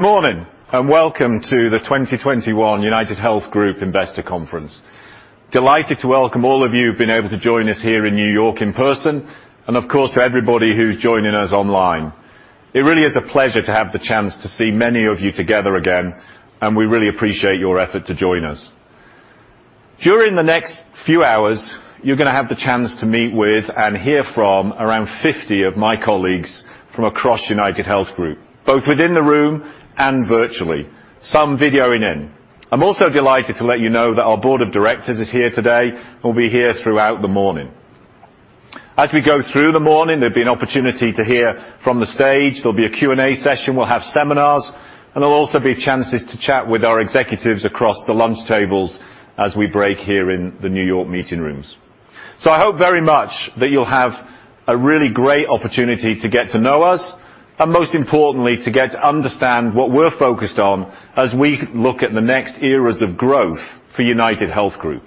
Good morning, and welcome to the 2021 UnitedHealth Group Investor Conference. Delighted to welcome all of you who've been able to join us here in New York in person, and of course, to everybody who's joining us online. It really is a pleasure to have the chance to see many of you together again, and we really appreciate your effort to join us. During the next few hours, you're gonna have the chance to meet with and hear from around 50 of my colleagues from across UnitedHealth Group, both within the room and virtually, some videoing in. I'm also delighted to let you know that our board of directors is here today and will be here throughout the morning. As we go through the morning, there'll be an opportunity to hear from the stage. There'll be a Q&A session. We'll have seminars, and there'll also be chances to chat with our executives across the lunch tables as we break here in the New York meeting rooms. I hope very much that you'll have a really great opportunity to get to know us, and most importantly, to get to understand what we're focused on as we look at the next eras of growth for UnitedHealth Group.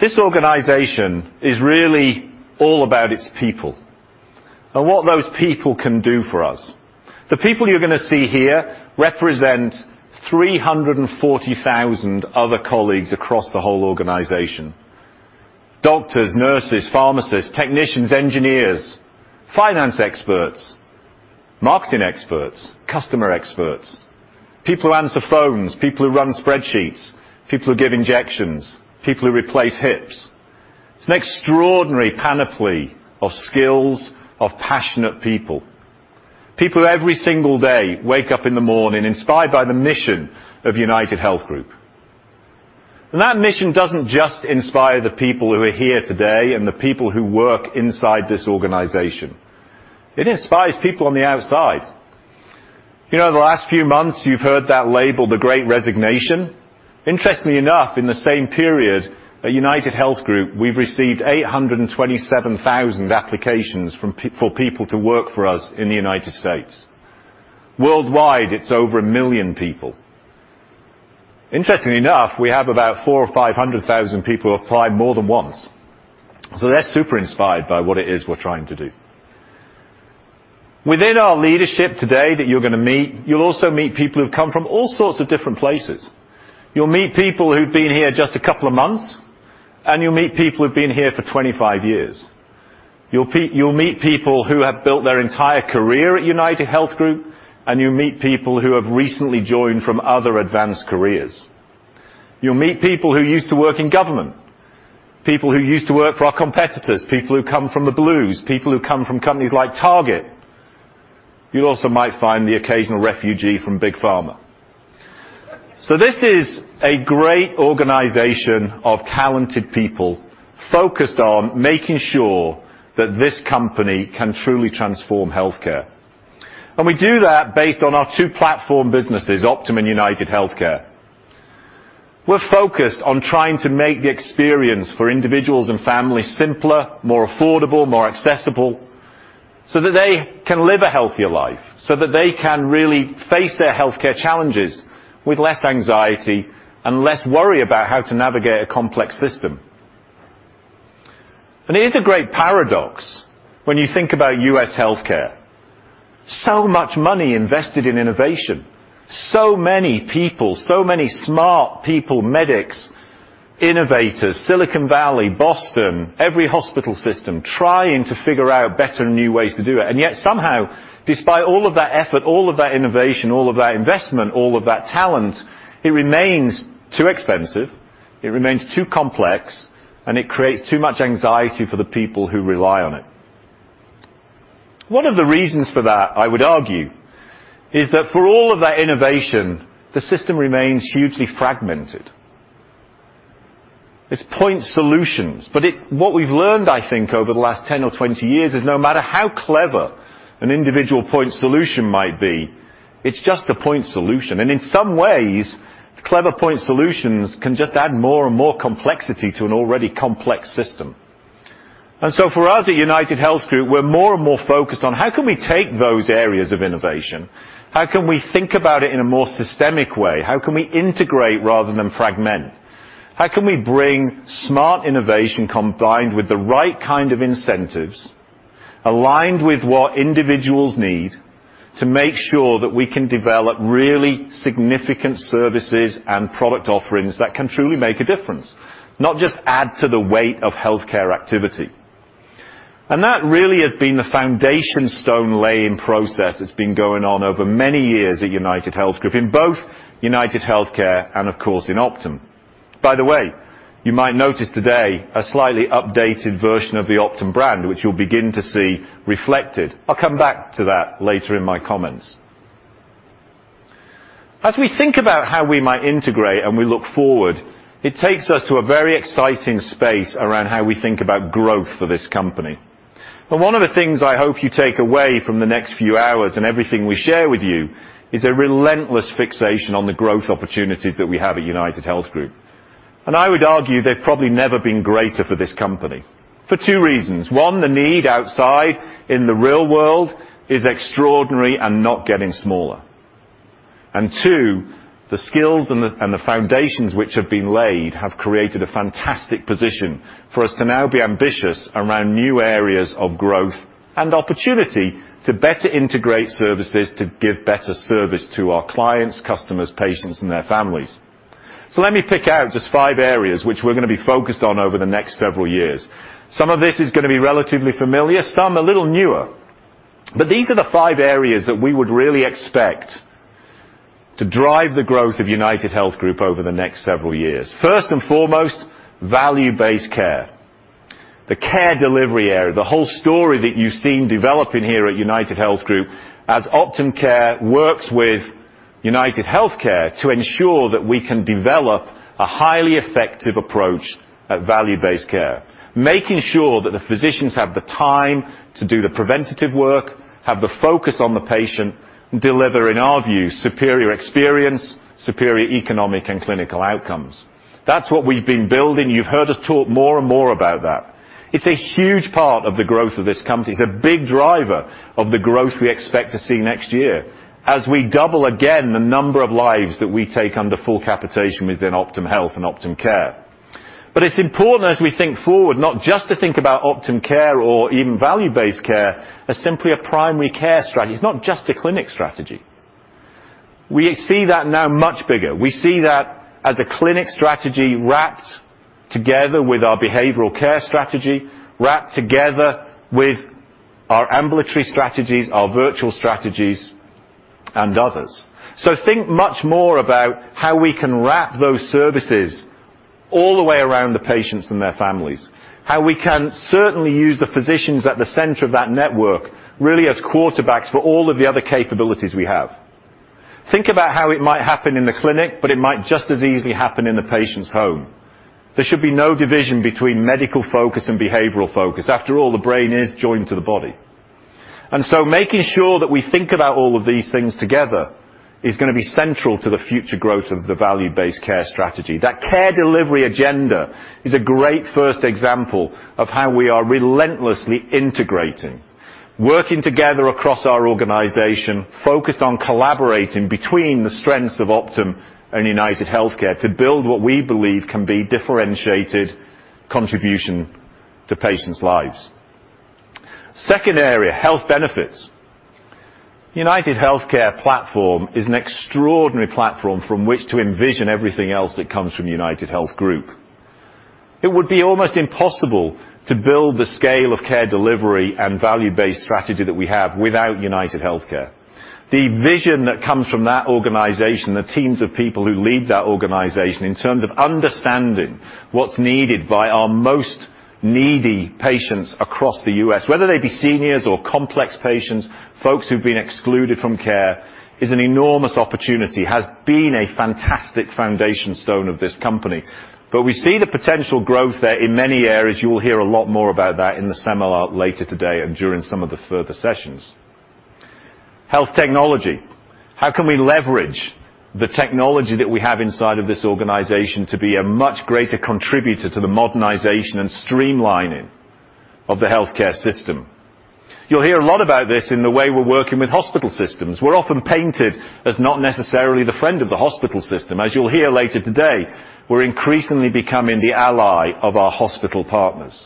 This organization is really all about its people and what those people can do for us. The people you're gonna see here represent 340,000 other colleagues across the whole organization. Doctors, nurses, pharmacists, technicians, engineers, finance experts, marketing experts, customer experts, people who answer phones, people who run spreadsheets, people who give injections, people who replace hips. It's an extraordinary panoply of skills of passionate people. People who every single day wake up in the morning inspired by the mission of UnitedHealth Group. That mission doesn't just inspire the people who are here today and the people who work inside this organization. It inspires people on the outside. You know, the last few months, you've heard that label, the great resignation. Interestingly enough, in the same period at UnitedHealth Group, we've received 827,000 applications for people to work for us in the United States. Worldwide, it's over 1 million people. Interestingly enough, we have about 400,000 or 500,000 people apply more than once. They're super inspired by what it is we're trying to do. Within our leadership today that you're gonna meet, you'll also meet people who've come from all sorts of different places. You'll meet people who've been here just a couple of months, and you'll meet people who've been here for 25 years. You'll meet people who have built their entire career at UnitedHealth Group, and you'll meet people who have recently joined from other advanced careers. You'll meet people who used to work in government, people who used to work for our competitors, people who come from the blues, people who come from companies like Target. You also might find the occasional refugee from Big Pharma. This is a great organization of talented people focused on making sure that this company can truly transform health care. We do that based on our two platform businesses, Optum and UnitedHealthcare. We're focused on trying to make the experience for individuals and families simpler, more affordable, more accessible, so that they can live a healthier life, so that they can really face their health care challenges with less anxiety and less worry about how to navigate a complex system. It is a great paradox when you think about U.S. healthcare. Much money invested in innovation, so many people, so many smart people, medics, innovators, Silicon Valley, Boston, every hospital system trying to figure out better and new ways to do it. Yet somehow, despite all of that effort, all of that innovation, all of that investment, all of that talent, it remains too expensive, it remains too complex, and it creates too much anxiety for the people who rely on it. One of the reasons for that, I would argue, is that for all of that innovation, the system remains hugely fragmented. It's point solutions, but what we've learned, I think, over the last 10 or 20 years is no matter how clever an individual point solution might be, it's just a point solution. In some ways, clever point solutions can just add more and more complexity to an already complex system. For us at UnitedHealth Group, we're more and more focused on how can we take those areas of innovation? How can we think about it in a more systemic way? How can we integrate rather than fragment? How can we bring smart innovation combined with the right kind of incentives aligned with what individuals need to make sure that we can develop really significant services and product offerings that can truly make a difference, not just add to the weight of healthcare activity? That really has been the foundation stone laying process that's been going on over many years at UnitedHealth Group in both UnitedHealthcare and of course in Optum. By the way, you might notice today a slightly updated version of the Optum brand, which you'll begin to see reflected. I'll come back to that later in my comments. As we think about how we might integrate and we look forward, it takes us to a very exciting space around how we think about growth for this company. One of the things I hope you take away from the next few hours and everything we share with you is a relentless fixation on the growth opportunities that we have at UnitedHealth Group. I would argue they've probably never been greater for this company for two reasons. One, the need outside in the real world is extraordinary and not getting smaller. Two, the skills and the foundations which have been laid have created a fantastic position for us to now be ambitious around new areas of growth and opportunity to better integrate services to give better service to our clients, customers, patients, and their families. Let me pick out just five areas which we're gonna be focused on over the next several years. Some of this is gonna be relatively familiar, some a little newer. These are the five areas that we would really expect to drive the growth of UnitedHealth Group over the next several years. First and foremost, value-based care. The care delivery area, the whole story that you've seen developing here at UnitedHealth Group, as Optum Care works with UnitedHealthcare to ensure that we can develop a highly effective approach at value-based care, making sure that the physicians have the time to do the preventative work, have the focus on the patient, and deliver, in our view, superior experience, superior economic and clinical outcomes. That's what we've been building. You've heard us talk more and more about that. It's a huge part of the growth of this company. It's a big driver of the growth we expect to see next year, as we double again the number of lives that we take under full capitation within Optum Health and Optum Care. It's important as we think forward not just to think about Optum Care or even value-based care as simply a primary care strategy. It's not just a clinic strategy. We see that now much bigger. We see that as a clinic strategy wrapped together with our behavioral care strategy, wrapped together with our ambulatory strategies, our virtual strategies, and others. Think much more about how we can wrap those services all the way around the patients and their families. How we can certainly use the physicians at the center of that network, really as quarterbacks for all of the other capabilities we have. Think about how it might happen in the clinic, but it might just as easily happen in the patient's home. There should be no division between medical focus and behavioral focus. After all, the brain is joined to the body. Making sure that we think about all of these things together is gonna be central to the future growth of the value-based care strategy. That care delivery agenda is a great first example of how we are relentlessly integrating, working together across our organization, focused on collaborating between the strengths of Optum and UnitedHealthcare to build what we believe can be differentiated contribution to patients' lives. Second area, health benefits. UnitedHealthcare platform is an extraordinary platform from which to envision everything else that comes from UnitedHealth Group. It would be almost impossible to build the scale of care delivery and value-based strategy that we have without UnitedHealthcare. The vision that comes from that organization, the teams of people who lead that organization in terms of understanding what's needed by our most needy patients across the U.S., whether they be seniors or complex patients, folks who've been excluded from care, is an enormous opportunity, has been a fantastic foundation stone of this company. We see the potential growth there in many areas. You'll hear a lot more about that in the seminar later today and during some of the further sessions. Health technology. How can we leverage the technology that we have inside of this organization to be a much greater contributor to the modernization and streamlining of the healthcare system? You'll hear a lot about this in the way we're working with hospital systems. We're often painted as not necessarily the friend of the hospital system. As you'll hear later today, we're increasingly becoming the ally of our hospital partners.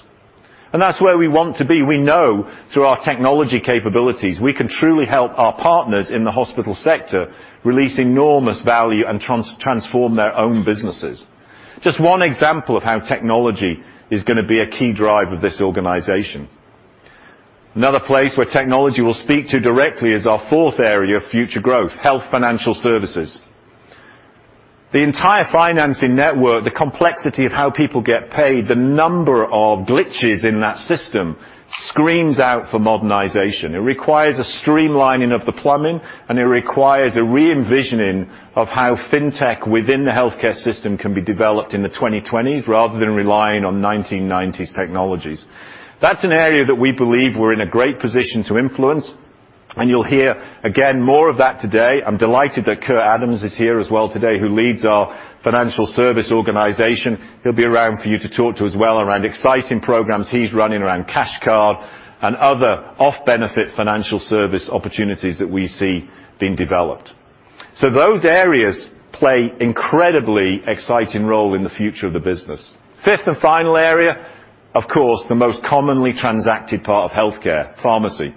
That's where we want to be. We know through our technology capabilities, we can truly help our partners in the hospital sector release enormous value and transform their own businesses. Just one example of how technology is gonna be a key driver of this organization. Another place where technology will speak to it directly is our fourth area of future growth, health financial services. The entire financing network, the complexity of how people get paid, the number of glitches in that system screams out for modernization. It requires a streamlining of the plumbing, and it requires a re-envisioning of how fintech within the healthcare system can be developed in the 2020s rather than relying on 1990s technologies. That's an area that we believe we're in a great position to influence, and you'll hear again more of that today. I'm delighted that Kurt Adams is here as well today, who leads our financial service organization. He'll be around for you to talk to as well around exciting programs he's running around Care Cash and other off-benefit financial service opportunities that we see being developed. Those areas play incredibly exciting role in the future of the business. Fifth and final area, of course, the most commonly transacted part of healthcare, pharmacy.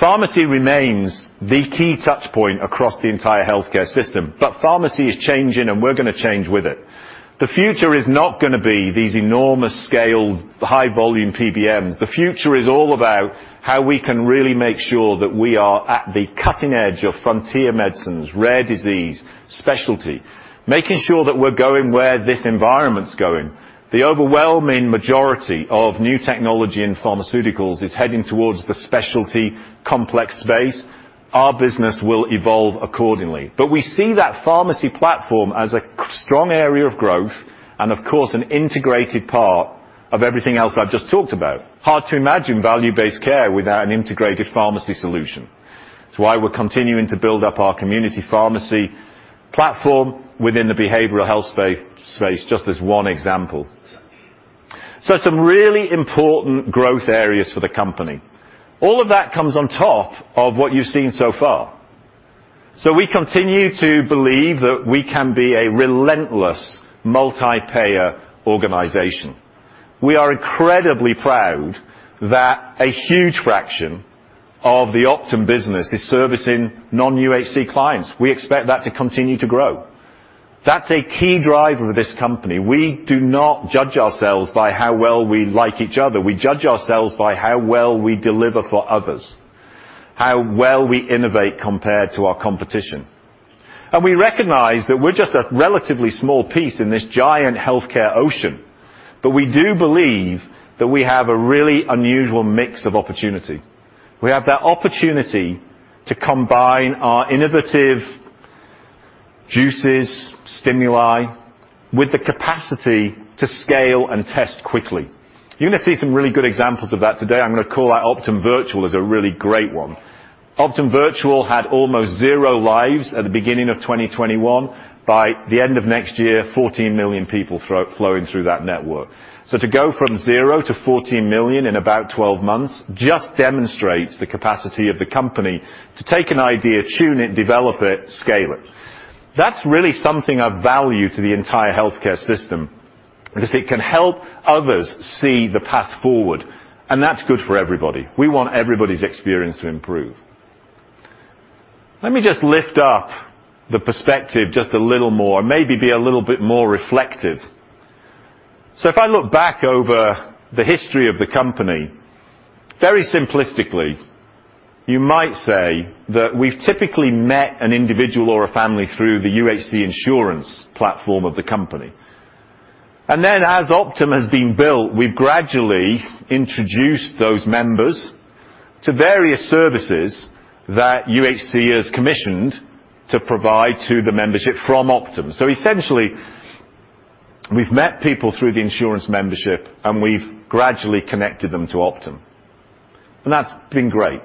Pharmacy remains the key touch point across the entire healthcare system, but pharmacy is changing, and we're gonna change with it. The future is not gonna be these enormous scale, high volume PBMs. The future is all about how we can really make sure that we are at the cutting edge of frontier medicines, rare disease, specialty, making sure that we're going where this environment's going. The overwhelming majority of new technology in pharmaceuticals is heading towards the specialty complex space. Our business will evolve accordingly. We see that pharmacy platform as a strong area of growth and, of course, an integrated part of everything else I've just talked about. Hard to imagine value-based care without an integrated pharmacy solution. It's why we're continuing to build up our community pharmacy platform within the behavioral health space, just as one example. Some really important growth areas for the company. All of that comes on top of what you've seen so far. We continue to believe that we can be a relentless multi-payer organization. We are incredibly proud that a huge fraction of the Optum business is servicing non-UHC clients. We expect that to continue to grow. That's a key driver of this company. We do not judge ourselves by how well we like each other. We judge ourselves by how well we deliver for others, how well we innovate compared to our competition. We recognize that we're just a relatively small piece in this giant healthcare ocean, but we do believe that we have a really unusual mix of opportunity. We have that opportunity to combine our innovative juices, stimuli, with the capacity to scale and test quickly. You're gonna see some really good examples of that today. I'm gonna call out Optum Virtual as a really great one. Optum Virtual had almost zero lives at the beginning of 2021. By the end of next year, 14 million people flowing through that network. To go from 0 to 14 million in about 12 months just demonstrates the capacity of the company to take an idea, tune it, develop it, scale it. That's really something of value to the entire healthcare system, because it can help others see the path forward, and that's good for everybody. We want everybody's experience to improve. Let me just lift up the perspective just a little more, and maybe be a little bit more reflective. If I look back over the history of the company, very simplistically, you might say that we've typically met an individual or a family through the UHC insurance platform of the company. Then as Optum has been built, we've gradually introduced those members to various services that UHC has commissioned to provide to the membership from Optum. Essentially, we've met people through the insurance membership, and we've gradually connected them to Optum. That's been great.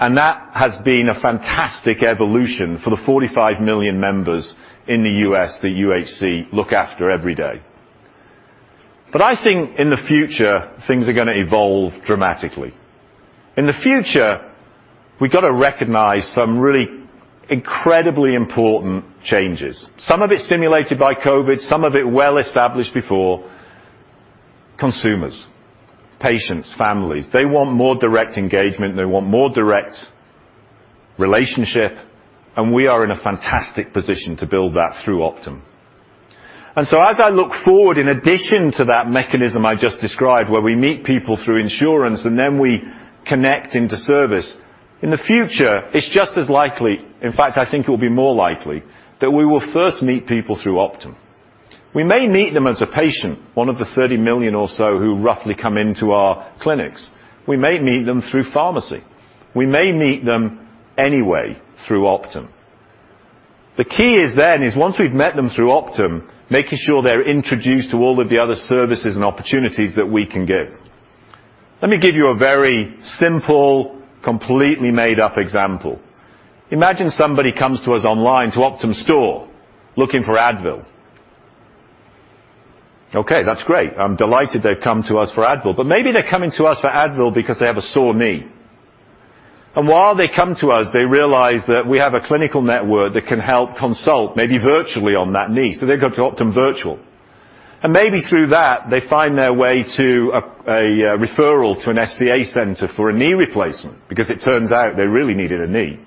That has been a fantastic evolution for the 45 million members in the U.S. that UHC look after every day. I think in the future, things are gonna evolve dramatically. In the future, we've got to recognize some really incredibly important changes. Some of it's stimulated by COVID, some of it well established before. Consumers, patients, families, they want more direct engagement, they want more direct relationship, and we are in a fantastic position to build that through Optum. As I look forward, in addition to that mechanism I just described, where we meet people through insurance and then we connect into service, in the future, it's just as likely, in fact, I think it will be more likely, that we will first meet people through Optum. We may meet them as a patient, one of the 30 million or so who roughly come into our clinics. We may meet them through pharmacy. We may meet them any way through Optum. The key is then once we've met them through Optum, making sure they're introduced to all of the other services and opportunities that we can give. Let me give you a very simple, completely made-up example. Imagine somebody comes to us online to Optum Store looking for Advil. Okay, that's great. I'm delighted they've come to us for Advil. Maybe they're coming to us for Advil because they have a sore knee. While they come to us, they realize that we have a clinical network that can help consult maybe virtually on that knee. They go to Optum Virtual. Maybe through that, they find their way to a referral to an SCA center for a knee replacement, because it turns out they really needed a knee.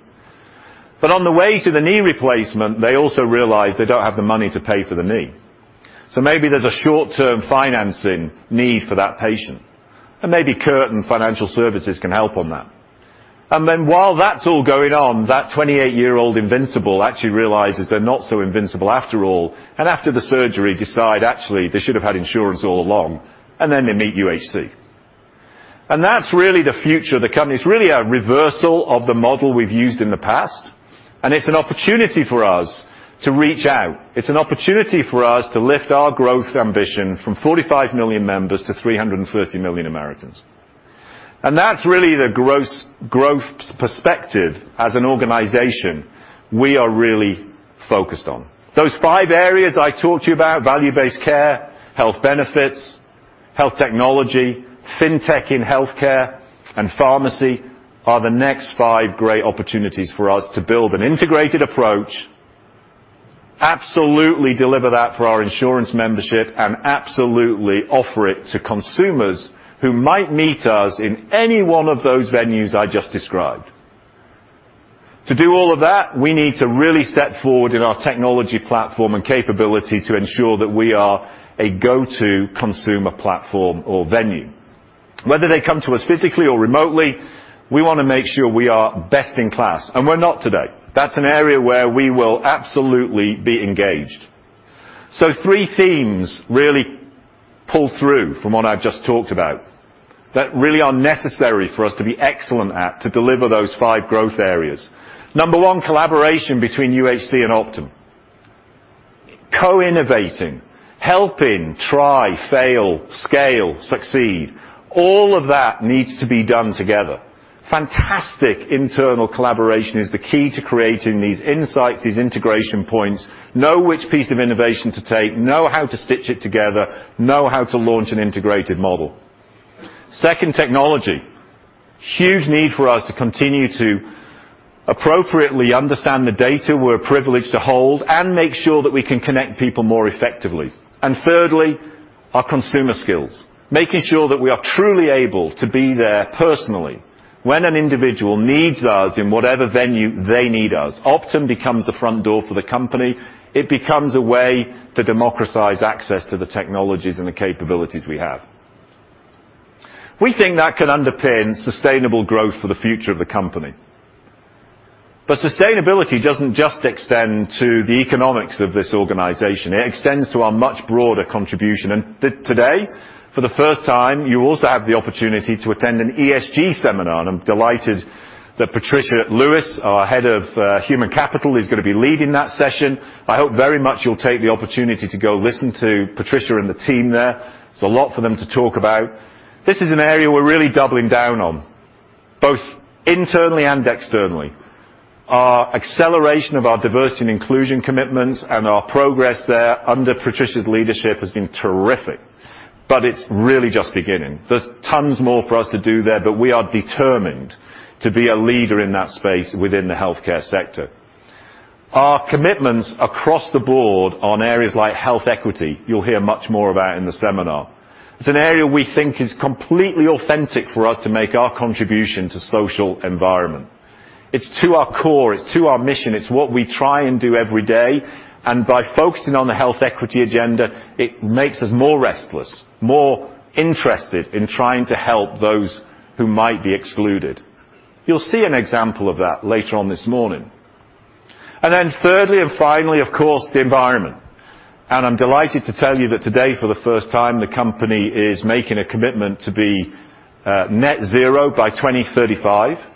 On the way to the knee replacement, they also realize they don't have the money to pay for the knee. Maybe there's a short-term financing need for that patient. Maybe Kurt and Financial Services can help on that. While that's all going on, that 28-year-old invincible actually realizes they're not so invincible after all, and after the surgery, decide actually, they should have had insurance all along, and then they meet UHC. That's really the future of the company. It's really a reversal of the model we've used in the past, and it's an opportunity for us to reach out. It's an opportunity for us to lift our growth ambition from 45 million members to 330 million Americans. That's really the growth perspective as an organization we are really focused on. Those five areas I talked to you about, value-based care, health benefits, health technology, fintech in healthcare, and pharmacy are the next five great opportunities for us to build an integrated approach, absolutely deliver that for our insurance membership, and absolutely offer it to consumers who might meet us in any one of those venues I just described. To do all of that, we need to really step forward in our technology platform and capability to ensure that we are a go-to consumer platform or venue. Whether they come to us physically or remotely, we wanna make sure we are best in class, and we're not today. That's an area where we will absolutely be engaged. Three themes really pull through from what I've just talked about that really are necessary for us to be excellent at to deliver those five growth areas. Number one, collaboration between UHC and Optum. Co-innovating, helping, try, fail, scale, succeed. All of that needs to be done together. Fantastic internal collaboration is the key to creating these insights, these integration points. Know which piece of innovation to take, know how to stitch it together, know how to launch an integrated model. Second, technology. Huge need for us to continue to appropriately understand the data we're privileged to hold and make sure that we can connect people more effectively. Thirdly, our consumer skills, making sure that we are truly able to be there personally when an individual needs us in whatever venue they need us. Optum becomes the front door for the company. It becomes a way to democratize access to the technologies and the capabilities we have. We think that can underpin sustainable growth for the future of the company. Sustainability doesn't just extend to the economics of this organization. It extends to our much broader contribution. Today, for the first time, you also have the opportunity to attend an ESG seminar. I'm delighted that Patricia Lewis, our head of human capital, is gonna be leading that session. I hope very much you'll take the opportunity to go listen to Patricia and the team there. There's a lot for them to talk about. This is an area we're really doubling down on, both internally and externally. Our acceleration of our diversity and inclusion commitments and our progress there under Patricia's leadership has been terrific, but it's really just beginning. There's tons more for us to do there, but we are determined to be a leader in that space within the healthcare sector. Our commitments across the board on areas like health equity. You'll hear much more about in the seminar. It's an area we think is completely authentic for us to make our contribution to social environment. It's to our core, it's to our mission, it's what we try and do every day, and by focusing on the health equity agenda, it makes us more restless, more interested in trying to help those who might be excluded. You'll see an example of that later on this morning. Thirdly and finally, of course, the environment. I'm delighted to tell you that today, for the first time, the company is making a commitment to be net zero by 2035.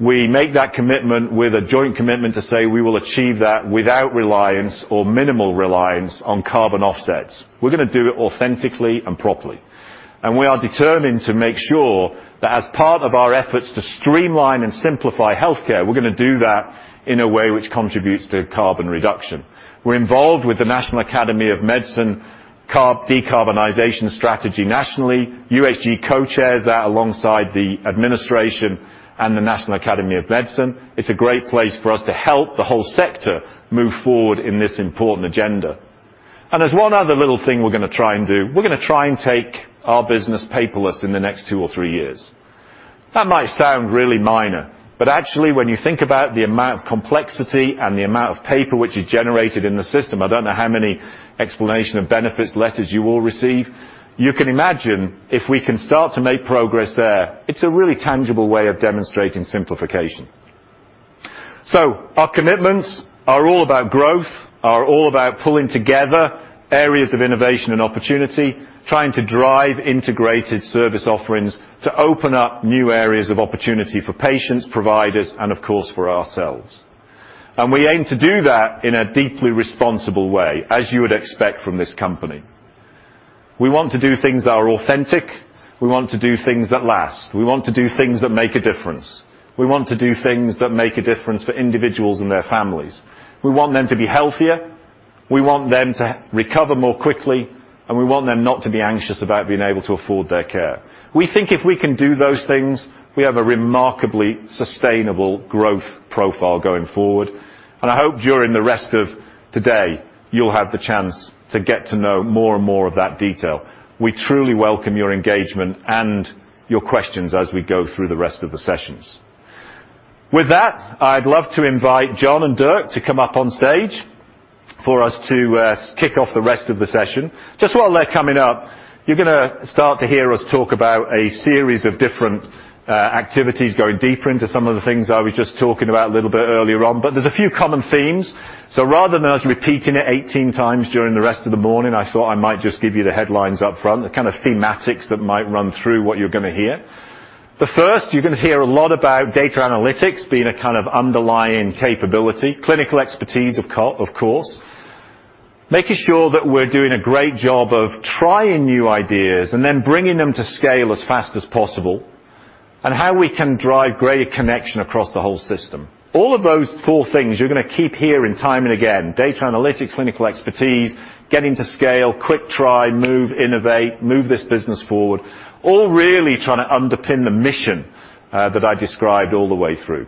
We make that commitment with a joint commitment to say we will achieve that without reliance or minimal reliance on carbon offsets. We're gonna do it authentically and properly. We are determined to make sure that as part of our efforts to streamline and simplify healthcare, we're gonna do that in a way which contributes to carbon reduction. We're involved with the National Academy of Medicine Decarbonization Strategy nationally. UHG co-chairs that alongside the administration and the National Academy of Medicine. It's a great place for us to help the whole sector move forward in this important agenda. There's one other little thing we're gonna try and do. We're gonna try and take our business paperless in the next two or three years. That might sound really minor, but actually when you think about the amount of complexity and the amount of paper which is generated in the system, I don't know how many explanation of benefits letters you all receive. You can imagine if we can start to make progress there, it's a really tangible way of demonstrating simplification. Our commitments are all about growth, are all about pulling together areas of innovation and opportunity, trying to drive integrated service offerings to open up new areas of opportunity for patients, providers, and of course, for ourselves. We aim to do that in a deeply responsible way, as you would expect from this company. We want to do things that are authentic. We want to do things that last. We want to do things that make a difference. We want to do things that make a difference for individuals and their families. We want them to be healthier. We want them to recover more quickly, and we want them not to be anxious about being able to afford their care. We think if we can do those things, we have a remarkably sustainable growth profile going forward, and I hope during the rest of today, you'll have the chance to get to know more and more of that detail. We truly welcome your engagement and your questions as we go through the rest of the sessions. With that, I'd love to invite John and Dirk to come up on stage for us to kick off the rest of the session. Just while they're coming up, you're gonna start to hear us talk about a series of different activities, going deeper into some of the things I was just talking about a little bit earlier on. There's a few common themes, so rather than us repeating it 18 times during the rest of the morning, I thought I might just give you the headlines up front, the kind of thematics that might run through what you're gonna hear. The first, you're gonna hear a lot about data analytics being a kind of underlying capability, clinical expertise of course. Making sure that we're doing a great job of trying new ideas and then bringing them to scale as fast as possible, and how we can drive greater connection across the whole system. All of those four things you're gonna keep hearing time and again, data analytics, clinical expertise, getting to scale, quick try, move, innovate, move this business forward, all really trying to underpin the mission that I described all the way through.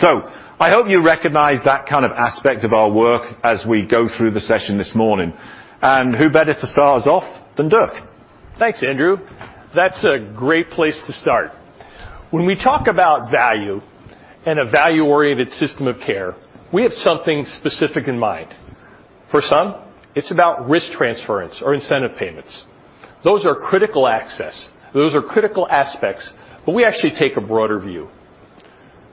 I hope you recognize that kind of aspect of our work as we go through the session this morning. Who better to start us off than Dirk? Thanks, Andrew. That's a great place to start. When we talk about value and a value-oriented system of care, we have something specific in mind. For some, it's about risk transference or incentive payments. Those are critical aspects, but we actually take a broader view.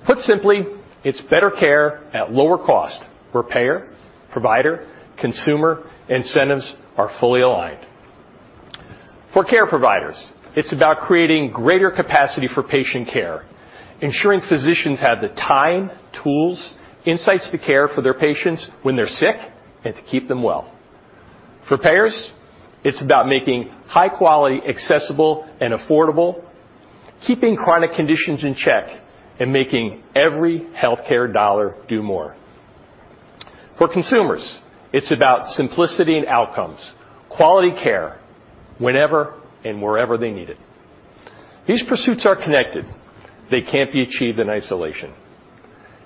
Put simply, it's better care at lower cost, where payer, provider, consumer incentives are fully aligned. For care providers, it's about creating greater capacity for patient care, ensuring physicians have the time, tools, insights to care for their patients when they're sick and to keep them well. For payers, it's about making high quality accessible and affordable, keeping chronic conditions in check, and making every healthcare dollar do more. For consumers, it's about simplicity and outcomes, quality care, whenever and wherever they need it. These pursuits are connected. They can't be achieved in isolation.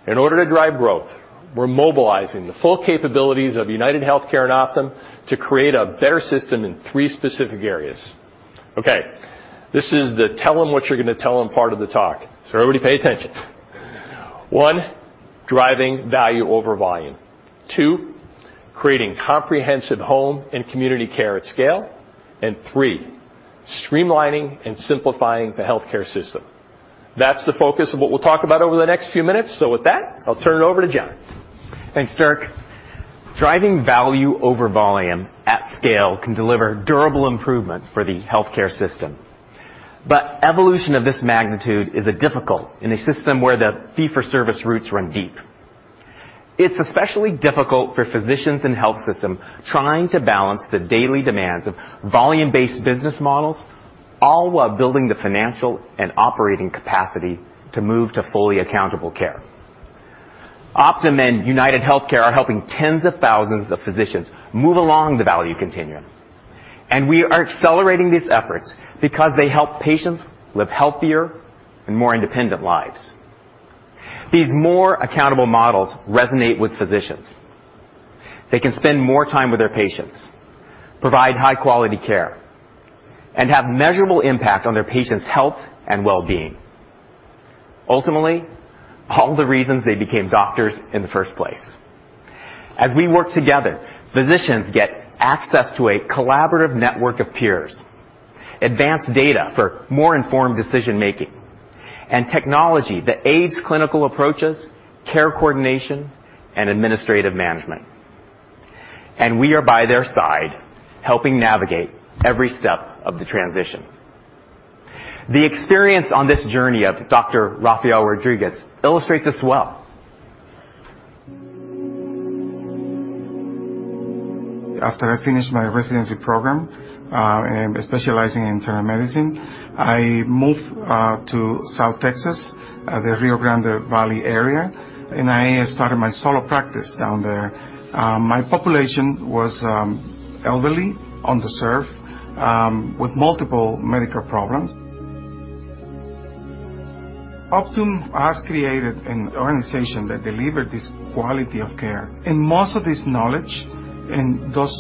In order to drive growth, we're mobilizing the full capabilities of UnitedHealthcare and Optum to create a better system in three specific areas. Okay, this is the tell 'em what you're gonna tell 'em part of the talk, so everybody pay attention. One, driving value over volume. Two, creating comprehensive home and community care at scale. Three, streamlining and simplifying the healthcare system. That's the focus of what we'll talk about over the next few minutes. With that, I'll turn it over to John. Thanks, Dirk. Driving value over volume at scale can deliver durable improvements for the healthcare system. Evolution of this magnitude is difficult in a system where the fee-for-service roots run deep. It's especially difficult for physicians and health systems trying to balance the daily demands of volume-based business models, all while building the financial and operating capacity to move to fully accountable care. Optum and UnitedHealthcare are helping tens of thousands of physicians move along the value continuum, and we are accelerating these efforts because they help patients live healthier and more independent lives. These more accountable models resonate with physicians. They can spend more time with their patients, provide high-quality care, and have measurable impact on their patients' health and well-being. Ultimately, all the reasons they became doctors in the first place. As we work together, physicians get access to a collaborative network of peers, advanced data for more informed decision-making, and technology that aids clinical approaches, care coordination, and administrative management. We are by their side, helping navigate every step of the transition. The experience on this journey of Dr. Rafael Rodriguez illustrates this well. After I finished my residency program, specializing in internal medicine, I moved to South Texas, the Rio Grande Valley area, and I started my solo practice down there. My population was elderly, underserved, with multiple medical problems. Optum has created an organization that delivered this quality of care, and most of this knowledge and this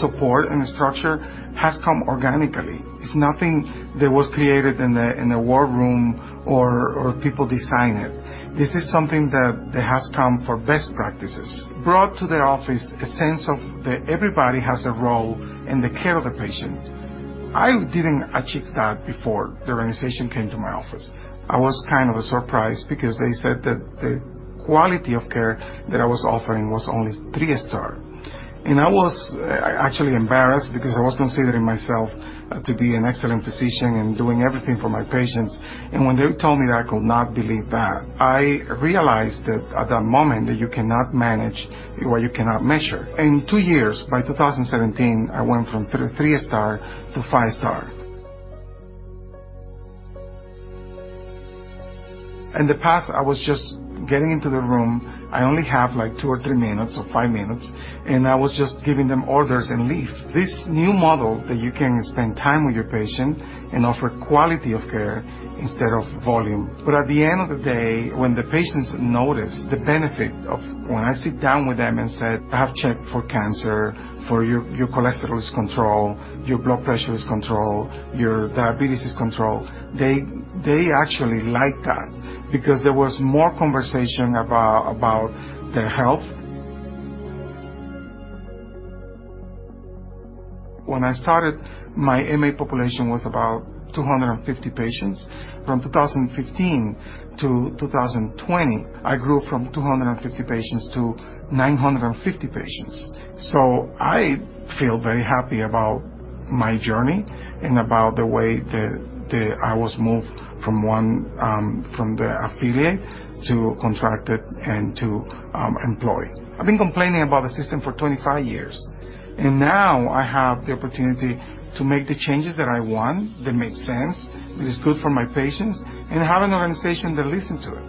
support and structure has come organically. It's nothing that was created in a war room or people design it. This is something that has come for best practices, brought to the office a sense of that everybody has a role in the care of the patient. I didn't achieve that before the organization came to my office. I was kind of surprised because they said that the quality of care that I was offering was only three-star. I was actually embarrassed because I was considering myself to be an excellent physician and doing everything for my patients. When they told me that, I could not believe that. I realized that at that moment that you cannot manage what you cannot measure. In two years, by 2017, I went from 3-star to 5-star. In the past, I was just getting into the room. I only have, like, 2 or 3 minutes or 5 minutes, and I was just giving them orders and leave. This new model that you can spend time with your patient and offer quality of care instead of volume. At the end of the day, when the patients notice the benefit of when I sit down with them and said, "I have checked for cancer, for your cholesterol is controlled, your blood pressure is controlled, your diabetes is controlled," they actually like that because there was more conversation about their health. When I started, my MA population was about 250 patients. From 2015 to 2020, I grew from 250 patients to 950 patients. I feel very happy about my journey and about the way I was moved from the affiliate to contracted and to employed. I've been complaining about the system for 25 years, and now I have the opportunity to make the changes that I want, that make sense, that is good for my patients, and have an organization that listen to it.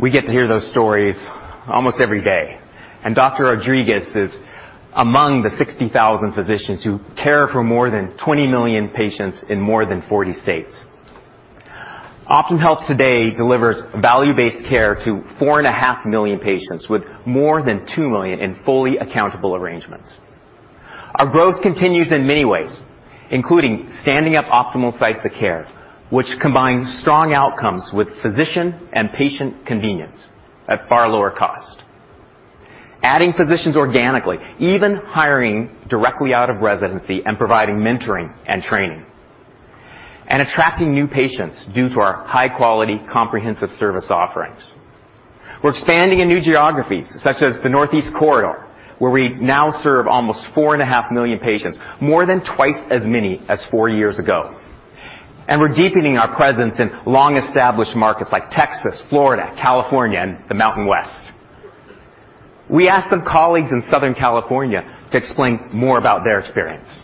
We get to hear those stories almost every day, and Dr. Rodriguez is among the 60,000 physicians who care for more than 20 million patients in more than 40 states. Optum Health today delivers value-based care to 4.5 million patients, with more than 2 million in fully accountable arrangements. Our growth continues in many ways, including standing up optimal sites of care, which combines strong outcomes with physician and patient convenience at far lower cost, adding physicians organically, even hiring directly out of residency and providing mentoring and training, and attracting new patients due to our high-quality, comprehensive service offerings. We're expanding in new geographies, such as the Northeast Corridor, where we now serve almost 4.5 million patients, more than twice as many as 4 years ago. We're deepening our presence in long-established markets like Texas, Florida, California, and the Mountain West. We asked some colleagues in Southern California to explain more about their experience.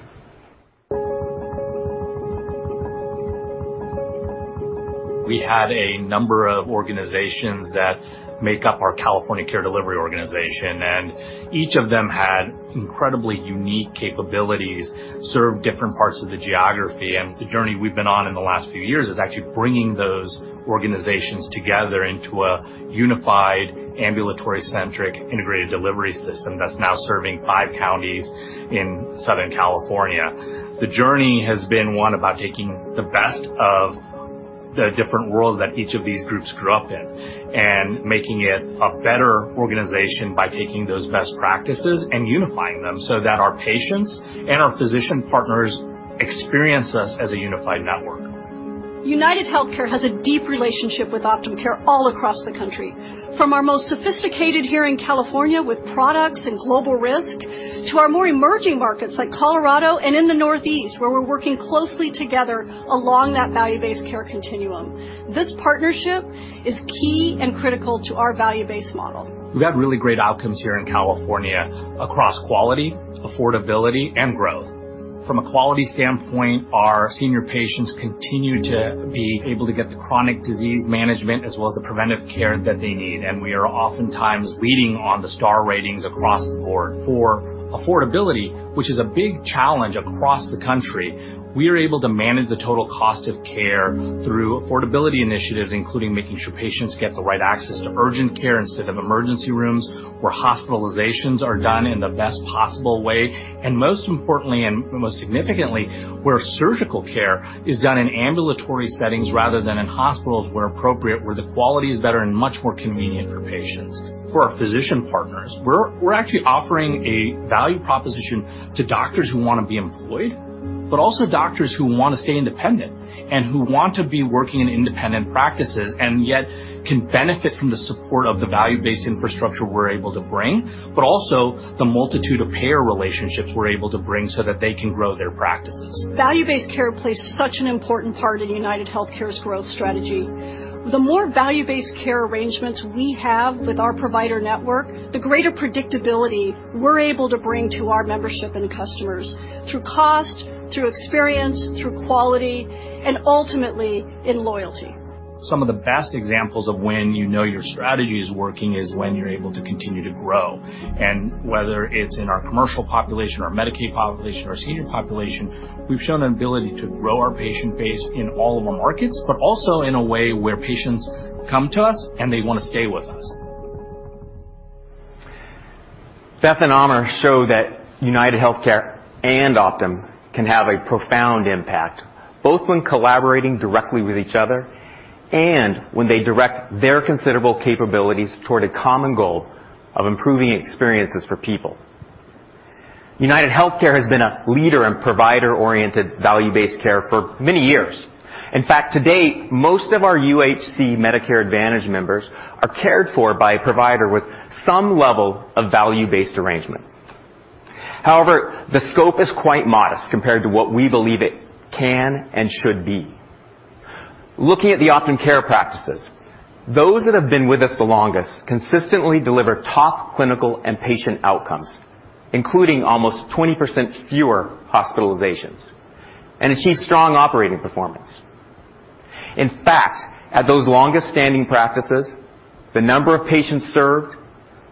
We had a number of organizations that make up our California Care Delivery Organization, and each of them had incredibly unique capabilities, served different parts of the geography. The journey we've been on in the last few years is actually bringing those organizations together into a unified ambulatory-centric integrated delivery system that's now serving five counties in Southern California. The journey has been one about taking the best of the different worlds that each of these groups grew up in and making it a better organization by taking those best practices and unifying them so that our patients and our physician partners experience us as a unified network. UnitedHealthcare has a deep relationship with Optum Care all across the country. From our most sophisticated here in California with products and global risk, to our more emerging markets like Colorado and in the Northeast, where we're working closely together along that value-based care continuum. This partnership is key and critical to our value-based model. We've had really great outcomes here in California across quality, affordability, and growth. From a quality standpoint, our senior patients continue to be able to get the chronic disease management as well as the preventive care that they need. We are oftentimes leading on the star ratings across the board. For affordability, which is a big challenge across the country, we are able to manage the total cost of care through affordability initiatives, including making sure patients get the right access to urgent care instead of emergency rooms, where hospitalizations are done in the best possible way. Most importantly and most significantly, where surgical care is done in ambulatory settings rather than in hospitals where appropriate, where the quality is better and much more convenient for patients. For our physician partners, we're actually offering a value proposition to doctors who wanna be employed, but also doctors who wanna stay independent and who want to be working in independent practices and yet can benefit from the support of the value-based infrastructure we're able to bring, but also the multitude of payer relationships we're able to bring so that they can grow their practices. Value-based care plays such an important part in UnitedHealthcare's growth strategy. The more value-based care arrangements we have with our provider network, the greater predictability we're able to bring to our membership and customers through cost, through experience, through quality, and ultimately in loyalty. Some of the best examples of when you know your strategy is working is when you're able to continue to grow. Whether it's in our commercial population, our Medicaid population, our senior population, we've shown an ability to grow our patient base in all of our markets, but also in a way where patients come to us and they wanna stay with us. Beth and Amar show that UnitedHealthcare and Optum can have a profound impact, both when collaborating directly with each other and when they direct their considerable capabilities toward a common goal of improving experiences for people. UnitedHealthcare has been a leader in provider-oriented value-based care for many years. In fact, to date, most of our UHC Medicare Advantage members are cared for by a provider with some level of value-based arrangement. However, the scope is quite modest compared to what we believe it can and should be. Looking at the Optum Care practices, those that have been with us the longest consistently deliver top clinical and patient outcomes, including almost 20% fewer hospitalizations, and achieve strong operating performance. In fact, at those longest-standing practices, the number of patients served,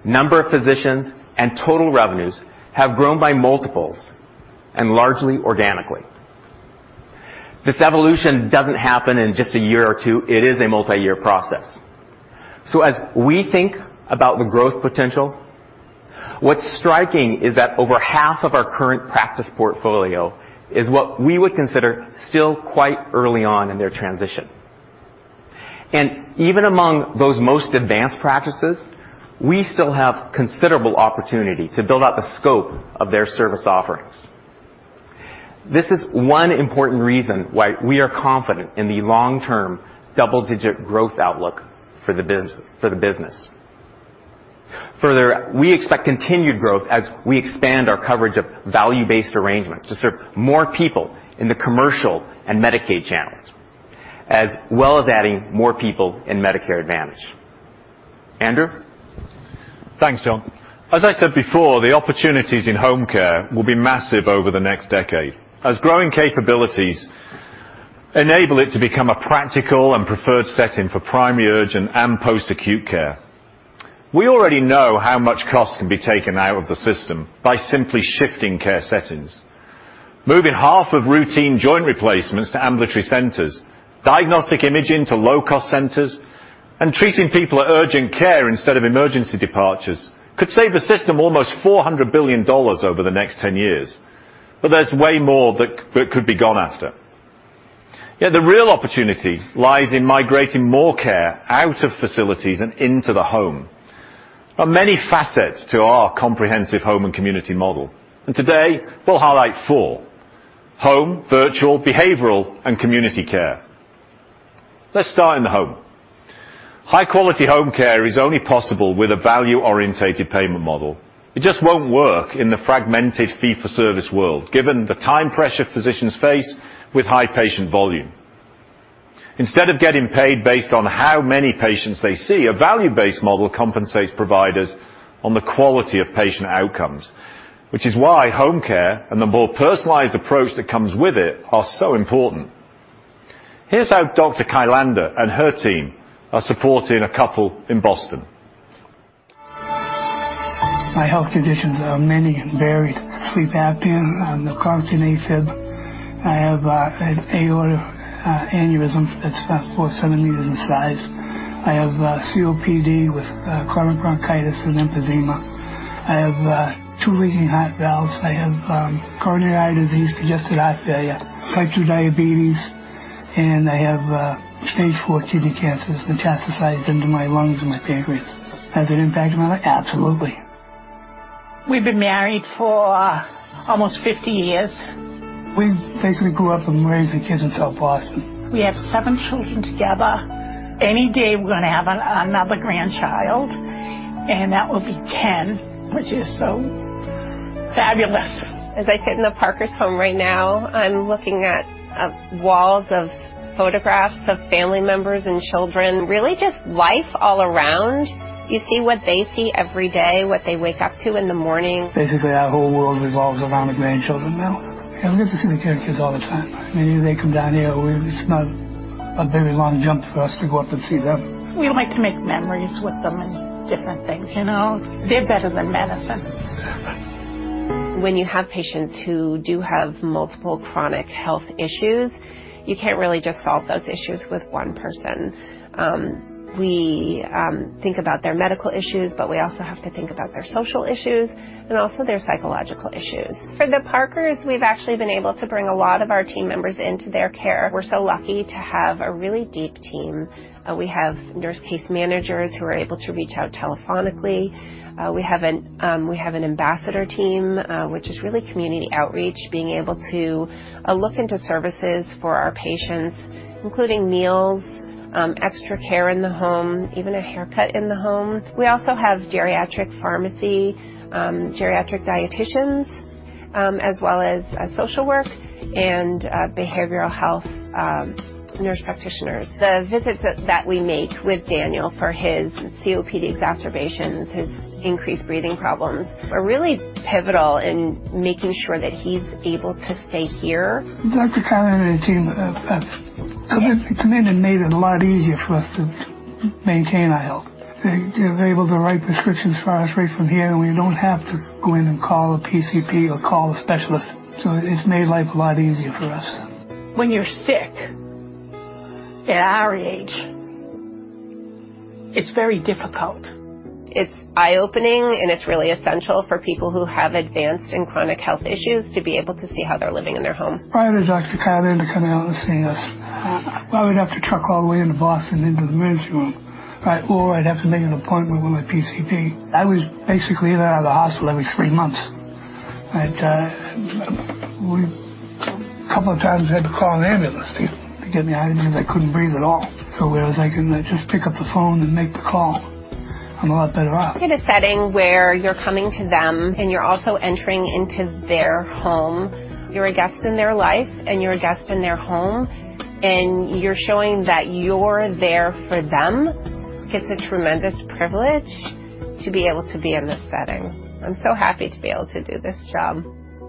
number of physicians, and total revenues have grown by multiples, and largely organically. This evolution doesn't happen in just a year or two. It is a multi-year process. As we think about the growth potential, what's striking is that over half of our current practice portfolio is what we would consider still quite early on in their transition. Even among those most advanced practices, we still have considerable opportunity to build out the scope of their service offerings. This is one important reason why we are confident in the long-term double-digit growth outlook for the business. Further, we expect continued growth as we expand our coverage of value-based arrangements to serve more people in the commercial and Medicaid channels, as well as adding more people in Medicare Advantage. Andrew. Thanks, John. As I said before, the opportunities in home care will be massive over the next decade as growing capabilities enable it to become a practical and preferred setting for primary, urgent, and post-acute care. We already know how much cost can be taken out of the system by simply shifting care settings. Moving half of routine joint replacements to ambulatory centers, diagnostic imaging to low-cost centers, and treating people at urgent care instead of emergency departments could save the system almost $400 billion over the next 10 years. There's way more that could be gone after, yet the real opportunity lies in migrating more care out of facilities and into the home. There are many facets to our comprehensive home and community model, and today we'll highlight four: home, virtual, behavioral, and community care. Let's start in the home. High-quality home care is only possible with a value-oriented payment model. It just won't work in the fragmented fee-for-service world, given the time pressure physicians face with high patient volume. Instead of getting paid based on how many patients they see, a value-based model compensates providers on the quality of patient outcomes, which is why home care and the more personalized approach that comes with it are so important. Here's how Dr. Kylander and her team are supporting a couple in Boston. My health conditions are many and varied. Sleep apnea, chronic AFib. I have an aortic aneurysm that's about four centimeters in size. I have COPD with chronic bronchitis and emphysema. I have two leaking heart valves. I have coronary disease, congestive heart failure, type two diabetes, and I have stage four kidney cancer that's metastasized into my lungs and my pancreas. Has it impacted my life? Absolutely. We've been married for almost 50 years. We basically grew up and raised the kids in South Boston. We have 7 children together. Any day, we're gonna have another grandchild, and that will be 10, which is so fabulous. As I sit in the Parkers' home right now, I'm looking at walls of photographs of family members and children. Really just life all around. You see what they see every day, what they wake up to in the morning. Basically, our whole world revolves around the grandchildren now. We get to see the kids all the time. They come down here. It's not a very long jump for us to go up and see them. We like to make memories with them and different things, you know. They're better than medicine. When you have patients who do have multiple chronic health issues, you can't really just solve those issues with one person. We think about their medical issues, but we also have to think about their social issues and also their psychological issues. For the Parkers, we've actually been able to bring a lot of our team members into their care. We're so lucky to have a really deep team. We have nurse case managers who are able to reach out telephonically. We have an ambassador team, which is really community outreach, being able to look into services for our patients, including meals, extra care in the home, even a haircut in the home. We also have geriatric pharmacy, geriatric dieticians, as well as social work and behavioral health nurse practitioners. The visits that we make with Daniel for his COPD exacerbations, his increased breathing problems, are really pivotal in making sure that he's able to stay here. Dr. Kylander and team have Yes. They come in and made it a lot easier for us to maintain our health. They are able to write prescriptions for us right from here, and we don't have to go in and call a PCP or call a specialist. It's made life a lot easier for us. When you're sick at our age, it's very difficult. It's eye-opening, and it's really essential for people who have advanced and chronic health issues to be able to see how they're living in their homes. Prior to Dr. Kylander coming out and seeing us, I would have to trudge all the way into Boston into the emergency room. Or I'd have to make an appointment with my PCP. I was basically in and out of the hospital every three months. A couple of times, I had to call an ambulance to get me out because I couldn't breathe at all. Whereas I can just pick up the phone and make the call, I'm a lot better off. In a setting where you're coming to them, and you're also entering into their home. You're a guest in their life, and you're a guest in their home, and you're showing that you're there for them. It's a tremendous privilege to be able to be in this setting. I'm so happy to be able to do this job.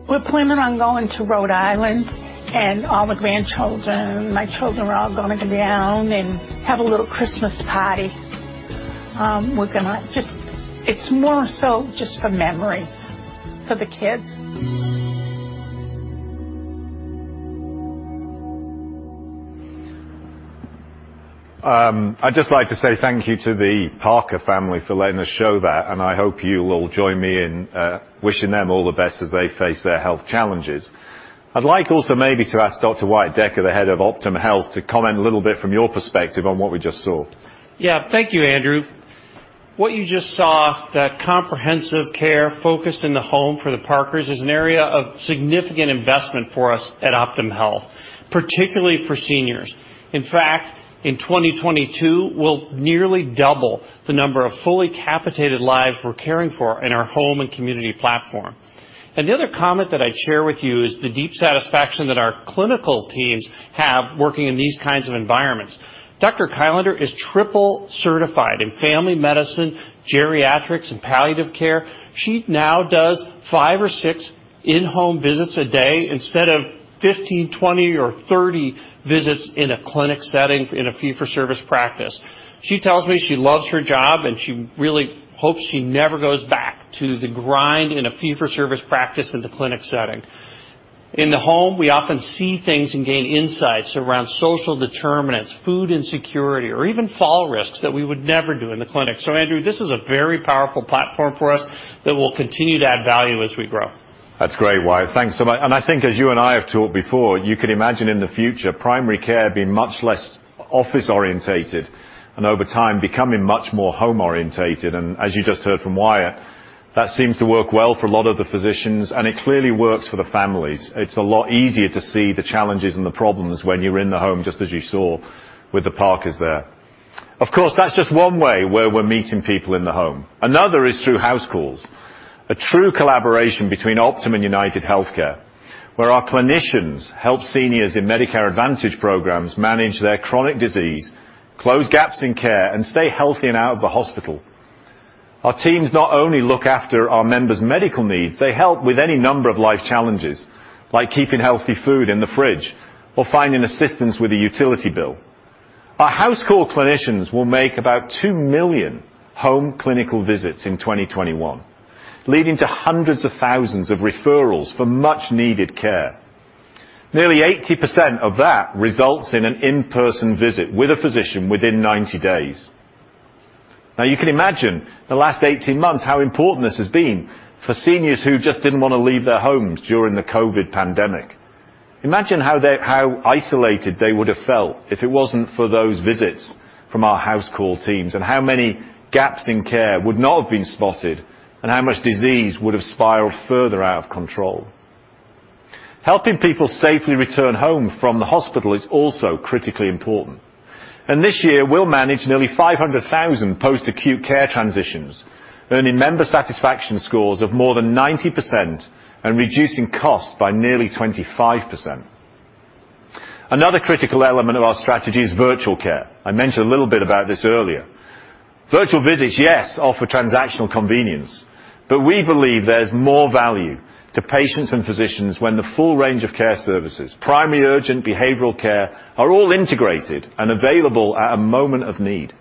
We're planning on going to Rhode Island, and all the grandchildren, my children are all gonna go down and have a little Christmas party. Just, it's more so just for memories for the kids. I'd just like to say thank you to the Parker family for letting us show that, and I hope you will join me in wishing them all the best as they face their health challenges. I'd like also maybe to ask Dr. Wyatt Decker, the head of Optum Health, to comment a little bit from your perspective on what we just saw. Yeah. Thank you, Andrew. What you just saw, that comprehensive care focused in the home for the Parkers is an area of significant investment for us at Optum Health, particularly for seniors. In fact, in 2022, we'll nearly double the number of fully capitated lives we're caring for in our home and community platform. The other comment that I'd share with you is the deep satisfaction that our clinical teams have working in these kinds of environments. Dr. Kylander is triple certified in family medicine, geriatrics, and palliative care. She now does 5 or 6 in-home visits a day instead of 15, 20, or 30 visits in a clinic setting in a fee-for-service practice. She tells me she loves her job, and she really hopes she never goes back to the grind in a fee-for-service practice in the clinic setting. In the home, we often see things and gain insights around social determinants, food insecurity, or even fall risks that we would never do in the clinic. Andrew, this is a very powerful platform for us that will continue to add value as we grow. That's great, Wyatt. Thanks so much. I think as you and I have talked before, you could imagine in the future, primary care being much less office-orientated, and over time, becoming much more home-orientated. As you just heard from Wyatt, that seems to work well for a lot of the physicians, and it clearly works for the families. It's a lot easier to see the challenges and the problems when you're in the home, just as you saw with the Parkers there. Of course, that's just one way where we're meeting people in the home. Another is through house calls. A true collaboration between Optum and UnitedHealthcare, where our clinicians help seniors in Medicare Advantage programs manage their chronic disease, close gaps in care, and stay healthy and out of the hospital. Our teams not only look after our members' medical needs, they help with any number of life challenges, like keeping healthy food in the fridge or finding assistance with a utility bill. Our house call clinicians will make about 2 million home clinical visits in 2021, leading to hundreds of thousands of referrals for much needed care. Nearly 80% of that results in an in-person visit with a physician within 90 days. Now, you can imagine the last 18 months how important this has been for seniors who just didn't wanna leave their homes during the COVID pandemic. Imagine how isolated they would have felt if it wasn't for those visits from our house call teams, and how many gaps in care would not have been spotted, and how much disease would have spiraled further out of control. Helping people safely return home from the hospital is also critically important. This year, we'll manage nearly 500,000 post-acute care transitions, earning member satisfaction scores of more than 90% and reducing costs by nearly 25%. Another critical element of our strategy is virtual care. I mentioned a little bit about this earlier. Virtual visits, yes, offer transactional convenience, but we believe there's more value to patients and physicians when the full range of care services, primary, urgent, behavioral care, are all integrated and available at a moment of need.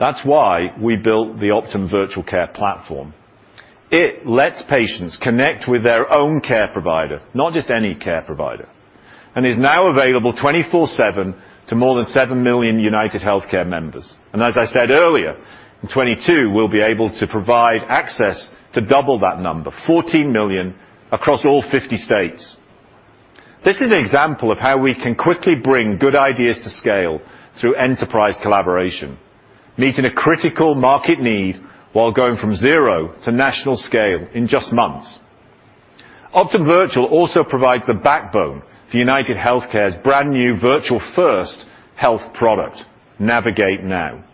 That's why we built the Optum Virtual Care platform. It lets patients connect with their own care provider, not just any care provider, and is now available 24/7 to more than 7 million UnitedHealthcare members. As I said earlier, in 2022 we'll be able to provide access to double that number, 14 million, across all 50 states. This is an example of how we can quickly bring good ideas to scale through enterprise collaboration, meeting a critical market need while going from zero to national scale in just months. Optum Virtual also provides the backbone to UnitedHealthcare's brand-new virtual-first health product, NavigateNOW.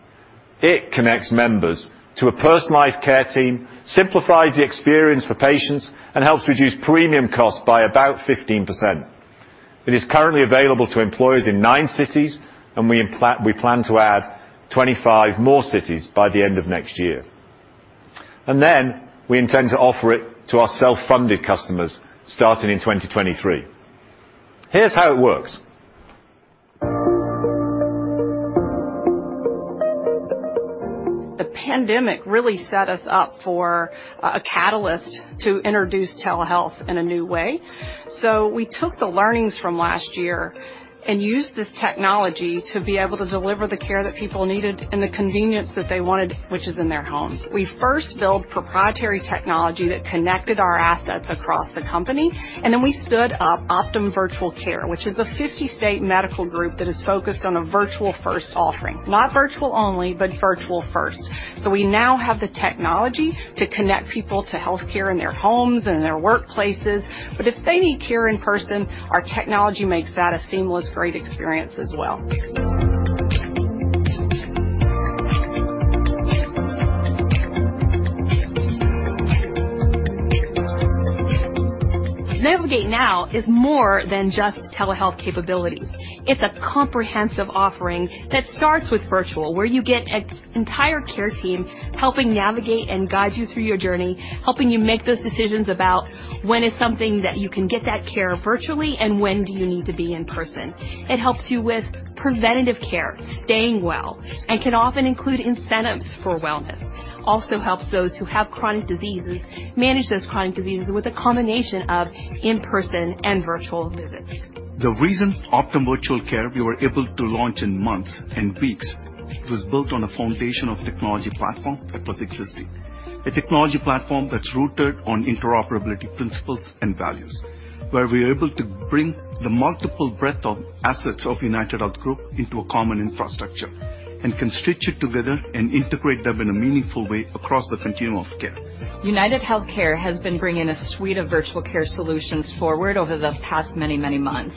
It connects members to a personalized care team, simplifies the experience for patients, and helps reduce premium costs by about 15%. It is currently available to employers in 9 cities, and we plan to add 25 more cities by the end of next year. We intend to offer it to our self-funded customers starting in 2023. Here's how it works. The pandemic really set us up for a catalyst to introduce telehealth in a new way. We took the learnings from last year and used this technology to be able to deliver the care that people needed and the convenience that they wanted, which is in their homes. We first built proprietary technology that connected our assets across the company, and then we stood up Optum Virtual Care, which is a 50-state medical group that is focused on a virtual-first offering. Not virtual only, but virtual first. We now have the technology to connect people to healthcare in their homes and their workplaces. If they need care in person, our technology makes that a seamless, great experience as well. NavigateNOW is more than just telehealth capabilities. It's a comprehensive offering that starts with virtual, where you get an entire care team helping navigate and guide you through your journey, helping you make those decisions about when it's something that you can get that care virtually and when do you need to be in person. It helps you with preventative care, staying well, and can often include incentives for wellness. Also helps those who have chronic diseases manage those chronic diseases with a combination of in-person and virtual visits. The reason Optum Virtual Care, we were able to launch in months and weeks, it was built on a foundation of technology platform that was existing. A technology platform that's rooted on interoperability principles and values, where we're able to bring the multiple breadth of assets of UnitedHealth Group into a common infrastructure and can stitch it together and integrate them in a meaningful way across the continuum of care. UnitedHealthcare has been bringing a suite of virtual care solutions forward over the past many, many months,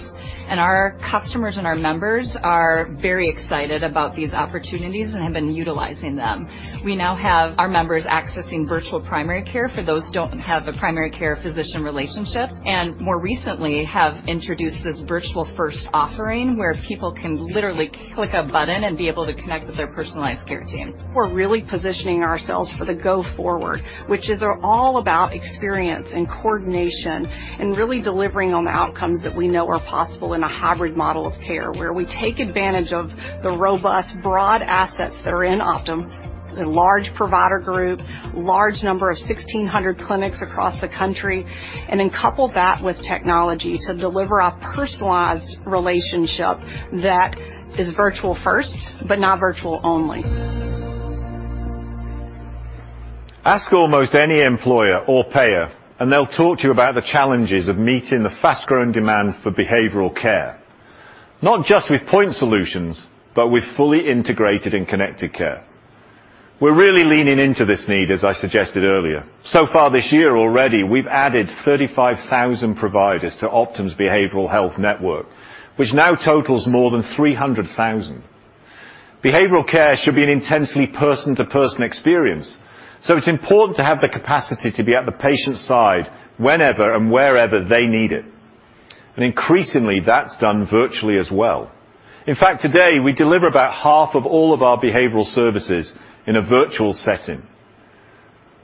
and our customers and our members are very excited about these opportunities and have been utilizing them. We now have our members accessing virtual primary care for those who don't have a primary care physician relationship, and more recently have introduced this virtual-first offering, where people can literally click a button and be able to connect with their personalized care team. We're really positioning ourselves for the go forward, which is all about experience and coordination and really delivering on the outcomes that we know are possible in a hybrid model of care, where we take advantage of the robust, broad assets that are in Optum, the large provider group, large number of 1,600 clinics across the country, and then couple that with technology to deliver a personalized relationship that is virtual first, but not virtual only. Ask almost any employer or payer, and they'll talk to you about the challenges of meeting the fast-growing demand for behavioral care, not just with point solutions, but with fully integrated and connected care. We're really leaning into this need, as I suggested earlier. So far this year already, we've added 35,000 providers to Optum's behavioral health network, which now totals more than 300,000. Behavioral care should be an intensely person-to-person experience, so it's important to have the capacity to be at the patient's side whenever and wherever they need it. Increasingly, that's done virtually as well. In fact, today, we deliver about half of all of our behavioral services in a virtual setting.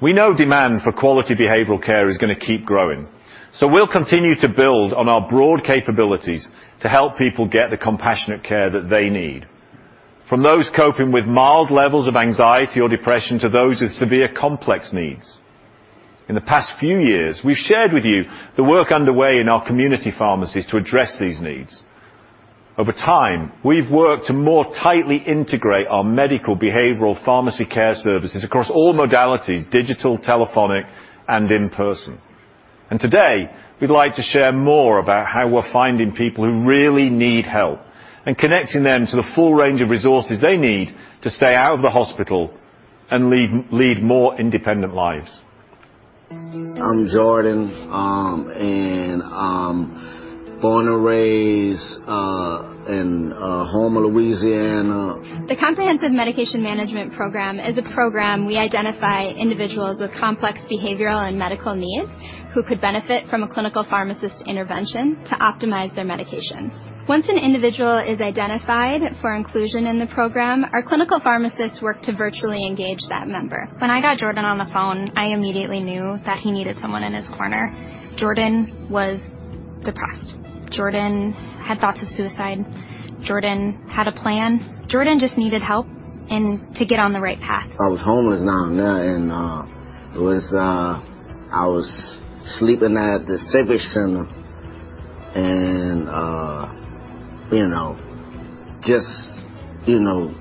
We know demand for quality behavioral care is gonna keep growing, so we'll continue to build on our broad capabilities to help people get the compassionate care that they need from those coping with mild levels of anxiety or depression to those with severe complex needs. In the past few years, we've shared with you the work underway in our community pharmacies to address these needs. Over time, we've worked to more tightly integrate our medical behavioral pharmacy care services across all modalities, digital, telephonic, and in-person. Today, we'd like to share more about how we're finding people who really need help and connecting them to the full range of resources they need to stay out of the hospital and lead more independent lives. I'm Jordan, born and raised in Houma, Louisiana. The Comprehensive Medication Management program is a program we identify individuals with complex behavioral and medical needs who could benefit from a clinical pharmacist intervention to optimize their medications. Once an individual is identified for inclusion in the program, our clinical pharmacists work to virtually engage that member. When I got Jordan on the phone, I immediately knew that he needed someone in his corner. Jordan was depressed. Jordan had thoughts of suicide. Jordan had a plan. Jordan just needed help and to get on the right path. I was homeless now and then, and it was. I was sleeping at the Civic Center and, you know, just, you know,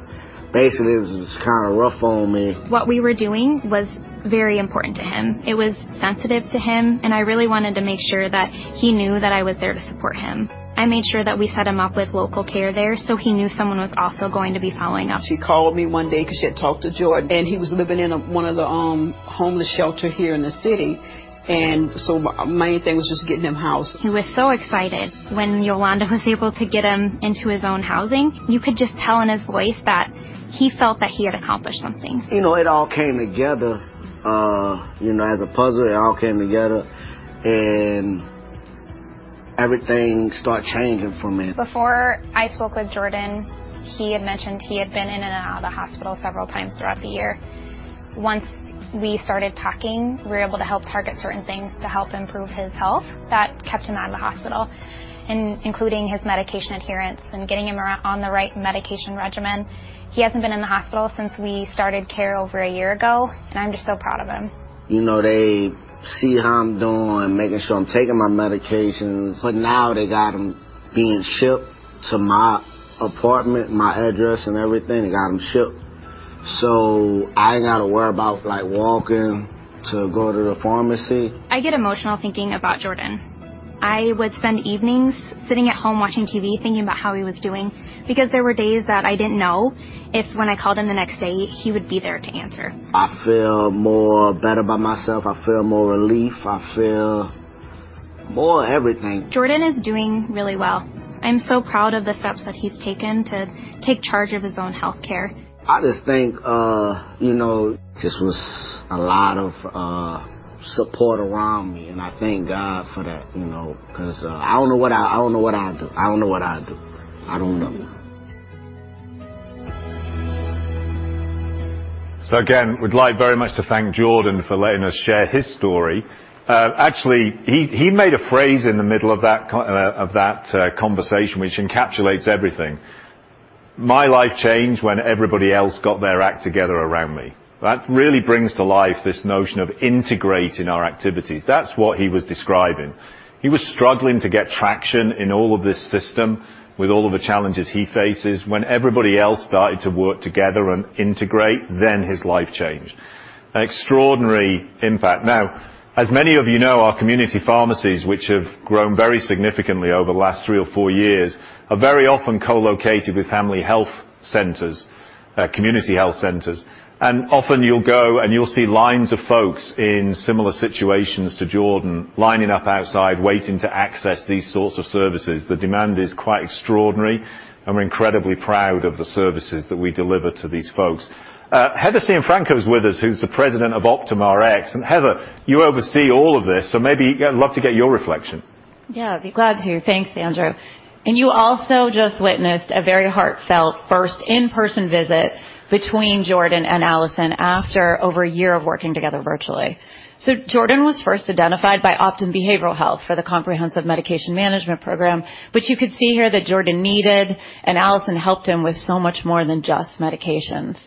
basically it was just kinda rough on me. What we were doing was very important to him. It was sensitive to him, and I really wanted to make sure that he knew that I was there to support him. I made sure that we set him up with local care there, so he knew someone was also going to be following up. She called me one day 'cause she had talked to Jordan, and he was living in one of the homeless shelter here in the city. My main thing was just getting him housed. He was so excited when Yolanda was able to get him into his own housing. You could just tell in his voice that he felt that he had accomplished something. You know, it all came together, you know, as a puzzle. It all came together, and everything started changing for me. Before I spoke with Jordan, he had mentioned he had been in and out of the hospital several times throughout the year. Once we started talking, we were able to help target certain things to help improve his health that kept him out of the hospital, including his medication adherence and getting him on the right medication regimen. He hasn't been in the hospital since we started care over a year ago, and I'm just so proud of him. You know, they see how I'm doing, making sure I'm taking my medications. Now they got them being shipped to my apartment, my address and everything. They got them shipped. I ain't gotta worry about, like, walking to go to the pharmacy. I get emotional thinking about Jordan. I would spend evenings sitting at home watching TV, thinking about how he was doing because there were days that I didn't know if when I called him the next day, he would be there to answer. I feel more better about myself. I feel more relief. I feel more everything. Jordan is doing really well. I'm so proud of the steps that he's taken to take charge of his own healthcare. I just think, you know, this was a lot of support around me, and I thank God for that, you know, 'cause I don't know what I'd do. I don't know. Again, we'd like very much to thank Jordan for letting us share his story. Actually, he made a phrase in the middle of that conversation, which encapsulates everything. "My life changed when everybody else got their act together around me." That really brings to life this notion of integrating our activities. That's what he was describing. He was struggling to get traction in all of this system with all of the challenges he faces. When everybody else started to work together and integrate, then his life changed. Extraordinary impact. Now, as many of you know, our community pharmacies, which have grown very significantly over the last three or four years, are very often co-located with family health centers, community health centers. Often you'll go, and you'll see lines of folks in similar situations to Jordan lining up outside, waiting to access these sorts of services. The demand is quite extraordinary, and we're incredibly proud of the services that we deliver to these folks. Heather Cianfrocco is with us who's the president of Optum Rx. Heather, you oversee all of this, so maybe, yeah, I'd love to get your reflection. Yeah, I'd be glad to. Thanks, Andrew. You also just witnessed a very heartfelt first in-person visit between Jordan and Allison after over a year of working together virtually. Jordan was first identified by Optum Behavioral Health for the Comprehensive Medication Management program. You could see here that Jordan needed, and Allison helped him with so much more than just medications.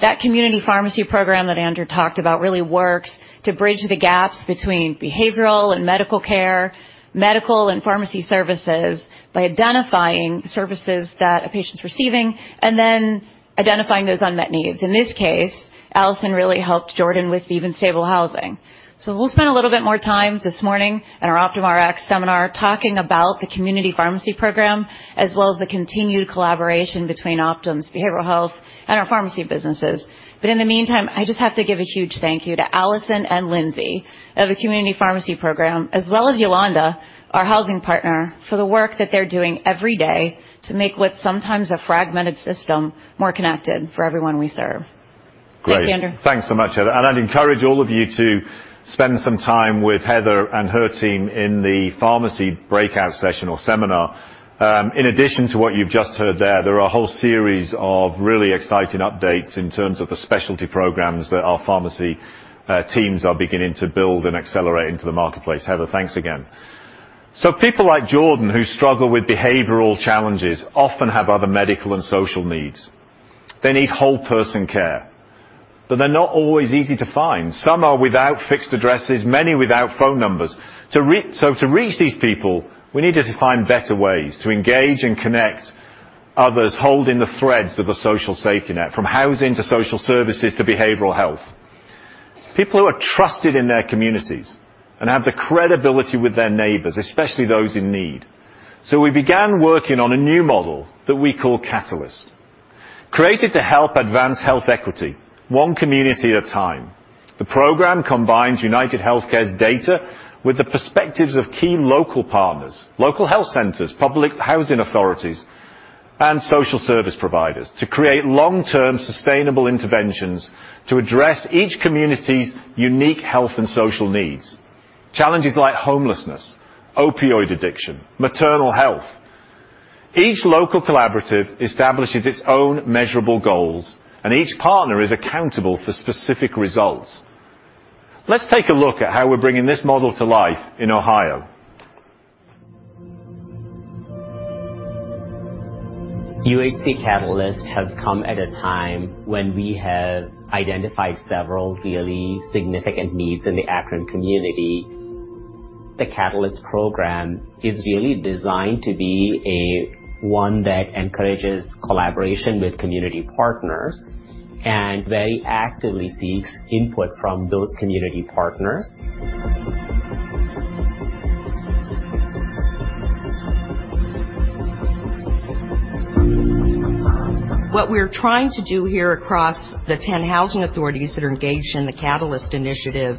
That community pharmacy program that Andrew talked about really works to bridge the gaps between behavioral and medical care, medical and pharmacy services by identifying services that a patient's receiving and then identifying those unmet needs. In this case, Allison really helped Jordan with even stable housing. We'll spend a little bit more time this morning in our Optum Rx seminar talking about the community pharmacy program, as well as the continued collaboration between Optum's Behavioral Health and our pharmacy businesses. In the meantime, I just have to give a huge thank you to Allison and Lindsey of the community pharmacy program, as well as Yolanda, our housing partner, for the work that they're doing every day to make what's sometimes a fragmented system more connected for everyone we serve. Great. Thanks, Andrew. Thanks so much, Heather. I'd encourage all of you to spend some time with Heather and her team in the pharmacy breakout session or seminar. In addition to what you've just heard there are a whole series of really exciting updates in terms of the specialty programs that our pharmacy teams are beginning to build and accelerate into the marketplace. Heather, thanks again. People like Jordan who struggle with behavioral challenges often have other medical and social needs. They need whole person care, but they're not always easy to find. Some are without fixed addresses, many without phone numbers. To reach these people, we needed to find better ways to engage and connect others holding the threads of a social safety net, from housing to social services to behavioral health. People who are trusted in their communities and have the credibility with their neighbors, especially those in need. We began working on a new model that we call Catalyst, created to help advance health equity one community at a time. The program combines UnitedHealthcare's data with the perspectives of key local partners, local health centers, public housing authorities, and social service providers to create long-term sustainable interventions to address each community's unique health and social needs, challenges like homelessness, opioid addiction, maternal health. Each local collaborative establishes its own measurable goals, and each partner is accountable for specific results. Let's take a look at how we're bringing this model to life in Ohio. UHC Catalyst has come at a time when we have identified several really significant needs in the Akron community. The Catalyst program is really designed to be one that encourages collaboration with community partners and very actively seeks input from those community partners. What we're trying to do here across the 10 housing authorities that are engaged in the Catalyst initiative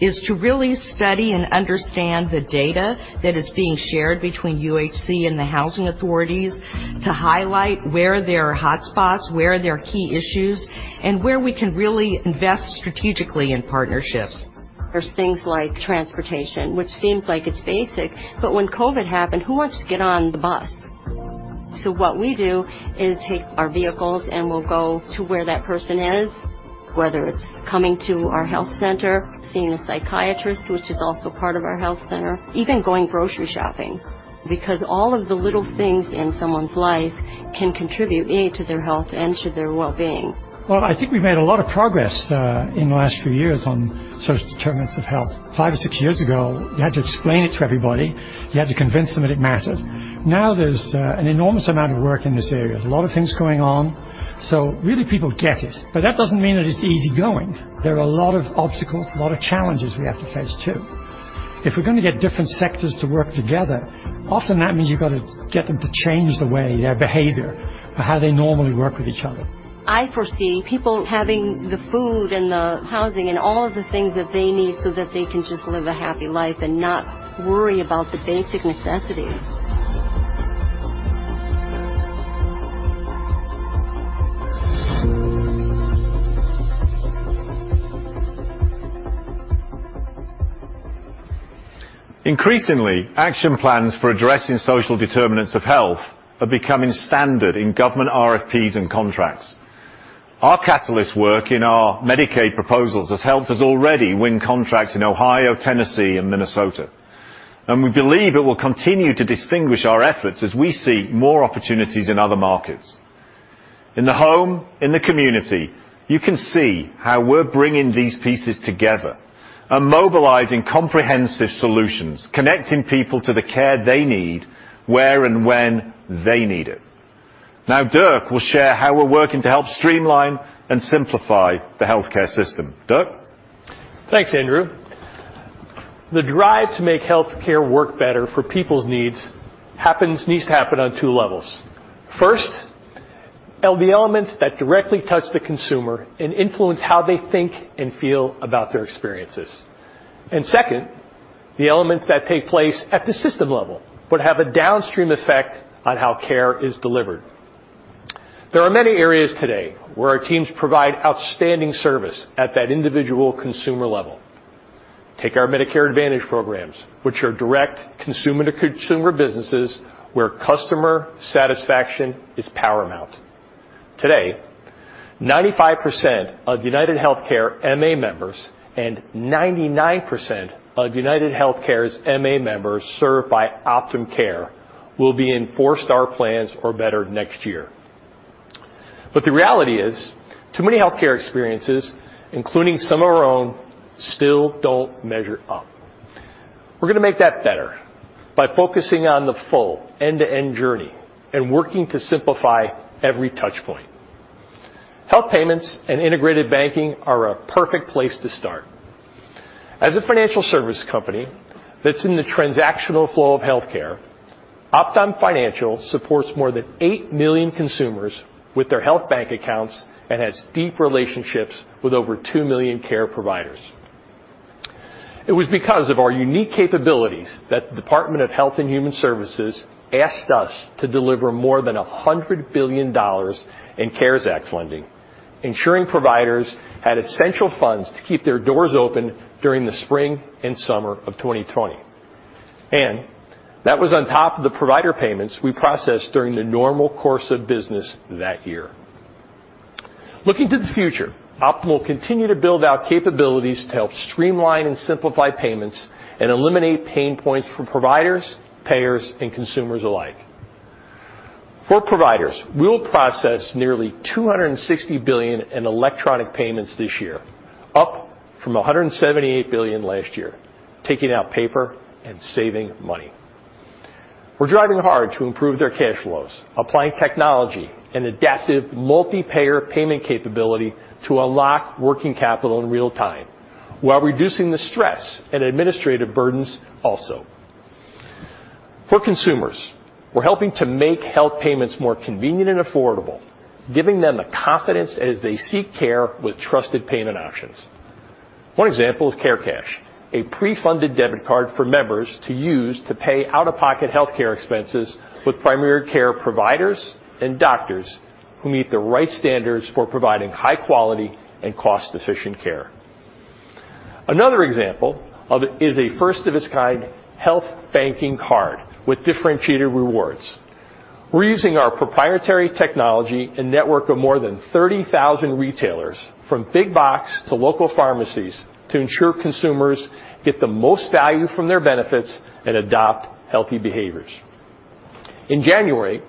is to really study and understand the data that is being shared between UHC and the housing authorities to highlight where there are hotspots, where there are key issues, and where we can really invest strategically in partnerships. There's things like transportation, which seems like it's basic, but when COVID happened, who wants to get on the bus? What we do is take our vehicles, and we'll go to where that person is, whether it's coming to our health center, seeing a psychiatrist, which is also part of our health center, even going grocery shopping, because all of the little things in someone's life can contribute to their health and to their well-being. Well, I think we've made a lot of progress in the last few years on social determinants of health. Five or six years ago, you had to explain it to everybody. You had to convince them that it mattered. Now there's an enormous amount of work in this area. There's a lot of things going on. Really, people get it, but that doesn't mean that it's easygoing. There are a lot of obstacles, a lot of challenges we have to face, too. If we're gonna get different sectors to work together, often that means you've got to get them to change the way, their behavior or how they normally work with each other. I foresee people having the food and the housing and all of the things that they need so that they can just live a happy life and not worry about the basic necessities. Increasingly, action plans for addressing social determinants of health are becoming standard in government RFPs and contracts. Our Catalyst work in our Medicaid proposals has helped us already win contracts in Ohio, Tennessee, and Minnesota. We believe it will continue to distinguish our efforts as we see more opportunities in other markets. In the home, in the community, you can see how we're bringing these pieces together and mobilizing comprehensive solutions, connecting people to the care they need, where and when they need it. Now, Dirk will share how we're working to help streamline and simplify the healthcare system. Dirk. Thanks, Andrew. The drive to make healthcare work better for people's needs needs to happen on two levels. First, the elements that directly touch the consumer and influence how they think and feel about their experiences. Second, the elements that take place at the system level would have a downstream effect on how care is delivered. There are many areas today where our teams provide outstanding service at that individual consumer level. Take our Medicare Advantage programs, which are direct consumer-to-consumer businesses where customer satisfaction is paramount. Today, 95% of UnitedHealthcare MA members and 99% of UnitedHealthcare's MA members served by Optum Care will be in four-star plans or better next year. The reality is, too many healthcare experiences, including some of our own, still don't measure up. We're gonna make that better by focusing on the full end-to-end journey and working to simplify every touch point. Health payments and integrated banking are a perfect place to start. As a financial service company that's in the transactional flow of healthcare, Optum Financial supports more than 8 million consumers with their health bank accounts and has deep relationships with over 2 million care providers. It was because of our unique capabilities that the Department of Health and Human Services asked us to deliver more than $100 billion in CARES Act funding, ensuring providers had essential funds to keep their doors open during the spring and summer of 2020. That was on top of the provider payments we processed during the normal course of business that year. Looking to the future, Optum will continue to build out capabilities to help streamline and simplify payments and eliminate pain points from providers, payers, and consumers alike. For providers, we'll process nearly $260 billion in electronic payments this year, up from $178 billion last year, taking out paper and saving money. We're driving hard to improve their cash flows, applying technology and adaptive multi-payer payment capability to unlock working capital in real time while reducing the stress and administrative burdens also. For consumers, we're helping to make health payments more convenient and affordable, giving them the confidence as they seek care with trusted payment options. One example is Care Cash, a pre-funded debit card for members to use to pay out-of-pocket healthcare expenses with primary care providers and doctors who meet the right standards for providing high quality and cost-efficient care. Another example of it is a first-of-its-kind health banking card with differentiated rewards. We're using our proprietary technology and network of more than 30,000 retailers, from big box to local pharmacies, to ensure consumers get the most value from their benefits and adopt healthy behaviors. In January,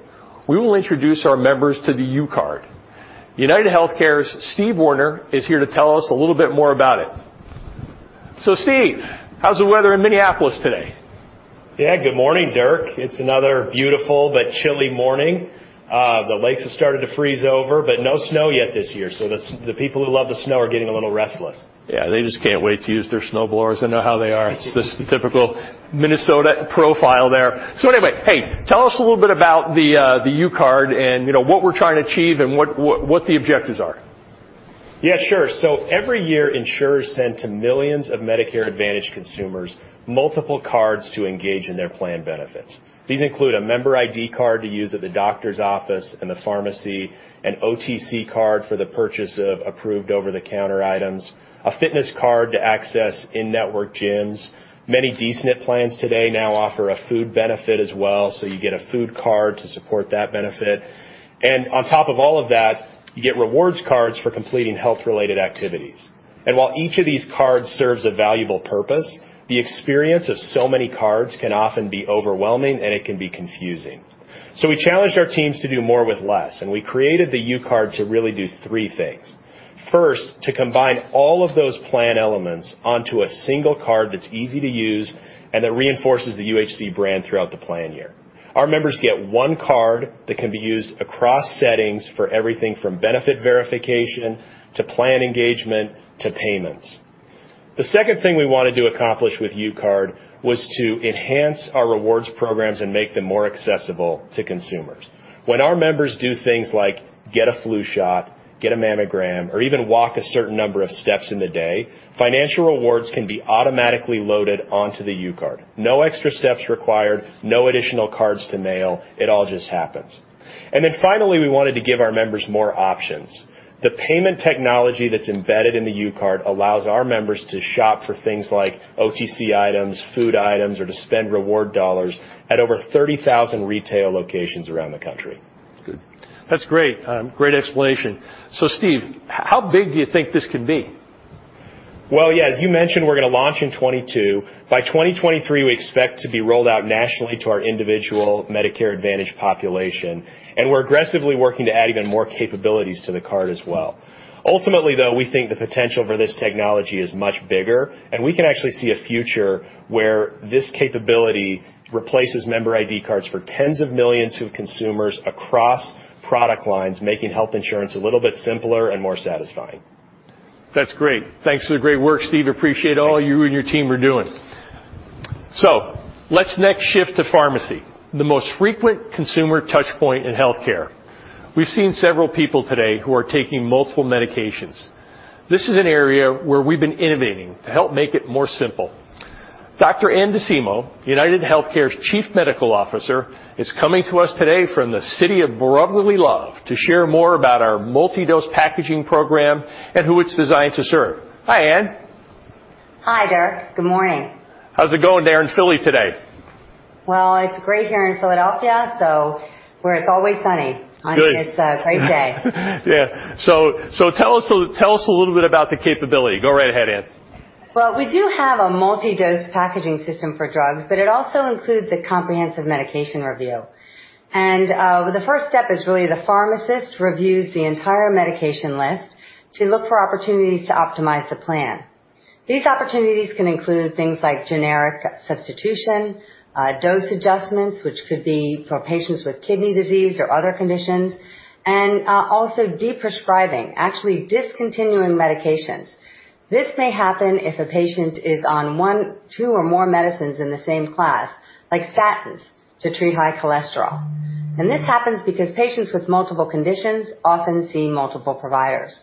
we will introduce our members to the UCard. UnitedHealthcare's Steve Warner is here to tell us a little bit more about it. Steve, how's the weather in Minneapolis today? Yeah. Good morning, Dirk. It's another beautiful but chilly morning. The lakes have started to freeze over, but no snow yet this year, so the people who love the snow are getting a little restless. Yeah, they just can't wait to use their snowblowers. I know how they are. It's just the typical Minnesota profile there. Anyway. Hey, tell us a little bit about the UCard and, you know, what we're trying to achieve and what the objectives are. Yeah, sure. Every year, insurers send to millions of Medicare Advantage consumers multiple cards to engage in their plan benefits. These include a member ID card to use at the doctor's office and the pharmacy, an OTC card for the purchase of approved over-the-counter items, a fitness card to access in-network gyms. Many D-SNP plans today now offer a food benefit as well, so you get a food card to support that benefit. On top of all of that, you get rewards cards for completing health-related activities. While each of these cards serves a valuable purpose, the experience of so many cards can often be overwhelming, and it can be confusing. We challenged our teams to do more with less, and we created the UCard to really do three things. First, to combine all of those plan elements onto a single card that's easy to use and that reinforces the UHC brand throughout the plan year. Our members get one card that can be used across settings for everything from benefit verification to plan engagement to payments. The second thing we wanted to accomplish with UCard was to enhance our rewards programs and make them more accessible to consumers. When our members do things like get a flu shot, get a mammogram, or even walk a certain number of steps in the day, financial rewards can be automatically loaded onto the UCard. No extra steps required, no additional cards to mail. It all just happens. Finally, we wanted to give our members more options. The payment technology that's embedded in the UCard allows our members to shop for things like OTC items, food items, or to spend reward dollars at over 30,000 retail locations around the country. Good. That's great. Great explanation. Steve, how big do you think this could be? Well, yeah, as you mentioned, we're gonna launch in 2022. By 2023, we expect to be rolled out nationally to our individual Medicare Advantage population, and we're aggressively working to add even more capabilities to the card as well. Ultimately, though, we think the potential for this technology is much bigger, and we can actually see a future where this capability replaces member ID cards for tens of millions of consumers across product lines, making health insurance a little bit simpler and more satisfying. That's great. Thanks for the great work, Steve. Appreciate all Thanks. Thank you and your team are doing. Let's next shift to pharmacy, the most frequent consumer touch point in healthcare. We've seen several people today who are taking multiple medications. This is an area where we've been innovating to help make it more simple. Dr. Anne Docimo, UnitedHealthcare's Chief Medical Officer, is coming to us today from the city of brotherly love to share more about our multi-dose packaging program and who it's designed to serve. Hi, Anne. Hi, Dirk. Good morning. How's it going there in Philly today? Well, it's great here in Philadelphia, so where it's always sunny. Good. It's a great day. Yeah. Tell us a little bit about the capability. Go right ahead, Anne. Well, we do have a multi-dose packaging system for drugs, but it also includes a comprehensive medication review. The first step is really the pharmacist reviews the entire medication list to look for opportunities to optimize the plan. These opportunities can include things like generic substitution, dose adjustments, which could be for patients with kidney disease or other conditions, and also deprescribing, actually discontinuing medications. This may happen if a patient is on one, two, or more medicines in the same class, like statins to treat high cholesterol. This happens because patients with multiple conditions often see multiple providers.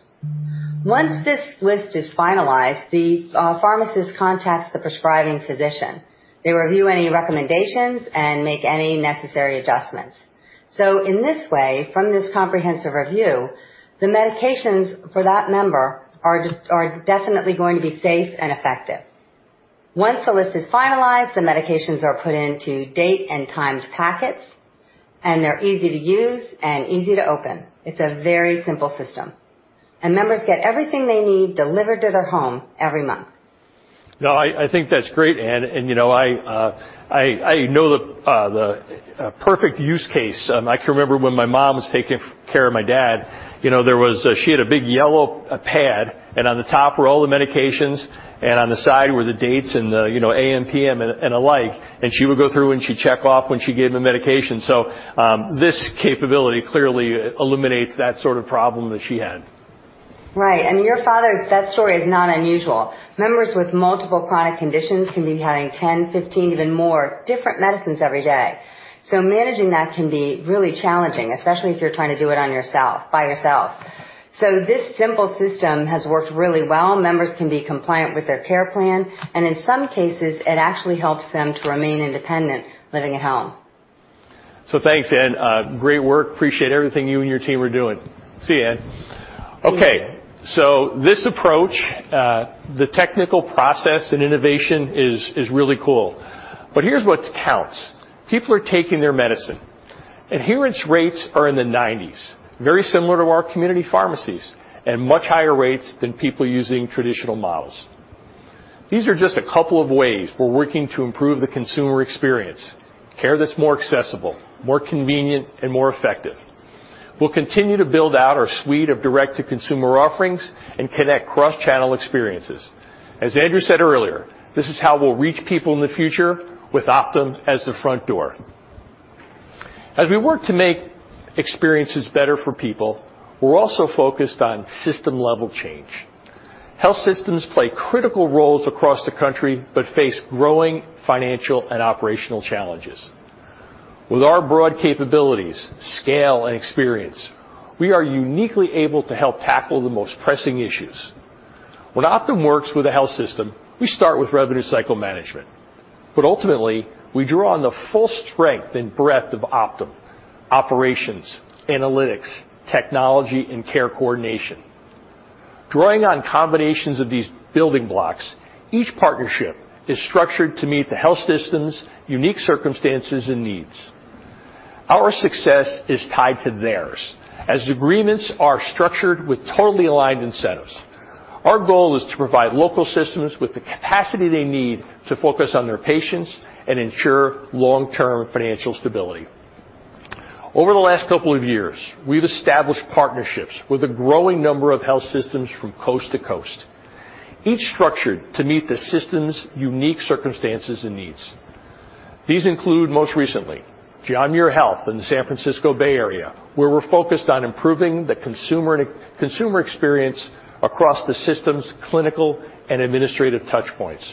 Once this list is finalized, the pharmacist contacts the prescribing physician. They review any recommendations and make any necessary adjustments. In this way, from this comprehensive review, the medications for that member are definitely going to be safe and effective. Once the list is finalized, the medications are put into date and timed packets, and they're easy to use and easy to open. It's a very simple system. Members get everything they need delivered to their home every month. No, I think that's great, Anne. You know, I know the perfect use case. I can remember when my mom was taking care of my dad, you know, there was a big yellow pad, and on the top were all the medications, and on the side were the dates and the, you know, AM, PM and the like. She would go through, and she'd check off when she gave him the medication. This capability clearly eliminates that sort of problem that she had. Right. Your father's that story is not unusual. Members with multiple chronic conditions can be having 10, 15, even more different medicines every day. Managing that can be really challenging, especially if you're trying to do it on yourself, by yourself. This simple system has worked really well. Members can be compliant with their care plan, and in some cases, it actually helps them to remain independent living at home. Thanks, Anne. Great work. Appreciate everything you and your team are doing. See ya, Anne. Okay. This approach, the technical process and innovation is really cool. Here's what counts. People are taking their medicine. Adherence rates are in the 90s, very similar to our community pharmacies, and much higher rates than people using traditional models. These are just a couple of ways we're working to improve the consumer experience, care that's more accessible, more convenient, and more effective. We'll continue to build out our suite of direct-to-consumer offerings and connect cross-channel experiences. As Andrew said earlier, this is how we'll reach people in the future with Optum as the front door. As we work to make experiences better for people, we're also focused on system-level change. Health systems play critical roles across the country but face growing financial and operational challenges. With our broad capabilities, scale, and experience, we are uniquely able to help tackle the most pressing issues. When Optum works with a health system, we start with revenue cycle management, but ultimately, we draw on the full strength and breadth of Optum, operations, analytics, technology, and care coordination. Drawing on combinations of these building blocks, each partnership is structured to meet the health system's unique circumstances and needs. Our success is tied to theirs, as agreements are structured with totally aligned incentives. Our goal is to provide local systems with the capacity they need to focus on their patients and ensure long-term financial stability. Over the last couple of years, we've established partnerships with a growing number of health systems from coast to coast, each structured to meet the system's unique circumstances and needs. These include, most recently, John Muir Health in the San Francisco Bay Area, where we're focused on improving the consumer experience across the system's clinical and administrative touchpoints.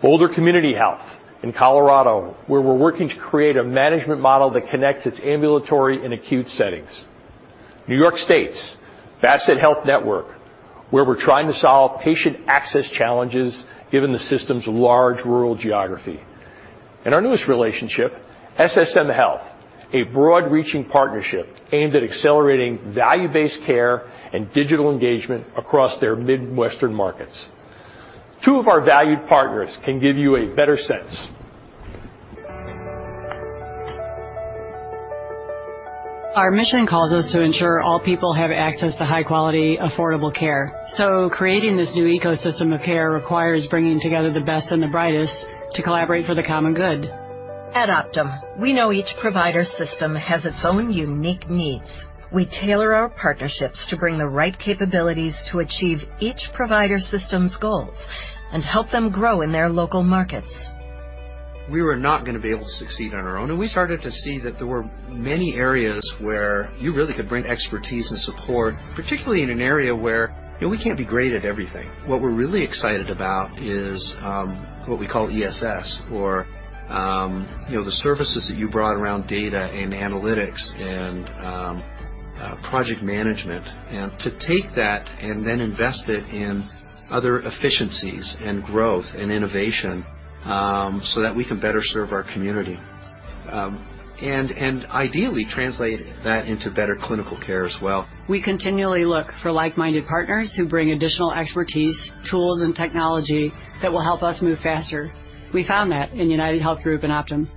Boulder Community Health in Colorado, where we're working to create a management model that connects its ambulatory and acute settings. New York State's FaST Health Network, where we're trying to solve patient access challenges given the system's large rural geography. Our newest relationship, SSM Health, a broad-reaching partnership aimed at accelerating value-based care and digital engagement across their Midwestern markets. Two of our valued partners can give you a better sense. Our mission calls us to ensure all people have access to high-quality, affordable care. Creating this new ecosystem of care requires bringing together the best and the brightest to collaborate for the common good. At Optum, we know each provider system has its own unique needs. We tailor our partnerships to bring the right capabilities to achieve each provider system's goals and help them grow in their local markets. We were not gonna be able to succeed on our own, and we started to see that there were many areas where you really could bring expertise and support, particularly in an area where you know, we can't be great at everything. What we're really excited about is what we call ESS or you know, the services that you brought around data and analytics and project management, and to take that and then invest it in other efficiencies and growth and innovation so that we can better serve our community and ideally translate that into better clinical care as well. We continually look for like-minded partners who bring additional expertise, tools, and technology that will help us move faster. We found that in UnitedHealth Group and Optum.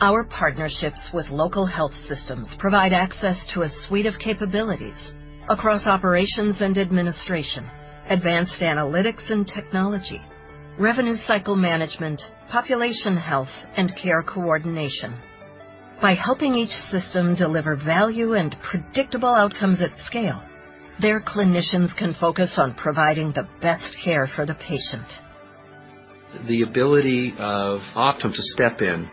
Our partnerships with local health systems provide access to a suite of capabilities across operations and administration, advanced analytics and technology, revenue cycle management, population health, and care coordination. By helping each system deliver value and predictable outcomes at scale, their clinicians can focus on providing the best care for the patient. The ability of Optum to step in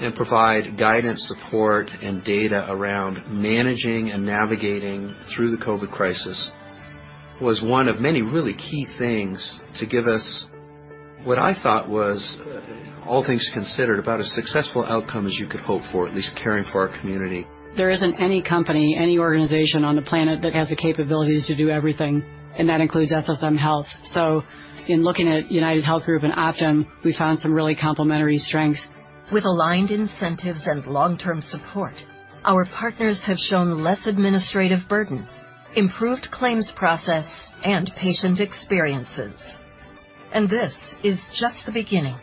and provide guidance, support, and data around managing and navigating through the COVID crisis was one of many really key things to give us. What I thought was, all things considered, about a successful outcome as you could hope for, at least caring for our community. There isn't any company, any organization on the planet that has the capabilities to do everything, and that includes SSM Health. In looking at UnitedHealth Group and Optum, we found some really complementary strengths. With aligned incentives and long-term support, our partners have shown less administrative burden, improved claims process, and patient experiences. This is just the beginning.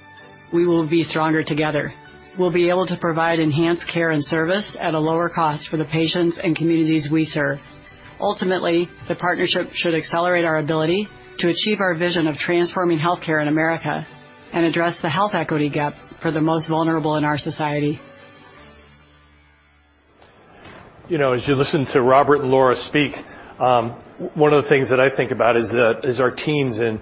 We will be stronger together. We'll be able to provide enhanced care and service at a lower cost for the patients and communities we serve. Ultimately, the partnership should accelerate our ability to achieve our vision of transforming healthcare in America and address the health equity gap for the most vulnerable in our society. You know, as you listen to Robert and Laura speak, one of the things that I think about is our teams and,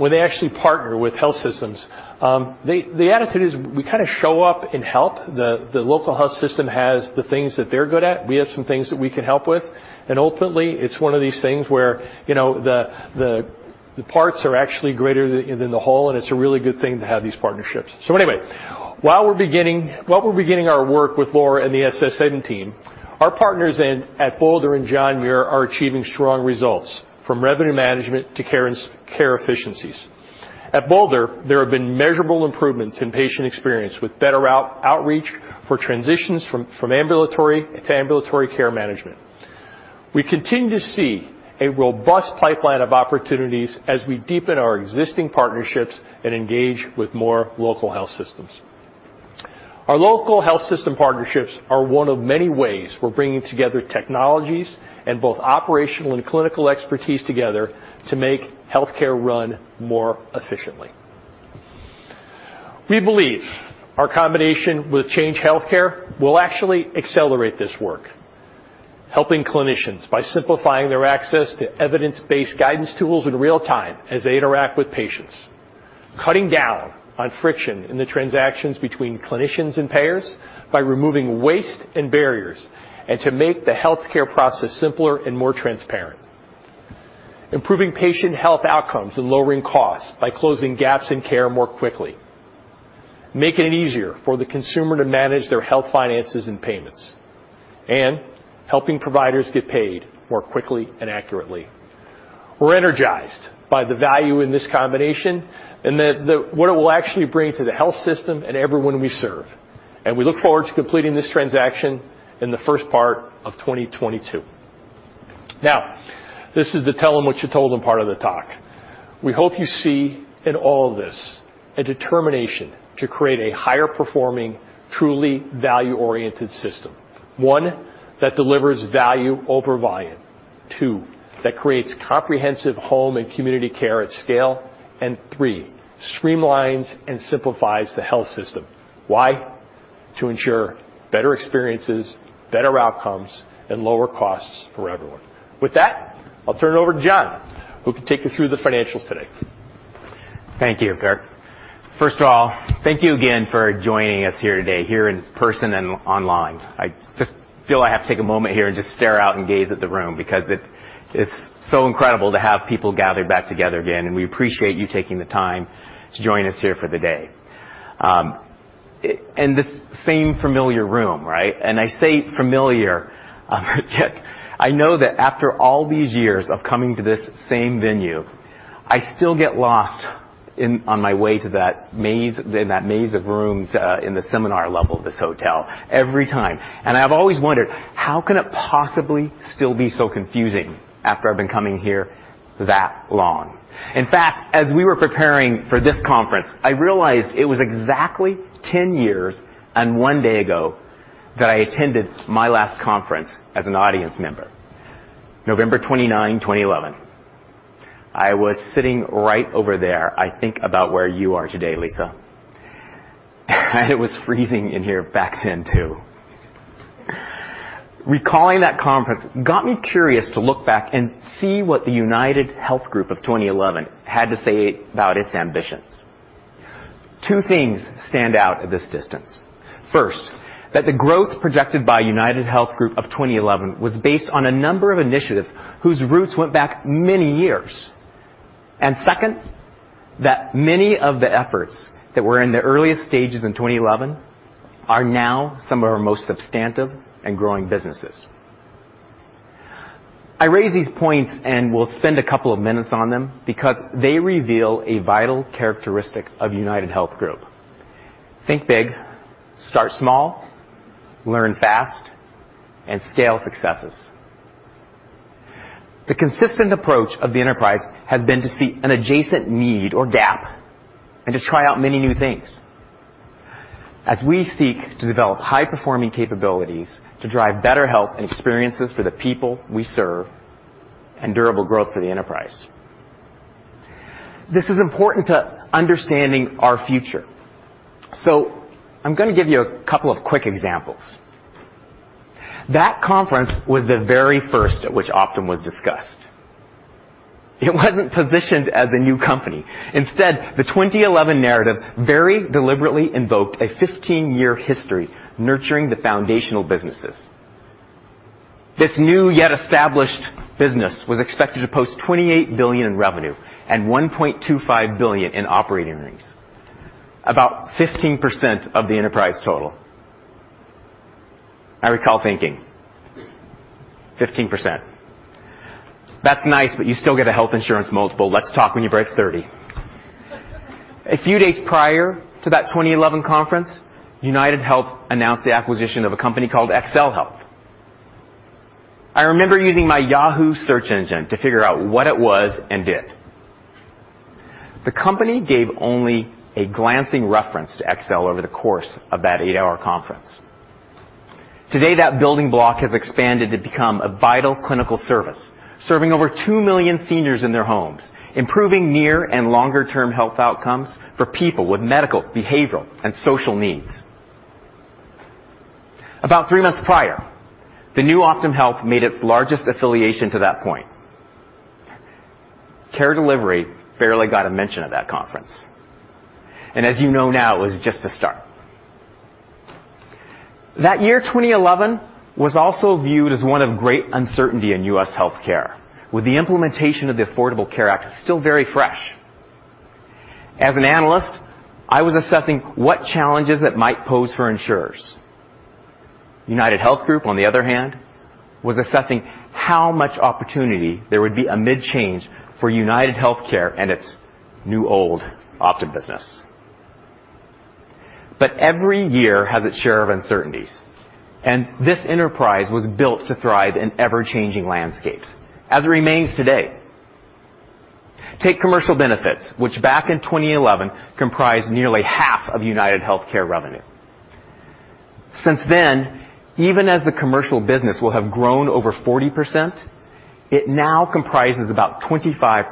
when they actually partner with health systems, the attitude is we kinda show up and help. The local health system has the things that they're good at, we have some things that we can help with, and ultimately, it's one of these things where, you know, the parts are actually greater than the whole, and it's a really good thing to have these partnerships. Anyway, while we're beginning our work with Laura and the SSM team, our partners at Boulder and John Muir are achieving strong results from revenue management to care efficiencies. At Boulder, there have been measurable improvements in patient experience with better outreach for transitions from ambulatory to ambulatory care management. We continue to see a robust pipeline of opportunities as we deepen our existing partnerships and engage with more local health systems. Our local health system partnerships are one of many ways we're bringing together technologies and both operational and clinical expertise together to make healthcare run more efficiently. We believe our combination with Change Healthcare will actually accelerate this work, helping clinicians by simplifying their access to evidence-based guidance tools in real time as they interact with patients, cutting down on friction in the transactions between clinicians and payers by removing waste and barriers and to make the healthcare process simpler and more transparent, improving patient health outcomes and lowering costs by closing gaps in care more quickly. Making it easier for the consumer to manage their health finances and payments, and helping providers get paid more quickly and accurately. We're energized by the value in this combination and what it will actually bring to the health system and everyone we serve, and we look forward to completing this transaction in the first part of 2022. Now, this is the tell 'em what you told 'em part of the talk. We hope you see in all of this a determination to create a higher performing, truly value-oriented system. One, that delivers value over volume. Two, that creates comprehensive home and community care at scale, and three, streamlines and simplifies the health system. Why? To ensure better experiences, better outcomes, and lower costs for everyone. With that, I'll turn it over to John, who can take you through the financials today. Thank you, Dirk. First of all, thank you again for joining us here today, here in person and online. I just feel I have to take a moment here and just stare out and gaze at the room because it's so incredible to have people gathered back together again, and we appreciate you taking the time to join us here for the day. And the same familiar room, right? I say familiar, yet I know that after all these years of coming to this same venue, I still get lost on my way to that maze of rooms in the seminar level of this hotel every time. I've always wondered, how can it possibly still be so confusing after I've been coming here that long? In fact, as we were preparing for this conference, I realized it was exactly 10 years and one day ago that I attended my last conference as an audience member. November 29, 2011. I was sitting right over there, I think about where you are today, Lisa. It was freezing in here back then too. Recalling that conference got me curious to look back and see what the UnitedHealth Group of 2011 had to say about its ambitions. Two things stand out at this distance. First, that the growth projected by UnitedHealth Group of 2011 was based on a number of initiatives whose roots went back many years. Second, that many of the efforts that were in their earliest stages in 2011 are now some of our most substantive and growing businesses. I raise these points and will spend a couple of minutes on them because they reveal a vital characteristic of UnitedHealth Group. Think big, start small, learn fast, and scale successes. The consistent approach of the enterprise has been to see an adjacent need or gap and to try out many new things as we seek to develop high-performing capabilities to drive better health and experiences for the people we serve and durable growth for the enterprise. This is important to understanding our future. I'm gonna give you a couple of quick examples. That conference was the very first at which Optum was discussed. It wasn't positioned as a new company. Instead, the 2011 narrative very deliberately invoked a 15-year history nurturing the foundational businesses. This new yet established business was expected to post $28 billion in revenue and $1.25 billion in operating earnings, about 15% of the enterprise total. I recall thinking, "15%. That's nice, but you still get a health insurance multiple. Let's talk when you break 30." A few days prior to that 2011 conference, UnitedHealth announced the acquisition of a company called XLHealth. I remember using my Yahoo search engine to figure out what it was and did. The company gave only a glancing reference to XLHealth over the course of that 8-hour conference. Today, that building block has expanded to become a vital clinical service, serving over 2 million seniors in their homes, improving near and longer-term health outcomes for people with medical, behavioral, and social needs. About three months prior, the new Optum Health made its largest affiliation to that point. Care delivery barely got a mention at that conference, and as you know now, it was just a start. That year, 2011, was also viewed as one of great uncertainty in U.S. healthcare, with the implementation of the Affordable Care Act still very fresh. As an analyst, I was assessing what challenges it might pose for insurers. UnitedHealth Group, on the other hand, was assessing how much opportunity there would be amid change for UnitedHealthcare and its new old Optum business. Every year has its share of uncertainties, and this enterprise was built to thrive in ever-changing landscapes, as it remains today. Take commercial benefits, which back in 2011 comprised nearly half of UnitedHealthcare revenue. Since then, even as the commercial business will have grown over 40%, it now comprises about 25%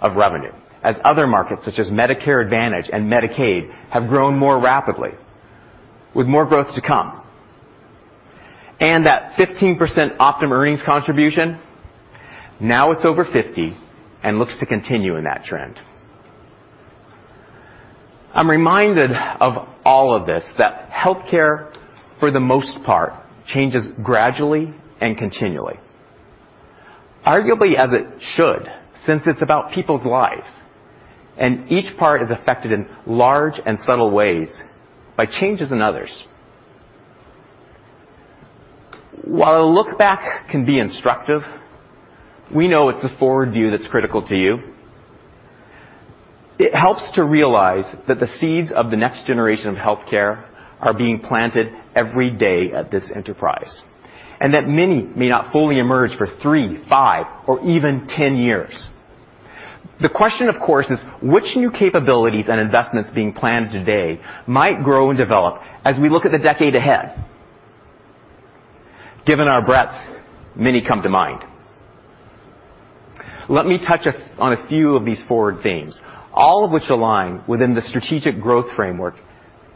of revenue as other markets, such as Medicare Advantage and Medicaid, have grown more rapidly with more growth to come. That 15% Optum earnings contribution, now it's over 50 and looks to continue in that trend. I'm reminded of all of this that healthcare, for the most part, changes gradually and continually, arguably as it should, since it's about people's lives, and each part is affected in large and subtle ways by changes in others. While a look back can be instructive, we know it's the forward view that's critical to you. It helps to realize that the seeds of the next generation of healthcare are being planted every day at this enterprise, and that many may not fully emerge for 3, 5, or even 10 years. The question, of course, is which new capabilities and investments being planned today might grow and develop as we look at the decade ahead? Given our breadth, many come to mind. Let me touch on a few of these forward themes, all of which align within the strategic growth framework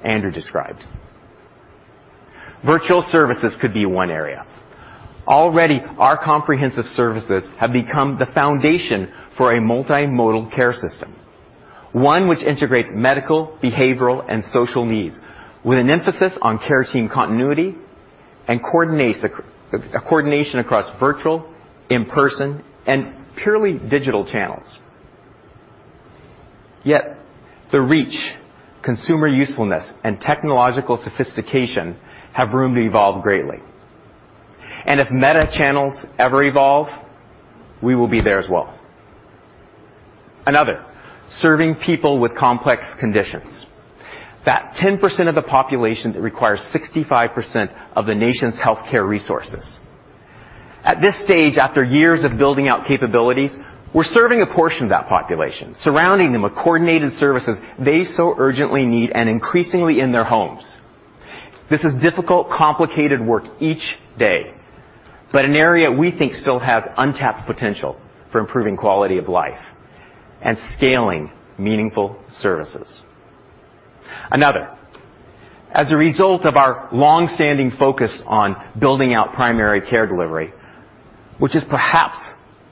Andrew described. Virtual services could be one area. Already, our comprehensive services have become the foundation for a multimodal care system, one which integrates medical, behavioral, and social needs with an emphasis on care team continuity and coordinates coordination across virtual, in-person, and purely digital channels. Yet the reach, consumer usefulness, and technological sophistication have room to evolve greatly. If meta channels ever evolve, we will be there as well. Another, serving people with complex conditions. That 10% of the population that requires 65% of the nation's healthcare resources. At this stage, after years of building out capabilities, we're serving a portion of that population, surrounding them with coordinated services they so urgently need and increasingly in their homes. This is difficult, complicated work each day, but an area we think still has untapped potential for improving quality of life and scaling meaningful services. Another, as a result of our long-standing focus on building out primary care delivery, which is perhaps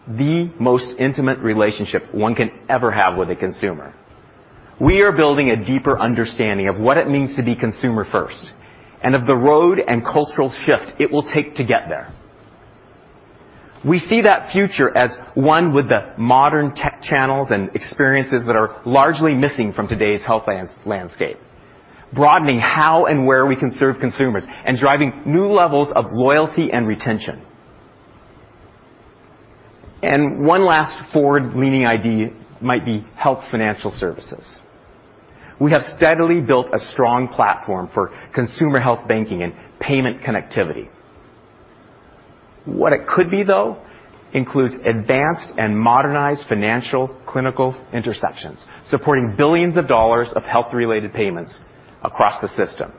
the most intimate relationship one can ever have with a consumer, we are building a deeper understanding of what it means to be consumer first and of the road and cultural shift it will take to get there. We see that future as one with the modern tech channels and experiences that are largely missing from today's health landscape, broadening how and where we can serve consumers and driving new levels of loyalty and retention. One last forward-leaning idea might be health financial services. We have steadily built a strong platform for consumer health banking and payment connectivity. What it could be, though, includes advanced and modernized financial clinical intersections, supporting billions of dollars of health-related payments across the system,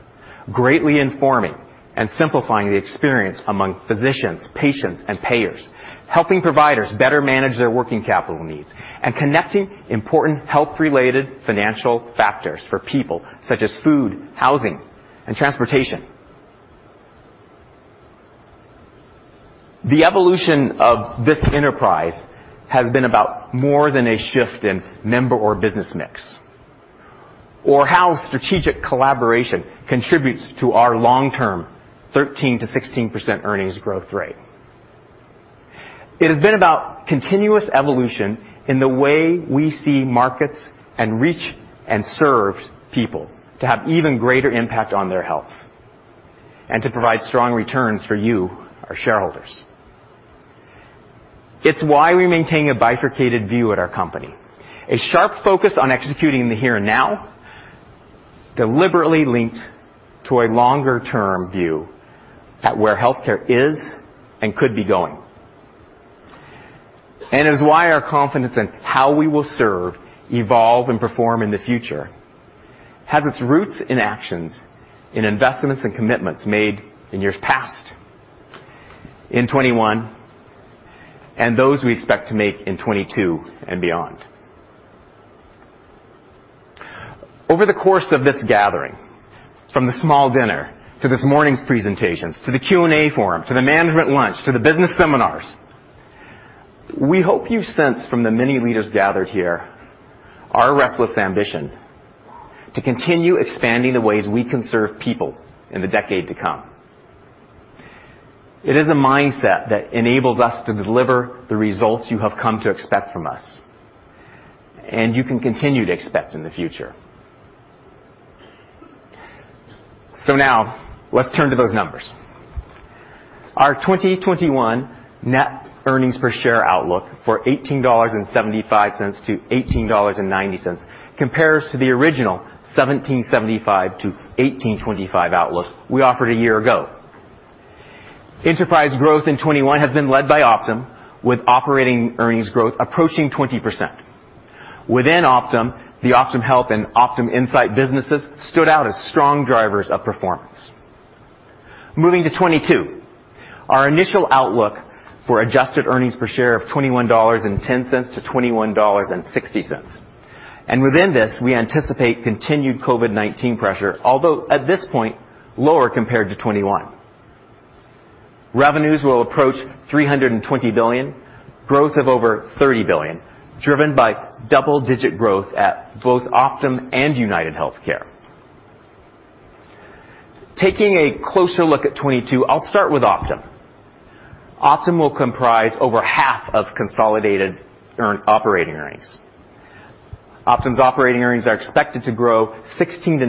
greatly informing and simplifying the experience among physicians, patients, and payers, helping providers better manage their working capital needs, and connecting important health-related financial factors for people such as food, housing, and transportation. The evolution of this enterprise has been about more than a shift in member or business mix. How strategic collaboration contributes to our long-term 13%-16% earnings growth rate. It has been about continuous evolution in the way we see markets and reach and serve people to have even greater impact on their health, and to provide strong returns for you, our shareholders. It's why we maintain a bifurcated view at our company. A sharp focus on executing the here and now, deliberately linked to a longer-term view at where healthcare is and could be going. is why our confidence in how we will serve, evolve, and perform in the future has its roots in actions, in investments and commitments made in years past, in 2021, and those we expect to make in 2022 and beyond. Over the course of this gathering, from the small dinner, to this morning's presentations, to the Q&A forum, to the management lunch, to the business seminars, we hope you sense from the many leaders gathered here our restless ambition to continue expanding the ways we can serve people in the decade to come. It is a mindset that enables us to deliver the results you have come to expect from us, and you can continue to expect in the future. Now let's turn to those numbers. Our 2021 net earnings per share outlook for $18.75-$18.90 compares to the original $17.75-$18.25 outlook we offered a year ago. Enterprise growth in 2021 has been led by Optum, with operating earnings growth approaching 20%. Within Optum, the Optum Health and Optum Insight businesses stood out as strong drivers of performance. Moving to 2022, our initial outlook for adjusted earnings per share of $21.10-$21.60. Within this, we anticipate continued COVID-19 pressure, although at this point, lower compared to 2021. Revenues will approach $320 billion, growth of over $30 billion, driven by double-digit growth at both Optum and UnitedHealthcare. Taking a closer look at 2022, I'll start with Optum. Optum will comprise over half of consolidated operating earnings. Optum's operating earnings are expected to grow 16%-19%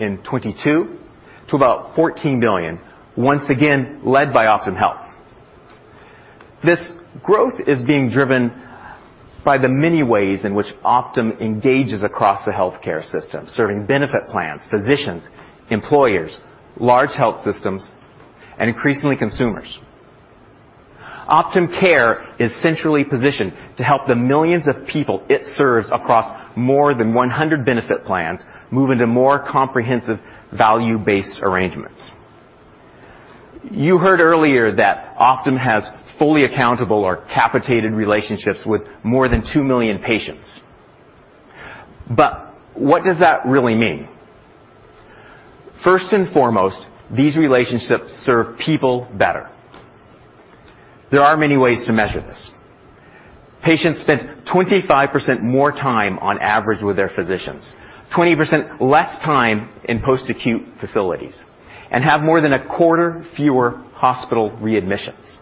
in 2022 to about $14 billion, once again, led by Optum Health. This growth is being driven by the many ways in which Optum engages across the healthcare system, serving benefit plans, physicians, employers, large health systems, and increasingly, consumers. Optum Care is centrally positioned to help the millions of people it serves across more than 100 benefit plans move into more comprehensive value-based arrangements. You heard earlier that Optum has fully accountable or capitated relationships with more than 2 million patients. What does that really mean? First and foremost, these relationships serve people better. There are many ways to measure this. Patients spend 25% more time on average with their physicians, 20% less time in post-acute facilities, and have more than a quarter fewer hospital readmissions.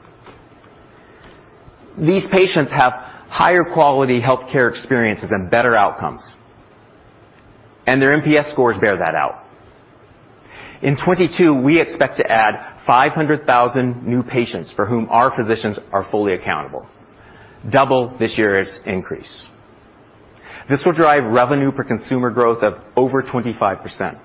These patients have higher quality healthcare experiences and better outcomes, and their NPS scores bear that out. In 2022, we expect to add 500,000 new patients for whom our physicians are fully accountable, double this year's increase. This will drive revenue per consumer growth of over 25%.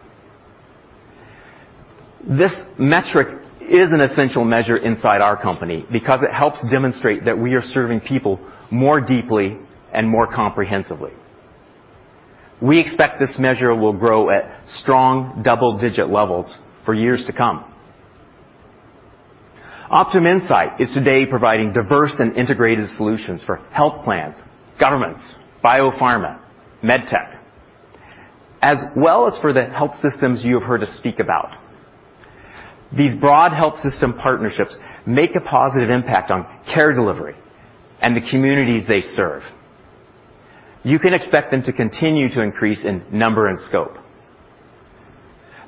This metric is an essential measure inside our company because it helps demonstrate that we are serving people more deeply and more comprehensively. We expect this measure will grow at strong double-digit levels for years to come. Optum Insight is today providing diverse and integrated solutions for health plans, governments, biopharma, med tech, as well as for the health systems you have heard us speak about. These broad health system partnerships make a positive impact on care delivery and the communities they serve. You can expect them to continue to increase in number and scope.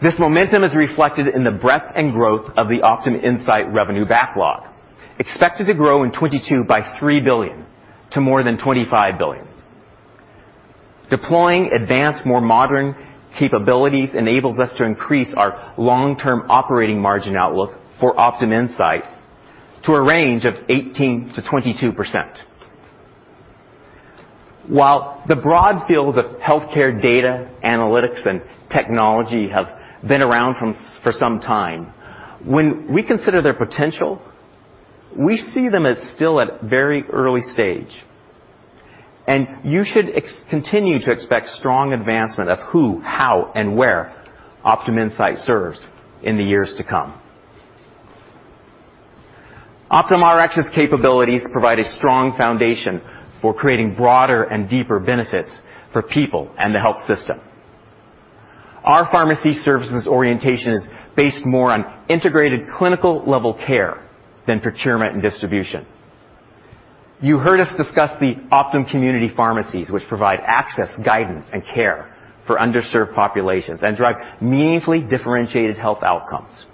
This momentum is reflected in the breadth and growth of the Optum Insight revenue backlog, expected to grow in 2022 by $3 billion to more than $25 billion. Deploying advanced, more modern capabilities enables us to increase our long-term operating margin outlook for Optum Insight to a range of 18%-22%. While the broad fields of healthcare data, analytics, and technology have been around for some time, when we consider their potential, we see them as still at very early stage, and you should continue to expect strong advancement of who, how, and where Optum Insight serves in the years to come. Optum Rx's capabilities provide a strong foundation for creating broader and deeper benefits for people and the health system. Our pharmacy services orientation is based more on integrated clinical level care than procurement and distribution. You heard us discuss the Optum Community Pharmacies, which provide access, guidance, and care for underserved populations and drive meaningfully differentiated health outcomes.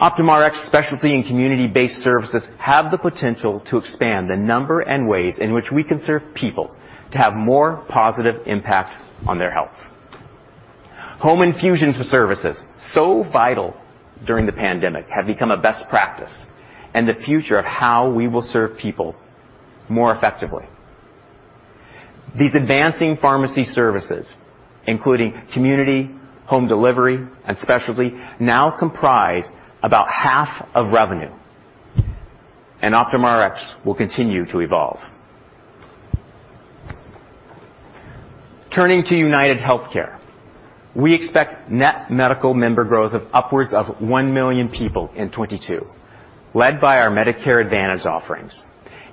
Optum Rx specialty and community-based services have the potential to expand the number and ways in which we can serve people to have more positive impact on their health. Home infusion services, so vital during the pandemic, have become a best practice and the future of how we will serve people more effectively. These advancing pharmacy services, including community, home delivery, and specialty, now comprise about half of revenue, and Optum Rx will continue to evolve. Turning to UnitedHealthcare, we expect net medical member growth of upwards of 1 million people in 2022, led by our Medicare Advantage offerings,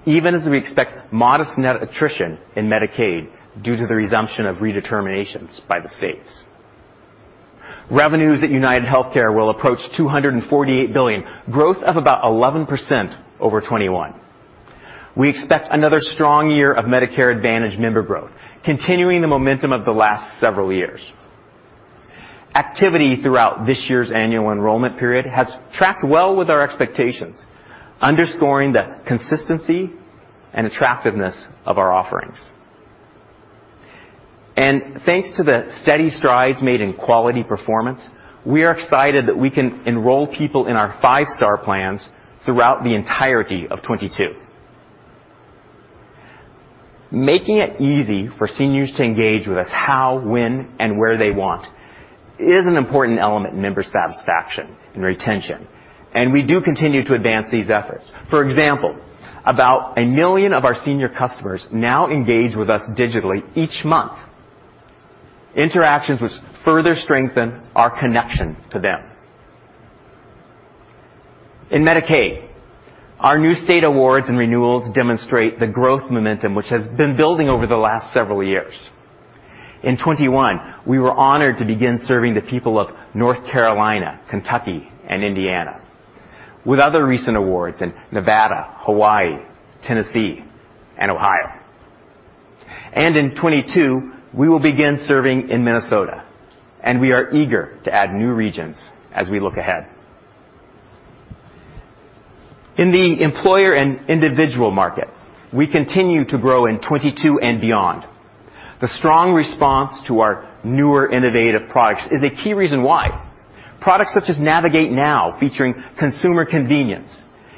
even as we expect modest net attrition in Medicaid due to the resumption of redeterminations by the states. Revenues at UnitedHealthcare will approach $248 billion, growth of about 11% over 2021. We expect another strong year of Medicare Advantage member growth, continuing the momentum of the last several years. Activity throughout this year's annual enrollment period has tracked well with our expectations, underscoring the consistency and attractiveness of our offerings. Thanks to the steady strides made in quality performance, we are excited that we can enroll people in our 5-star plans throughout the entirety of 2022. Making it easy for seniors to engage with us how, when, and where they want is an important element in member satisfaction and retention, and we do continue to advance these efforts. For example, about 1 million of our senior customers now engage with us digitally each month, interactions which further strengthen our connection to them. In Medicaid, our new state awards and renewals demonstrate the growth momentum which has been building over the last several years. In 2021, we were honored to begin serving the people of North Carolina, Kentucky, and Indiana, with other recent awards in Nevada, Hawaii, Tennessee, and Ohio. In 2022, we will begin serving in Minnesota, and we are eager to add new regions as we look ahead. In the employer and individual market, we continue to grow in 2022 and beyond. The strong response to our newer innovative products is a key reason why. Products such as NavigateNOW, featuring consumer convenience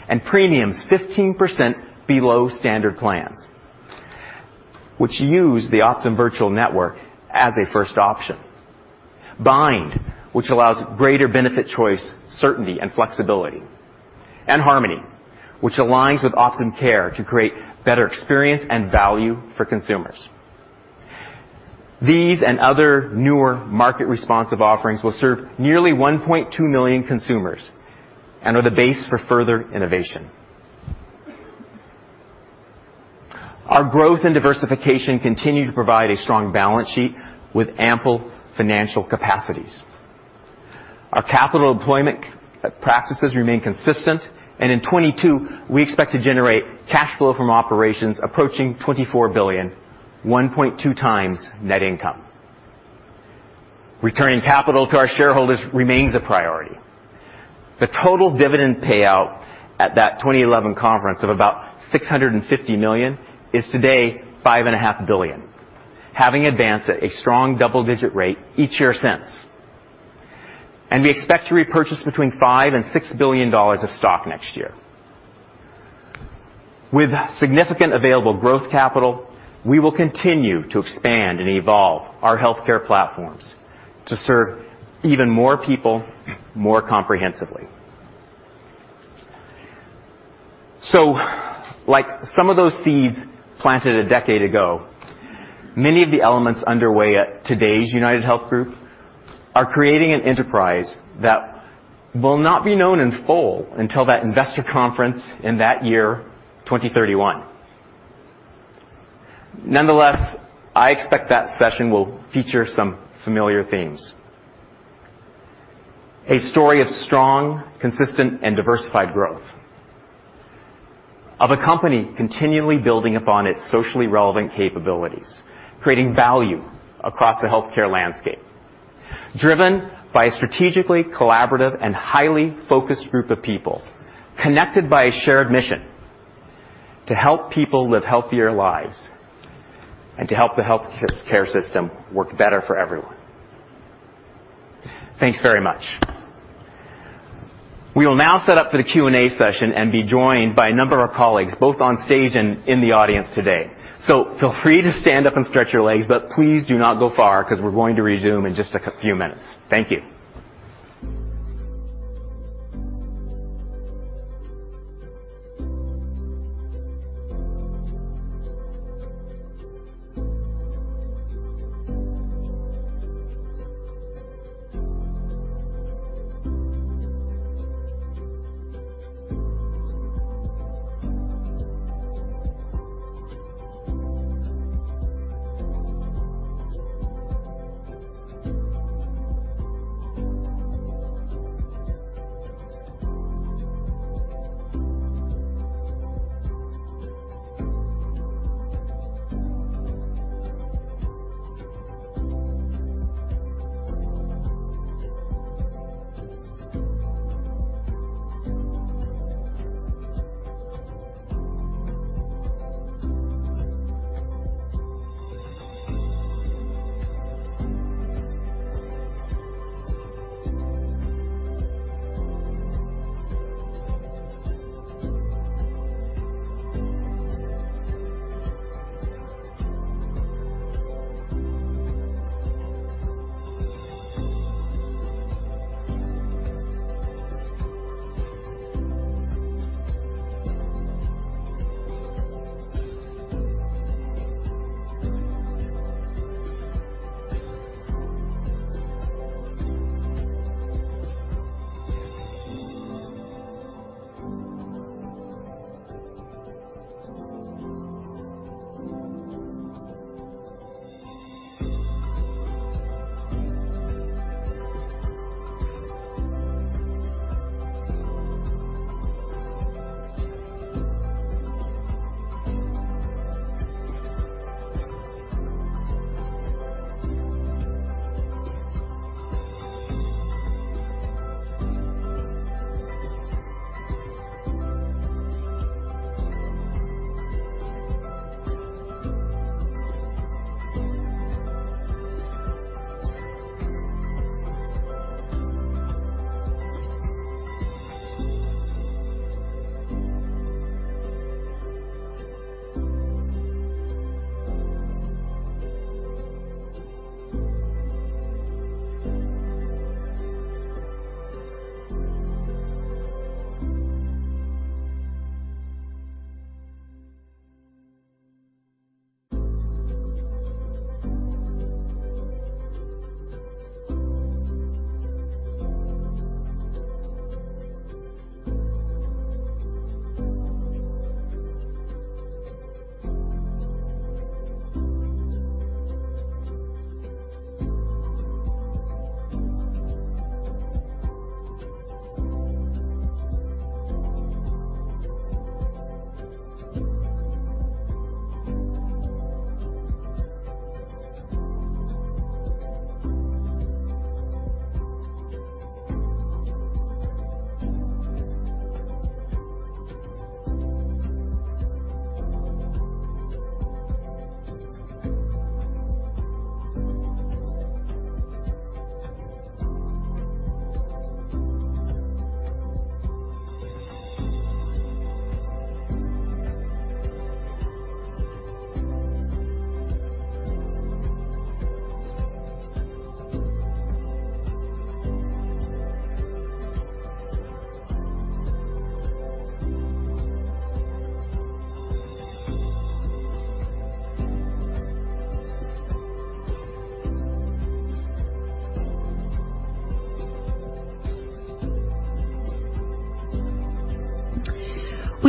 and premiums 15% below standard plans that use the Optum Virtual Care as a first option, Bind, which allows greater benefit choice, certainty, and flexibility, Harmony, which aligns with Optum Care to create better experience and value for consumers. These and other newer market responsive offerings will serve nearly 1.2 million consumers and are the base for further innovation. Our growth and diversification continue to provide a strong balance sheet with ample financial capacities. Our capital employment practices remain consistent, and in 2022, we expect to generate cash flow from operations approaching $24 billion, 1.2 times net income. Returning capital to our shareholders remains a priority. The total dividend payout at that 2011 conference of about $650 million is today $5.5 billion, having advanced at a strong double-digit rate each year since. We expect to repurchase between $5 billion and $6 billion of stock next year. With significant available growth capital, we will continue to expand and evolve our healthcare platforms to serve even more people more comprehensively. Like some of those seeds planted a decade ago, many of the elements underway at today's UnitedHealth Group are creating an enterprise that will not be known in full until that investor conference in that year, 2031. Nonetheless, I expect that session will feature some familiar themes. A story of strong, consistent, and diversified growth. Of a company continually building upon its socially relevant capabilities, creating value across the healthcare landscape, driven by a strategically collaborative and highly focused group of people connected by a shared mission to help people live healthier lives and to help the healthcare system work better for everyone. Thanks very much. We will now set up for the Q&A session and be joined by a number of our colleagues, both on stage and in the audience today. Feel free to stand up and stretch your legs, but please do not go far because we're going to resume in just a few minutes. Thank you.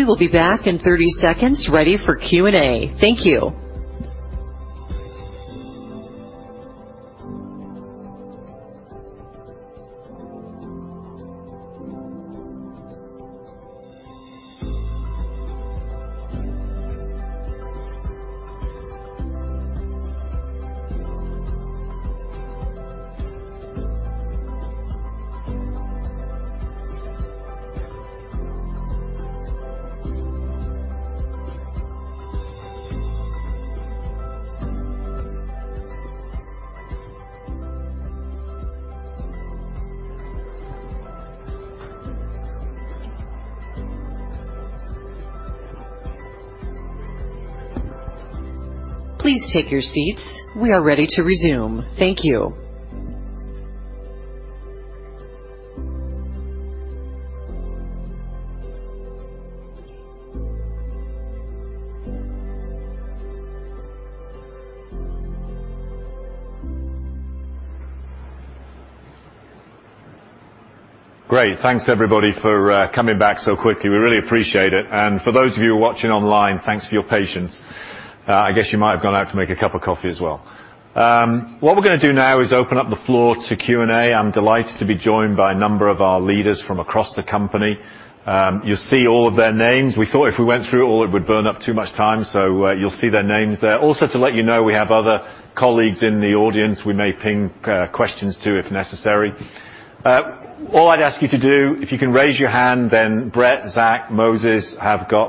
We will be back in 30 seconds, ready for Q&A. Thank you. Please take your seats. We are ready to resume. Thank you. Great. Thanks everybody for coming back so quickly. We really appreciate it. For those of you watching online, thanks for your patience. I guess you might have gone out to make a cup of coffee as well. What we're gonna do now is open up the floor to Q&A. I'm delighted to be joined by a number of our leaders from across the company. You'll see all of their names. We thought if we went through all, it would burn up too much time. You'll see their names there. Also, to let you know, we have other colleagues in the audience we may ping questions to if necessary. All I'd ask you to do, if you can raise your hand, then Brett, Zach, Moses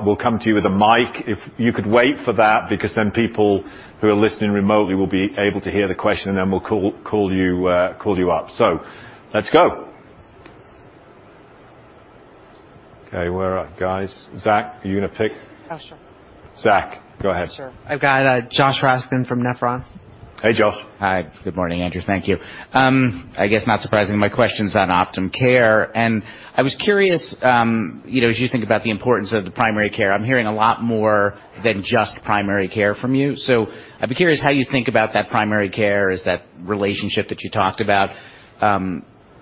will come to you with a mic. If you could wait for that, because then people who are listening remotely will be able to hear the question, and then we'll call you up. Let's go. Okay. We're up, guys. Zach, are you gonna pick? Oh, sure. Zach, go ahead. Sure. I've got Josh Raskin from Nephron. Hey, Josh. Hi. Good morning, Andrew. Thank you. I guess not surprising, my question's on Optum Care, and I was curious, you know, as you think about the importance of the primary care, I'm hearing a lot more than just primary care from you. I'd be curious how you think about that primary care. Is that relationship that you talked about,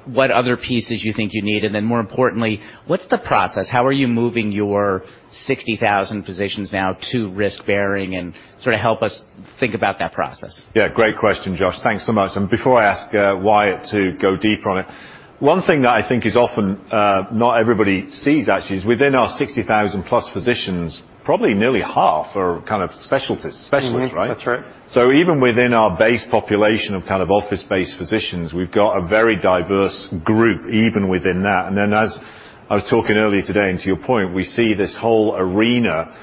What other pieces you think you need? More importantly, what's the process? How are you moving your 60,000 physicians now to risk-bearing and sort of help us think about that process. Yeah, great question, Josh. Thanks so much. Before I ask Wyatt to go deeper on it, one thing that I think is often not everybody sees actually is within our 60,000+ physicians, probably nearly half are kind of specialists, right? That's right. Even within our base population of kind of office-based physicians, we've got a very diverse group, even within that. Then as I was talking earlier today, and to your point, we see this whole arena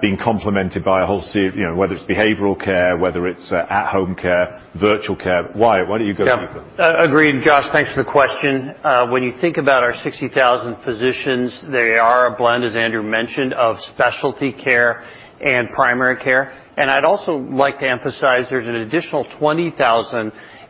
being complemented by a whole suite, you know, whether it's behavioral care, whether it's at-home care, virtual care. Wyatt, why don't you go deeper? Yeah. Agreed. Josh, thanks for the question. When you think about our 60,000 physicians, they are a blend, as Andrew mentioned, of specialty care and primary care. I'd also like to emphasize there's an additional 20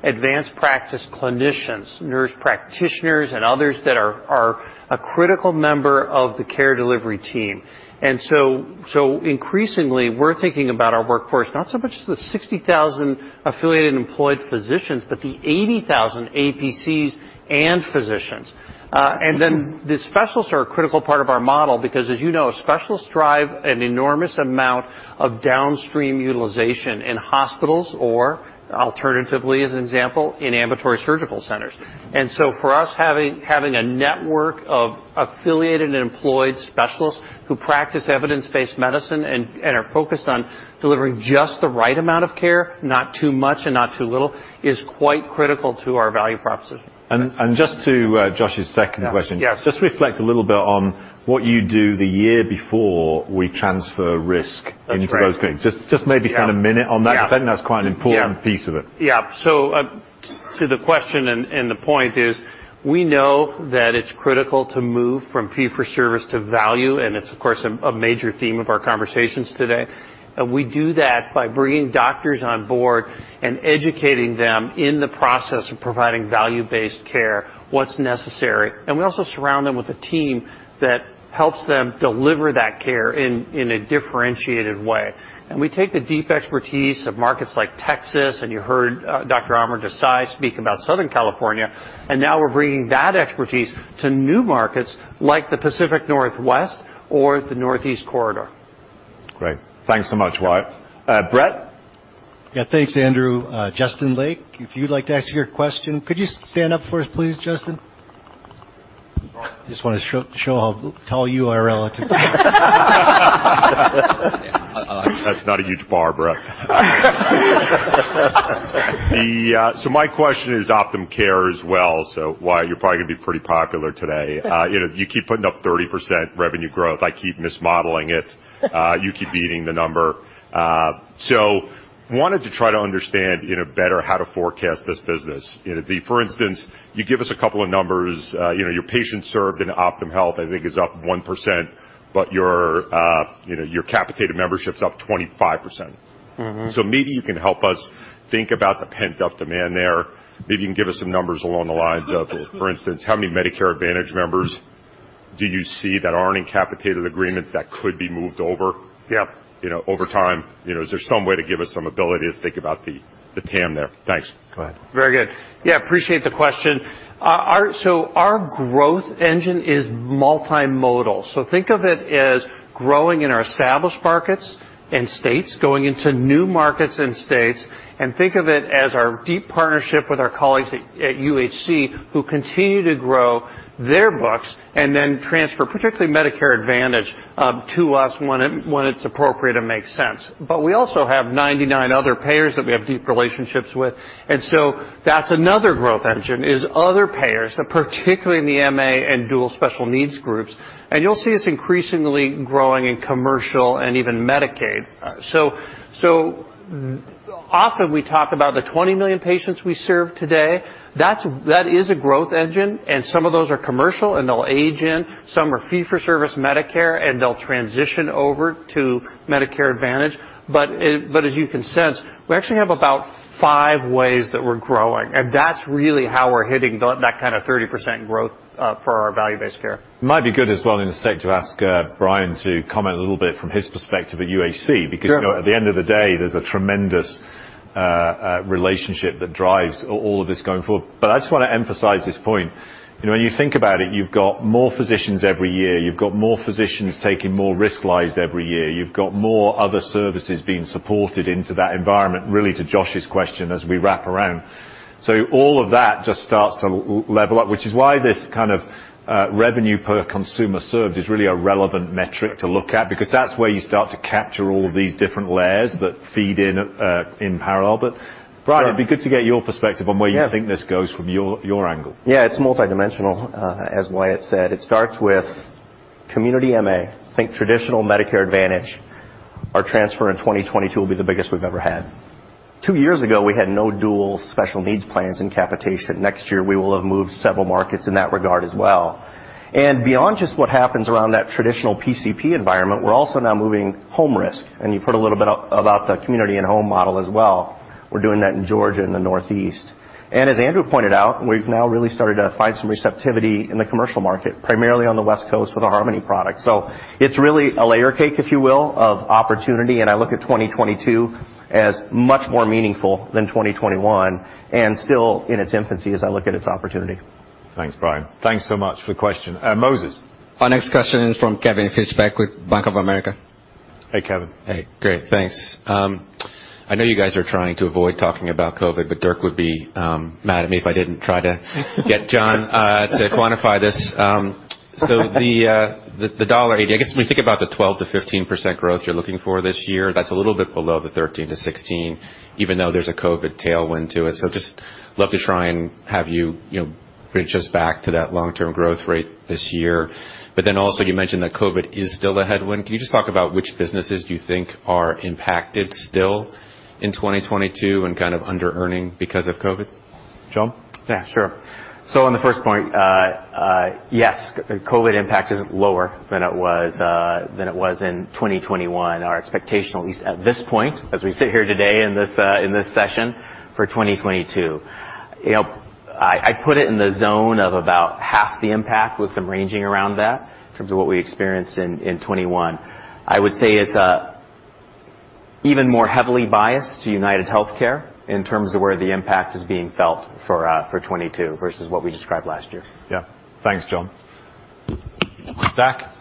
advanced practice clinicians, nurse practitioners, and others that are a critical member of the care delivery team. Increasingly we're thinking about our workforce, not so much as the 60,000 affiliated employed physicians, but the 80,000 APCs and physicians. The specialists are a critical part of our model because as you know, specialists drive an enormous amount of downstream utilization in hospitals or alternatively, as an example, in ambulatory surgical centers. For us, having a network of affiliated and employed specialists who practice evidence-based medicine and are focused on delivering just the right amount of care, not too much and not too little, is quite critical to our value proposition. Just to Josh's second question. Yes. Just reflect a little bit on what you do during the year before we transfer risk into those things. That's right. Just maybe spend a minute on that. Yeah. Because I think that's quite an important piece of it. Yeah. To the question and the point is, we know that it's critical to move from fee-for-service to value, and it's of course a major theme of our conversations today. We do that by bringing doctors on board and educating them in the process of providing value-based care, what's necessary. We also surround them with a team that helps them deliver that care in a differentiated way. We take the deep expertise of markets like Texas, and you heard Dr. Amar Desai speak about Southern California, and now we're bringing that expertise to new markets like the Pacific Northwest or the Northeast Corridor. Great. Thanks so much, Wyatt. Brett? Yeah. Thanks, Andrew. Justin Lake, if you'd like to ask your question. Could you stand up for us, please, Justin? Just wanna show how tall you are relative to. That's not a huge bar, Brett. My question is Optum Care as well. Wyatt, you're probably gonna be pretty popular today. You know, you keep putting up 30% revenue growth. I keep mismodeling it. You keep beating the number. Wanted to try to understand, you know, better how to forecast this business. You know, for instance, you give us a couple of numbers. You know, your patients served in Optum Health, I think is up 1%, but your, you know, your capitated membership's up 25%. Mm-hmm. Maybe you can help us think about the pent-up demand there. Maybe you can give us some numbers along the lines of, for instance, how many Medicare Advantage members do you see that aren't in capitated agreements that could be moved over? Yep You know, over time. You know, is there some way to give us some ability to think about the TAM there? Thanks. Go ahead. Very good. Yeah, appreciate the question. Our growth engine is multimodal. Think of it as growing in our established markets and states, going into new markets and states, and think of it as our deep partnership with our colleagues at UHC, who continue to grow their books and then transfer, particularly Medicare Advantage, to us when it's appropriate and makes sense. We also have 99 other payers that we have deep relationships with. That's another growth engine, other payers, and particularly in the MA and dual special needs groups. You'll see us increasingly growing in commercial and even Medicaid. Often we talk about the 20 million patients we serve today. That's a growth engine, and some of those are commercial, and they'll age in. Some are fee-for-service Medicare, and they'll transition over to Medicare Advantage. As you can sense, we actually have about five ways that we're growing, and that's really how we're hitting that kind of 30% growth for our value-based care. It might be good as well in a sec to ask Brian to comment a little bit from his perspective at UHC. Sure. Because, you know, at the end of the day, there's a tremendous relationship that drives all of this going forward. I just wanna emphasize this point. You know, when you think about it, you've got more physicians every year. You've got more physicians taking more risk levels every year. You've got more other services being supported into that environment, really to Josh's question as we wrap around. All of that just starts to level up, which is why this kind of revenue per consumer served is really a relevant metric to look at, because that's where you start to capture all these different layers that feed in in parallel. Brian- Sure. It'd be good to get your perspective on where you think this goes from your angle. Yeah, it's multidimensional. As Wyatt said, it starts with community MA. Think traditional Medicare Advantage. Our transfer in 2022 will be the biggest we've ever had. Two years ago, we had no Dual Special Needs plans in capitation. Next year, we will have moved several markets in that regard as well. Beyond just what happens around that traditional PCP environment, we're also now moving home risk. You've heard a little bit about the community and home model as well. We're doing that in Georgia and the Northeast. As Andrew pointed out, we've now really started to find some receptivity in the commercial market, primarily on the West Coast with our Harmony product. It's really a layer cake, if you will, of opportunity, and I look at 2022 as much more meaningful than 2021 and still in its infancy as I look at its opportunity. Thanks, Brian. Thanks so much for the question. Moses. Our next question is from Kevin Fischbeck with Bank of America. Hey, Kevin. Hey, great. Thanks. I know you guys are trying to avoid talking about COVID, but Dirk would be mad at me if I didn't try to get John to quantify this. So the $80, I guess, when we think about the 12%-15% growth you're looking for this year, that's a little bit below the 13%-16%, even though there's a COVID tailwind to it. Just love to try and have you know, bring us back to that long-term growth rate this year. But then also you mentioned that COVID is still a headwind. Can you just talk about which businesses do you think are impacted still in 2022 and kind of under-earning because of COVID? John? Yeah, sure. On the first point, yes, COVID impact is lower than it was in 2021. Our expectation, at least at this point, as we sit here today in this session, for 2022. You know, I put it in the zone of about half the impact with some ranging around that in terms of what we experienced in 2021. I would say it's even more heavily biased to UnitedHealthcare in terms of where the impact is being felt for 2022 versus what we described last year. Yeah. Thanks, John. Zach?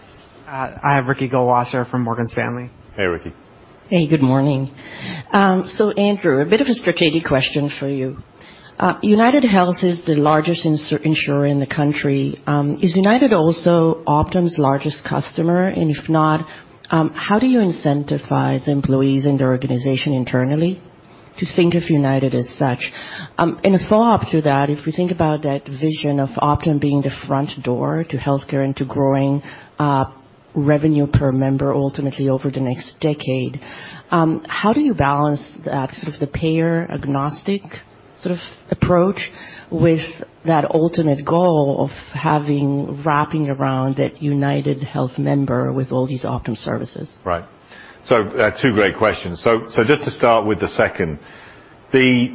I have Ricky Goldwasser from Morgan Stanley. Hey, Ricky. Hey, good morning. Andrew, a bit of a strategic question for you. UnitedHealth is the largest insurer in the country. Is United also Optum's largest customer? And if not, how do you incentivize employees in the organization internally to think of United as such? In a follow-up to that, if we think about that vision of Optum being the front door to healthcare and to growing revenue per member ultimately over the next decade, how do you balance the sort of the payer agnostic sort of approach with that ultimate goal of having wrapping around that UnitedHealth member with all these Optum services? Right. Two great questions. Just to start with the second. The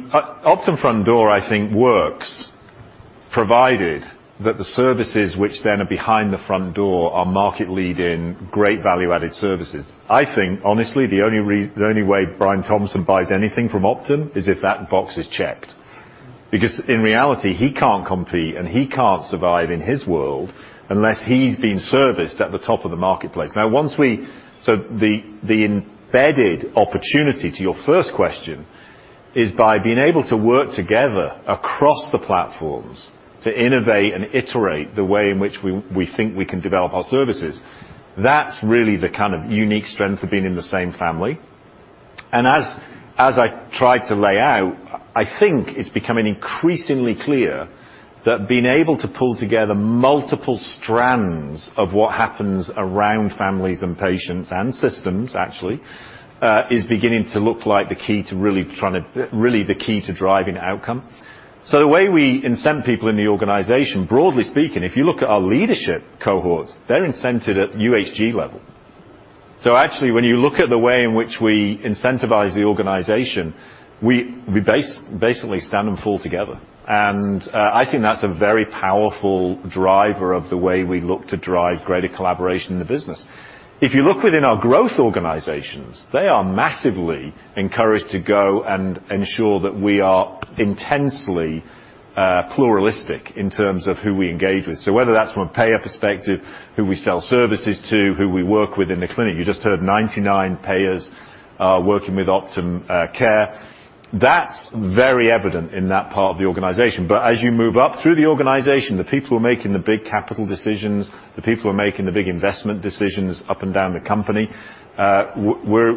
Optum Front Door, I think, works provided that the services which then are behind the front door are market leading great value-added services. I think, honestly, the only way Brian Thompson buys anything from Optum is if that box is checked. Because in reality, he can't compete, and he can't survive in his world unless he's being serviced at the top of the marketplace. The embedded opportunity to your first question is by being able to work together across the platforms to innovate and iterate the way in which we think we can develop our services. That's really the kind of unique strength of being in the same family. As I tried to lay out, I think it's becoming increasingly clear that being able to pull together multiple strands of what happens around families and patients and systems, actually, is beginning to look like the key to really driving outcome. The way we incent people in the organization, broadly speaking, if you look at our leadership cohorts, they're incented at UHG level. Actually, when you look at the way in which we incentivize the organization, we basically stand and fall together. I think that's a very powerful driver of the way we look to drive greater collaboration in the business. If you look within our growth organizations, they are massively encouraged to go and ensure that we are intensely pluralistic in terms of who we engage with. Whether that's from a payer perspective, who we sell services to, who we work with in the clinic. You just heard 99 payers are working with Optum Care. That's very evident in that part of the organization. As you move up through the organization, the people who are making the big capital decisions, the people who are making the big investment decisions up and down the company,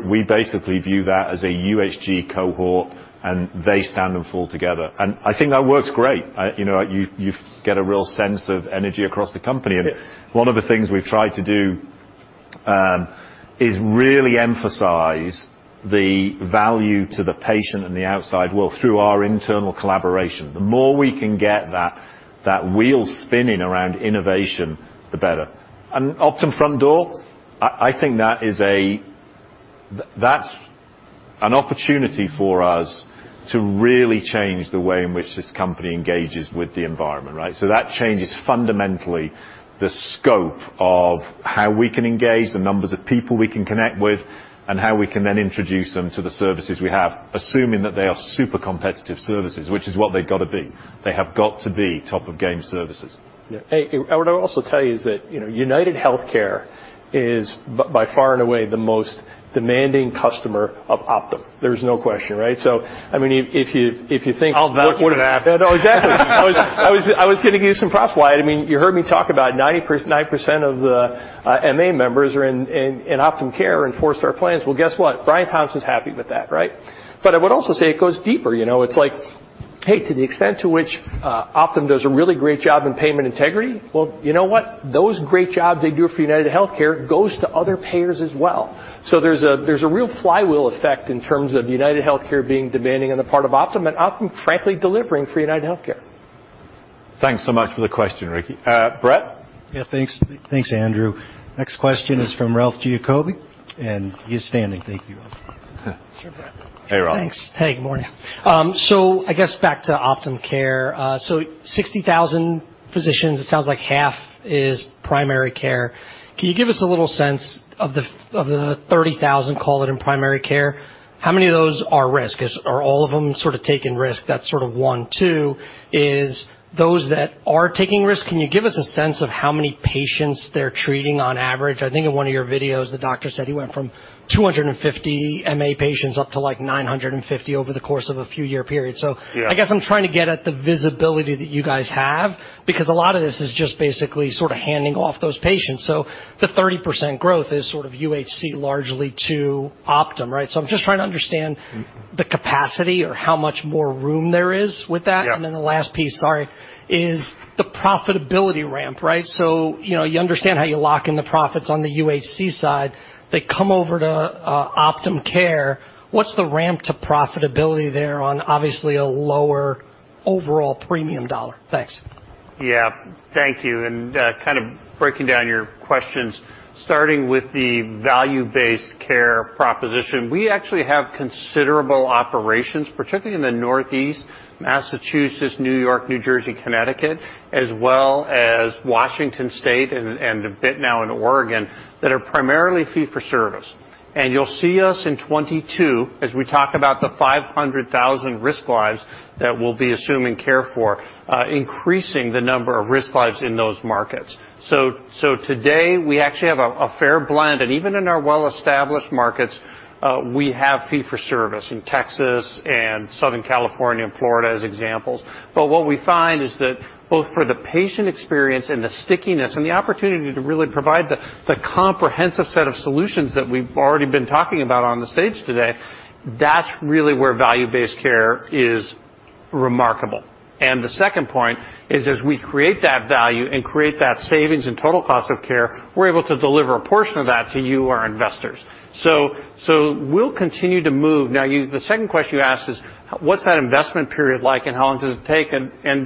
we basically view that as a UHG cohort, and they stand and fall together. I think that works great. You get a real sense of energy across the company. One of the things we've tried to do is really emphasize the value to the patient and the outside world through our internal collaboration. The more we can get that wheel spinning around innovation, the better. Optum Front Door, I think that's an opportunity for us to really change the way in which this company engages with the environment, right? That changes fundamentally the scope of how we can engage, the numbers of people we can connect with, and how we can then introduce them to the services we have, assuming that they are super competitive services, which is what they've got to be. They have got to be top-of-game services. Yeah. Hey, what I would also tell you is that, you know, UnitedHealthcare is by far and away the most demanding customer of Optum. There's no question, right? So I mean, if you think- Oh, that wouldn't happen. Yeah, no, exactly. I was gonna give you some props. Why? I mean, you heard me talk about 9% of the MA members are in Optum Care in four-star plans. Well, guess what? Brian Thompson's happy with that, right? But I would also say it goes deeper, you know. It's like, hey, to the extent to which Optum does a really great job in payment integrity, well, you know what? Those great jobs they do for UnitedHealthcare goes to other payers as well. So there's a real flywheel effect in terms of UnitedHealthcare being demanding on the part of Optum, and Optum frankly delivering for UnitedHealthcare. Thanks so much for the question, Ricky. Brett? Yeah, thanks. Thanks, Andrew. Next question is from Ralph Giacobbe, and he's standing. Thank you. Hey, Ralph. Thanks. Hey, good morning. I guess back to Optum Care. 60,000 physicians, it sounds like half is primary care. Can you give us a little sense of the 30,000, call it, in primary care? How many of those are risk? Are all of them sort of taking risk? That's sort of 1. 2 is, those that are taking risk, can you give us a sense of how many patients they're treating on average? I think in one of your videos, the doctor said he went from 250 MA patients up to, like, 950 over the course of a few year period. Yeah. I guess I'm trying to get at the visibility that you guys have, because a lot of this is just basically sort of handing off those patients. The 30% growth is sort of UHC largely to Optum, right? I'm just trying to understand the capacity or how much more room there is with that. Yeah. The last piece, sorry, is the profitability ramp, right? You know, you understand how you lock in the profits on the UHC side. They come over to Optum Care. What's the ramp to profitability there on obviously a lower overall premium dollar? Thanks. Yeah. Thank you. Kind of breaking down your questions, starting with the value-based care proposition. We actually have considerable operations, particularly in the Northeast, Massachusetts, New York, New Jersey, Connecticut, as well as Washington State and a bit now in Oregon, that are primarily fee-for-service. You'll see us in 2022, as we talk about the 500,000 risk lives that we'll be assuming care for, increasing the number of risk lives in those markets. Today, we actually have a fair blend. Even in our well-established markets, we have fee-for-service in Texas and Southern California and Florida as examples. What we find is that both for the patient experience and the stickiness and the opportunity to really provide the comprehensive set of solutions that we've already been talking about on the stage today, that's really where value-based care is remarkable. The second point is, as we create that value and create that savings and total cost of care, we're able to deliver a portion of that to you, our investors. We'll continue to move. Now, the second question you asked is, what's that investment period like and how long does it take?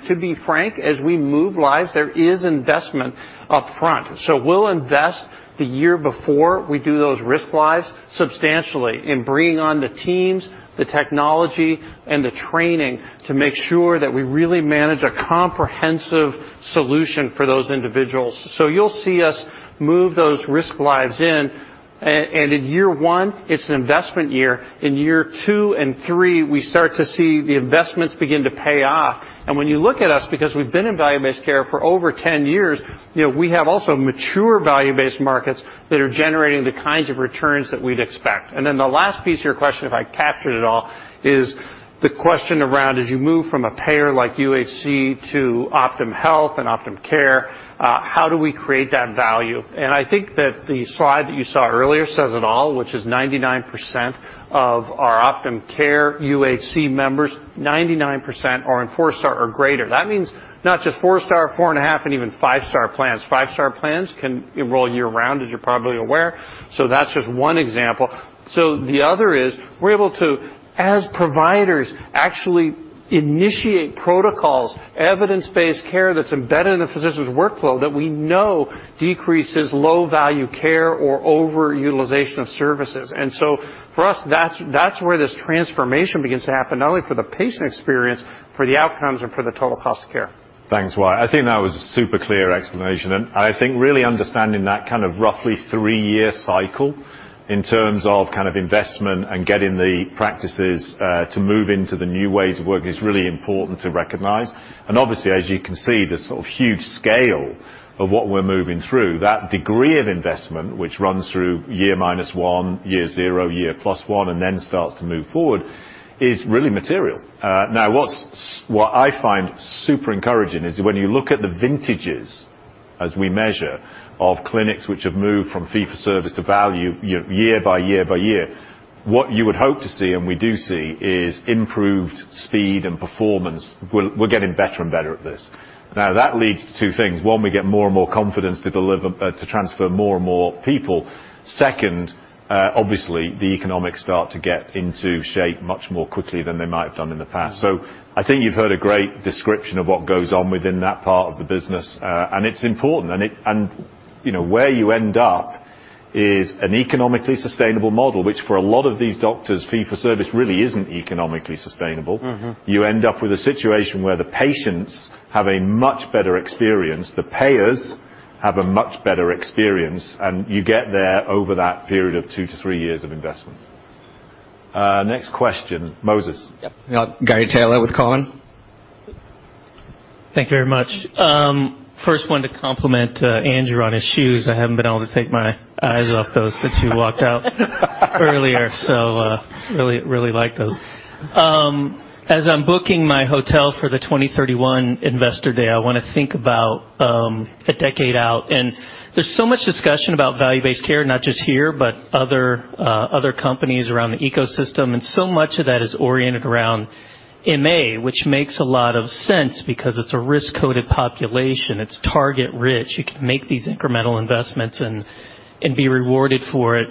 To be frank, as we move lives, there is investment upfront. We'll invest the year before we do those risk lives substantially in bringing on the teams, the technology and the training to make sure that we really manage a comprehensive solution for those individuals. You'll see us move those risk lives in. In year 1, it's an investment year. In year 2 and 3, we start to see the investments begin to pay off. When you look at us, because we've been in value-based care for over 10 years, you know, we have also mature value-based markets that are generating the kinds of returns that we'd expect. Then the last piece of your question, if I captured it all, is the question around, as you move from a payer like UHC to Optum Health and Optum Care, how do we create that value? I think that the slide that you saw earlier says it all, which is 99% of our Optum Care UHC members, 99% are in 4-star or greater. That means not just 4-star, 4.5, and even 5-star plans. Five-star plans can enroll year-round, as you're probably aware. That's just one example. The other is we're able to, as providers, actually initiate protocols, evidence-based care that's embedded in a physician's workflow that we know decreases low-value care or over-utilization of services. For us, that's where this transformation begins to happen, not only for the patient experience, for the outcomes and for the total cost of care. Thanks, Wyatt. I think that was a super clear explanation. I think really understanding that kind of roughly three-year cycle in terms of kind of investment and getting the practices to move into the new ways of working is really important to recognize. Obviously, as you can see, the sort of huge scale of what we're moving through, that degree of investment, which runs through year minus one, year zero, year plus one, and then starts to move forward, is really material. Now, what I find super encouraging is when you look at the vintages as we measure of clinics which have moved from fee-for-service to value year-by-year by year, what you would hope to see and we do see is improved speed and performance. We're getting better and better at this. Now, that leads to two things. One, we get more and more confidence to transfer more and more people. Second, obviously, the economics start to get into shape much more quickly than they might have done in the past. I think you've heard a great description of what goes on within that part of the business. It's important. You know, where you end up is an economically sustainable model, which for a lot of these doctors, fee-for-service really isn't economically sustainable. Mm-hmm. You end up with a situation where the patients have a much better experience, the payers have a much better experience, and you get there over that period of 2-3 years of investment. Next question, Moses. Yep. Gary Taylor with Cowen. Thank you very much. I first want to compliment Andrew on his shoes. I haven't been able to take my eyes off those since you walked out earlier. So, really like those. As I'm booking my hotel for the 2031 Investor Day, I wanna think about a decade out. There's so much discussion about value-based care, not just here, but other companies around the ecosystem, and so much of that is oriented around MA, which makes a lot of sense because it's a risk-coded population. It's target rich. You can make these incremental investments and be rewarded for it.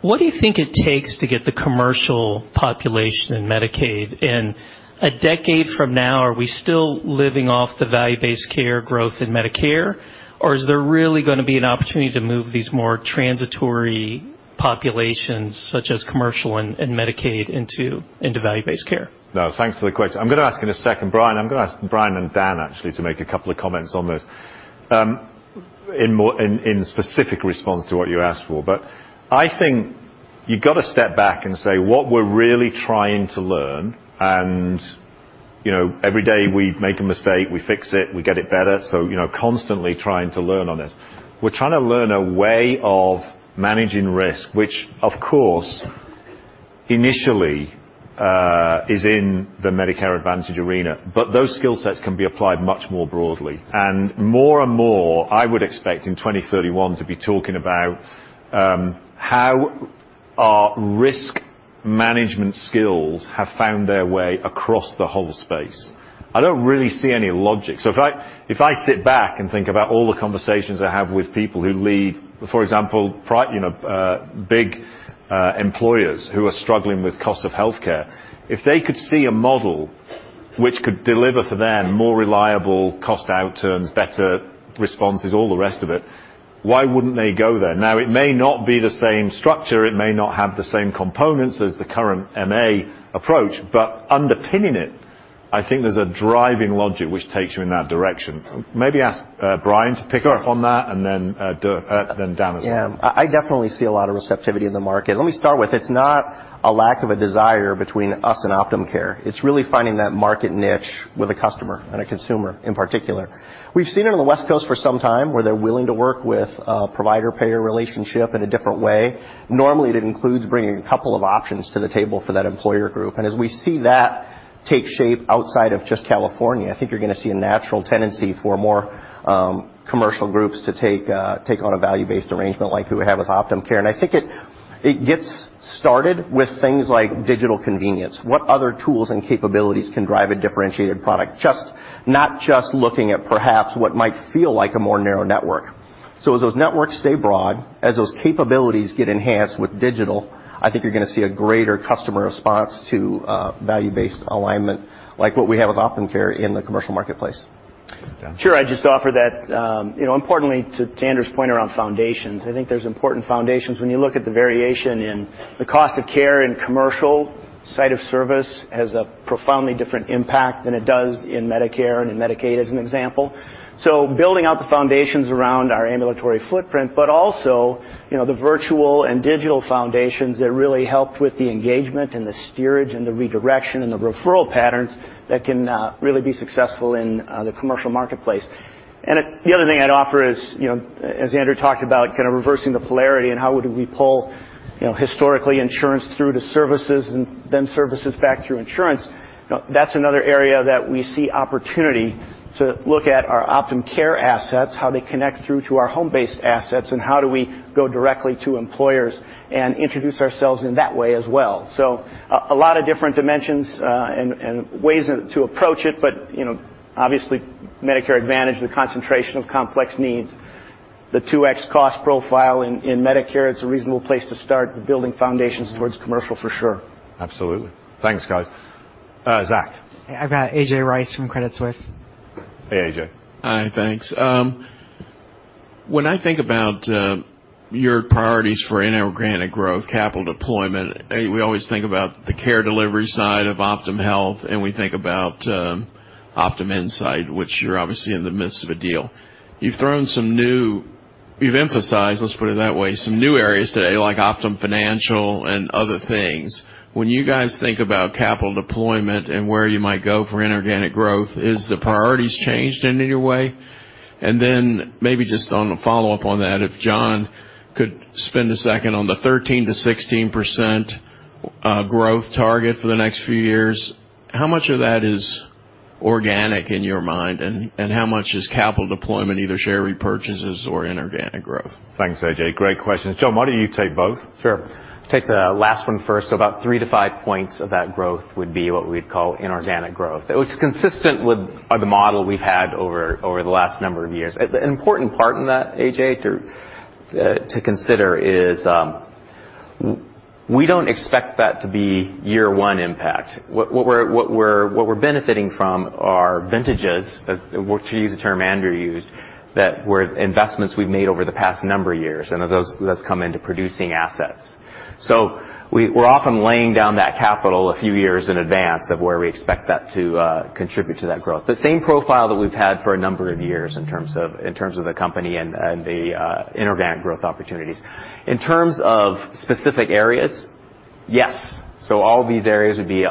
What do you think it takes to get the commercial population in Medicaid? A decade from now, are we still living off the value-based care growth in Medicare, or is there really gonna be an opportunity to move these more transitory populations such as commercial and Medicaid into value-based care? No, thanks for the question. I'm gonna ask in a second, Brian. I'm gonna ask Brian and Dan, actually, to make a couple of comments on this, in specific response to what you asked for. I think you've gotta step back and say, what we're really trying to learn and, you know, every day we make a mistake, we fix it, we get it better. you know, constantly trying to learn on this. We're trying to learn a way of managing risk, which of course, initially, is in the Medicare Advantage arena, but those skill sets can be applied much more broadly. more and more, I would expect in 2031 to be talking about, how our risk management skills have found their way across the whole space. I don't really see any logic. If I sit back and think about all the conversations I have with people who lead, for example, you know, big employers who are struggling with cost of healthcare. If they could see a model which could deliver for them more reliable cost outcomes, better responses, all the rest of it, why wouldn't they go there? Now, it may not be the same structure, it may not have the same components as the current MA approach, but underpinning it, I think there's a driving logic which takes you in that direction. Maybe ask Brian to pick up on that and then Dan as well. Yeah. I definitely see a lot of receptivity in the market. Let me start with, it's not a lack of a desire between us and Optum Care. It's really finding that market niche with a customer and a consumer in particular. We've seen it on the West Coast for some time, where they're willing to work with a provider-payer relationship in a different way. Normally, it includes bringing a couple of options to the table for that employer group. We see that take shape outside of just California, I think you're gonna see a natural tendency for more commercial groups to take on a value-based arrangement like we have with Optum Care. I think it gets started with things like digital convenience. What other tools and capabilities can drive a differentiated product? Not just looking at perhaps what might feel like a more narrow network. As those networks stay broad, as those capabilities get enhanced with digital, I think you're gonna see a greater customer response to value-based alignment, like what we have with Optum Care in the commercial marketplace. Dan. Sure. I'd just offer that, you know, importantly to Andrew's point around foundations, I think there's important foundations when you look at the variation in the cost of care in commercial. Site of service has a profoundly different impact than it does in Medicare and in Medicaid, as an example. Building out the foundations around our ambulatory footprint, but also, you know, the virtual and digital foundations that really help with the engagement and the steerage and the redirection and the referral patterns that can really be successful in the commercial marketplace. The other thing I'd offer is, you know, as Andrew talked about kind of reversing the polarity and how would we pull, you know, historically insurance through to services and then services back through insurance. You know, that's another area that we see opportunity to look at our Optum Care assets, how they connect through to our home-based assets, and how do we go directly to employers and introduce ourselves in that way as well. A lot of different dimensions and ways to approach it. Obviously, Medicare Advantage, the concentration of complex needs. The 2x cost profile in Medicare, it's a reasonable place to start building foundations towards commercial, for sure. Absolutely. Thanks, guys. Zach. I've got A.J. Rice from Credit Suisse. Hey, A.J. Hi, thanks. When I think about your priorities for inorganic growth, capital deployment, we always think about the care delivery side of Optum Health, and we think about Optum Insight, which you're obviously in the midst of a deal. You've emphasized, let's put it that way, some new areas today like Optum Financial and other things. When you guys think about capital deployment and where you might go for inorganic growth, is the priorities changed in any way? And then maybe just on a follow-up on that, if John could spend a second on the 13%-16% growth target for the next few years, how much of that is organic in your mind? And how much is capital deployment, either share repurchases or inorganic growth? Thanks, A.J. Great questions. John, why don't you take both? Sure. Take the last one first. About 3-5 points of that growth would be what we'd call inorganic growth. It was consistent with the model we've had over the last number of years. The important part in that, A.J., to consider is we don't expect that to be year one impact. What we're benefiting from are vintages, well, to use the term Andrew used, that were investments we've made over the past number of years, and those that's come into producing assets. So we're often laying down that capital a few years in advance of where we expect that to contribute to that growth. The same profile that we've had for a number of years in terms of the company and the inorganic growth opportunities. In terms of specific areas, yes. All these areas would be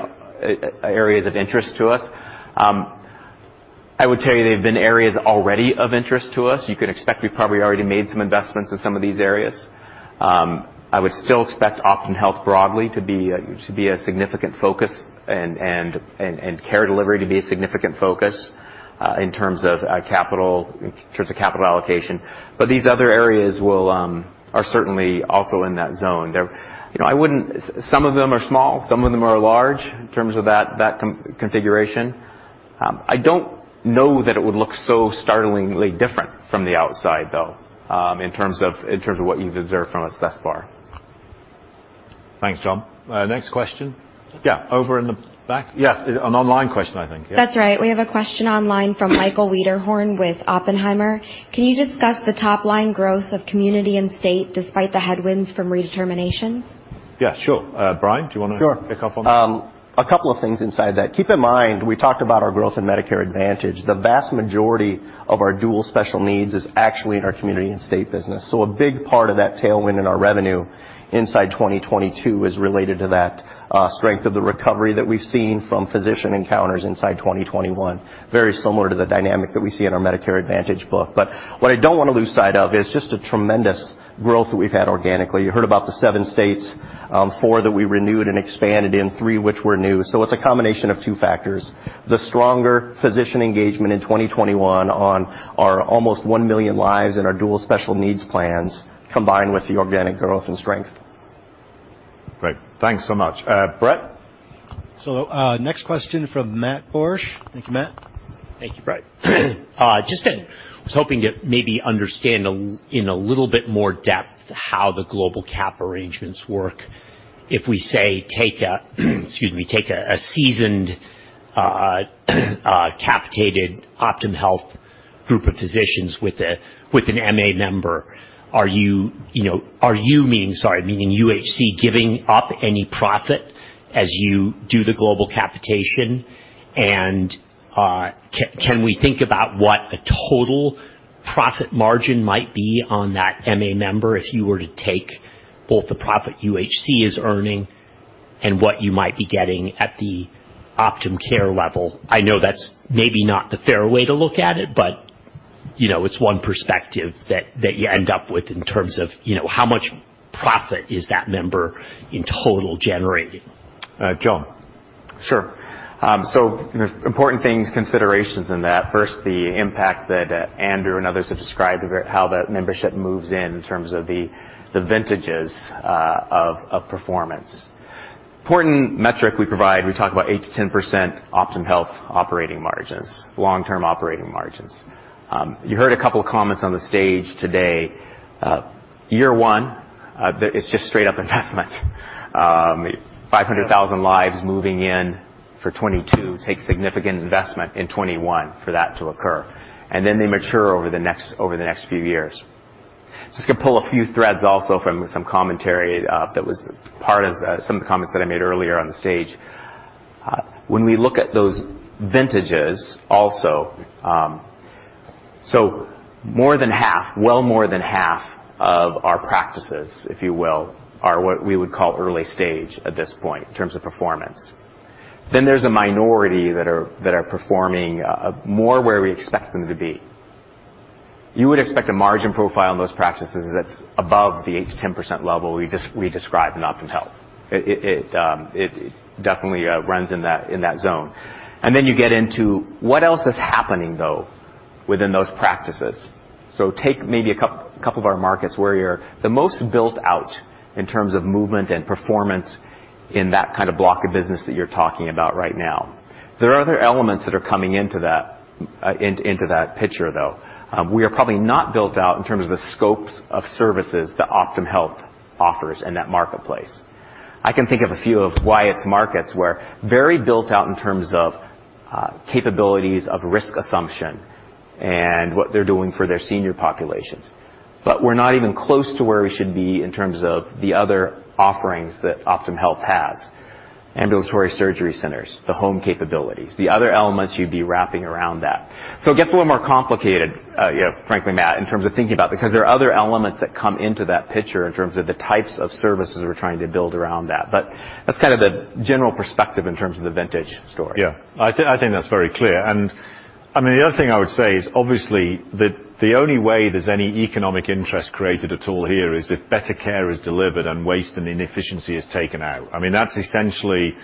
areas of interest to us. I would tell you they've been areas already of interest to us. You can expect we've probably already made some investments in some of these areas. I would still expect Optum Health broadly to be a significant focus and care delivery to be a significant focus in terms of capital allocation. These other areas are certainly also in that zone. You know, some of them are small, some of them are large in terms of that configuration. I don't know that it would look so startlingly different from the outside, though, in terms of what you've observed thus far. Thanks, John. Next question. Yeah, over in the back. Yeah, an online question, I think. Yeah. That's right. We have a question online from Michael Wiederhorn with Oppenheimer. Can you discuss the top-line growth of community and state despite the headwinds from redeterminations? Yeah, sure. Brian, do you wanna- Sure. Pick up on that? A couple of things inside that. Keep in mind, we talked about our growth in Medicare Advantage. The vast majority of our dual special needs is actually in our community and state business. A big part of that tailwind in our revenue inside 2022 is related to that, strength of the recovery that we've seen from physician encounters inside 2021, very similar to the dynamic that we see in our Medicare Advantage book. What I don't wanna lose sight of is just a tremendous growth that we've had organically. You heard about the 7 states, 4 that we renewed and expanded in, 3 which were new. It's a combination of 2 factors. The stronger physician engagement in 2021 on our almost 1 million lives and our dual special needs plans, combined with the organic growth and strength. Great. Thanks so much. Brett? Next question from Matt Borsch. Thank you, Matt. Thank you, Brett. I was hoping to maybe understand in a little bit more depth how the global capitation arrangements work. If we take a seasoned capitated Optum Health group of physicians with an MA member, are you meaning UHC giving up any profit as you do the global capitation? Can we think about what a total profit margin might be on that MA member if you were to take both the profit UHC is earning and what you might be getting at the Optum Care level? I know that's maybe not the fair way to look at it, but you know, it's one perspective that you end up with in terms of you know, how much profit is that member in total generating? John Rex. Sure. There's important things, considerations in that. First, the impact that Andrew and others have described, how that membership moves in terms of the vintages of performance. Important metric we provide, we talk about 8%-10% Optum Health operating margins, long-term operating margins. You heard a couple of comments on the stage today. Year one, it's just straight up investment. 500,000 lives moving in for 2022 takes significant investment in 2021 for that to occur. They mature over the next few years. Just to pull a few threads also from some commentary that was part of some comments that I made earlier on the stage. When we look at those vintages also, more than half of our practices, if you will, are what we would call early stage at this point in terms of performance. Then there's a minority that are performing more where we expect them to be. You would expect a margin profile in those practices that's above the 8%-10% level we described in Optum Health. It definitely runs in that zone. Then you get into what else is happening, though, within those practices. Take maybe a couple of our markets where you're the most built out in terms of movement and performance in that kind of block of business that you're talking about right now. There are other elements that are coming into that picture, though. We are probably not built out in terms of the scopes of services that Optum Health offers in that marketplace. I can think of a few of Wyatt's markets were very built out in terms of capabilities of risk assumption and what they're doing for their senior populations. We're not even close to where we should be in terms of the other offerings that Optum Health has, ambulatory surgery centers, the home capabilities, the other elements you'd be wrapping around that. It gets a little more complicated, you know, frankly, Matt, in terms of thinking about it, because there are other elements that come into that picture in terms of the types of services we're trying to build around that. That's kind of the general perspective in terms of the vintage story. Yeah. I think that's very clear. I mean, the other thing I would say is obviously the only way there's any economic interest created at all here is if better care is delivered and waste and inefficiency is taken out. I mean, that's essentially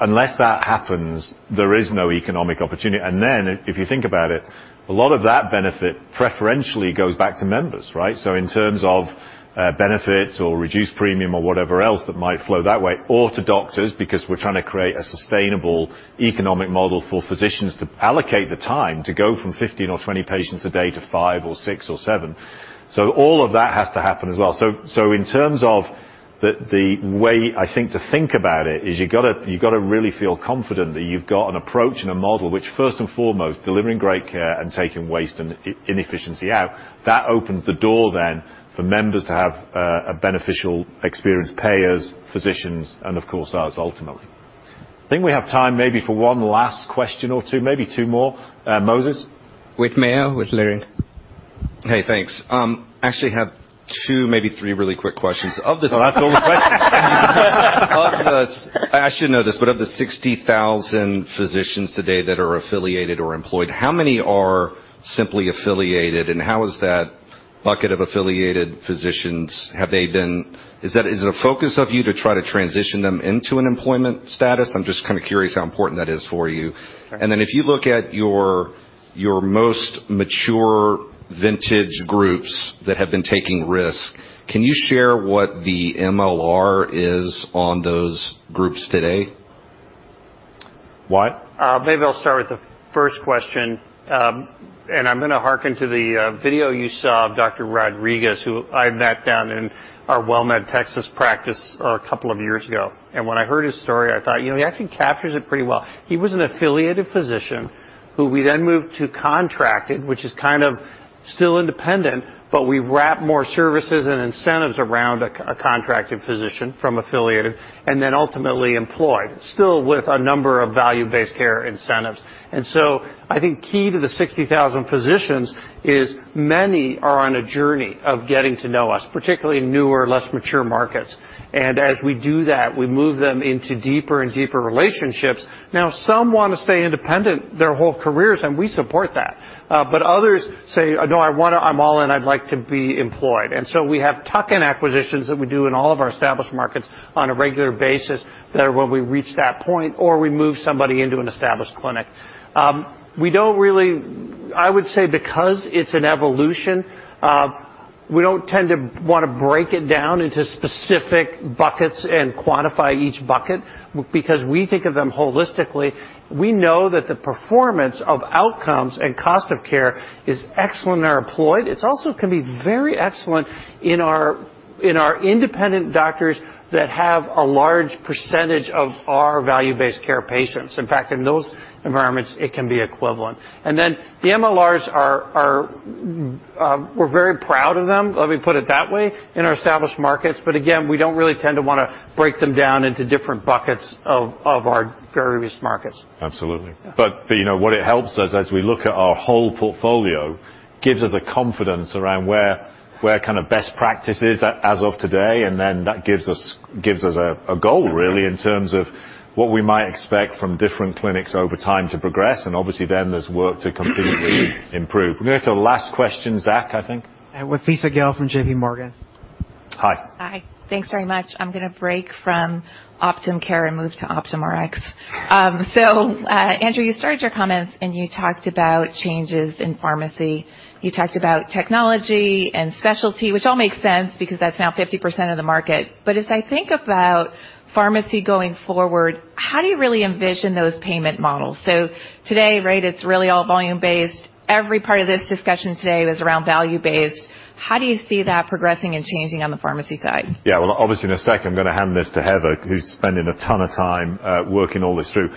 unless that happens, there is no economic opportunity. Then if you think about it, a lot of that benefit preferentially goes back to members, right? In terms of benefits or reduced premium or whatever else that might flow that way, or to doctors, because we're trying to create a sustainable economic model for physicians to allocate the time to go from 15 or 20 patients a day to 5 or 6 or 7. All of that has to happen as well. In terms of the way I think about it is you gotta really feel confident that you've got an approach and a model, which first and foremost, delivering great care and taking waste and inefficiency out. That opens the door then for members to have a beneficial experience, payers, physicians, and of course us ultimately. I think we have time maybe for one last question or two, maybe two more. Moses. With Michael Ha, with Leerink. Hey, thanks. Actually, I have two, maybe three really quick questions. Of the- Oh, that's all the questions. I should know this, but of the 60,000 physicians today that are affiliated or employed, how many are simply affiliated, and how is that bucket of affiliated physicians? Is it a focus of you to try to transition them into an employment status? I'm just kind of curious how important that is for you. Okay. If you look at your most mature vintage groups that have been taking risk, can you share what the MLR is on those groups today? Why? Maybe I'll start with the first question. I'm gonna harken to the video you saw of Dr. Rodriguez, who I met down in our WellMed Texas practice a couple of years ago. When I heard his story, I thought, "You know, he actually captures it pretty well." He was an affiliated physician who we then moved to contracted, which is kind of still independent, but we wrap more services and incentives around a contracted physician from affiliated, and then ultimately employed, still with a number of value-based care incentives. I think key to the 60,000 physicians is many are on a journey of getting to know us, particularly newer, less mature markets. As we do that, we move them into deeper and deeper relationships. Now, some wanna stay independent their whole careers, and we support that. Others say, "No, I wanna I'm all in, I'd like to be employed." We have tuck-in acquisitions that we do in all of our established markets on a regular basis that are when we reach that point or we move somebody into an established clinic. I would say because it's an evolution, we don't tend to wanna break it down into specific buckets and quantify each bucket because we think of them holistically. We know that the performance of outcomes and cost of care is excellent when they're employed. It's also can be very excellent in our independent doctors that have a large percentage of our value-based care patients. In fact, in those environments, it can be equivalent. The MLRs are We're very proud of them, let me put it that way, in our established markets. Again, we don't really tend to wanna break them down into different buckets of our various markets. Absolutely. Yeah. You know, what it helps us, as we look at our whole portfolio, gives us a confidence around where kind of best practice is as of today, and then that gives us a goal really. That's right. in terms of what we might expect from different clinics over time to progress, and obviously then there's work to continually improve. We're going to the last question, Zach, I think. Yeah. With Lisa Gill from J.P. Morgan. Hi. Hi. Thanks very much. I'm gonna break from Optum Care and move to Optum Rx. Andrew, you started your comments, and you talked about changes in pharmacy. You talked about technology and specialty, which all makes sense because that's now 50% of the market. But as I think about pharmacy going forward, how do you really envision those payment models? Today, right, it's really all volume-based. Every part of this discussion today was around value-based. How do you see that progressing and changing on the pharmacy side? Yeah. Well, obviously, in a second, I'm gonna hand this to Heather, who's spending a ton of time working all this through.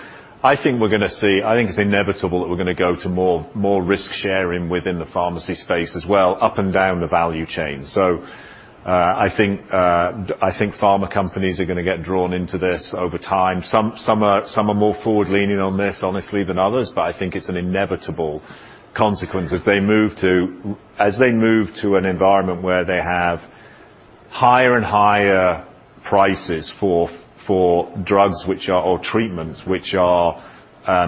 I think we're gonna see. I think it's inevitable that we're gonna go to more risk sharing within the pharmacy space as well, up and down the value chain. I think pharma companies are gonna get drawn into this over time. Some are more forward leaning on this, honestly, than others, but I think it's an inevitable consequence as they move to an environment where they have higher and higher prices for drugs which are or treatments which are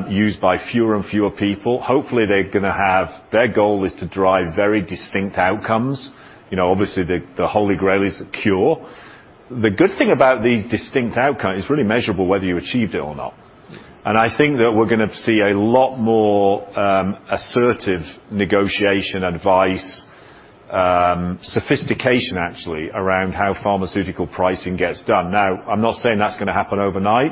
used by fewer and fewer people. Hopefully, they're gonna have. Their goal is to drive very distinct outcomes. You know, obviously, the Holy Grail is a cure. The good thing about these distinct outcomes, it's really measurable whether you achieved it or not. I think that we're gonna see a lot more assertive negotiation advice, sophistication, actually, around how pharmaceutical pricing gets done. Now, I'm not saying that's gonna happen overnight,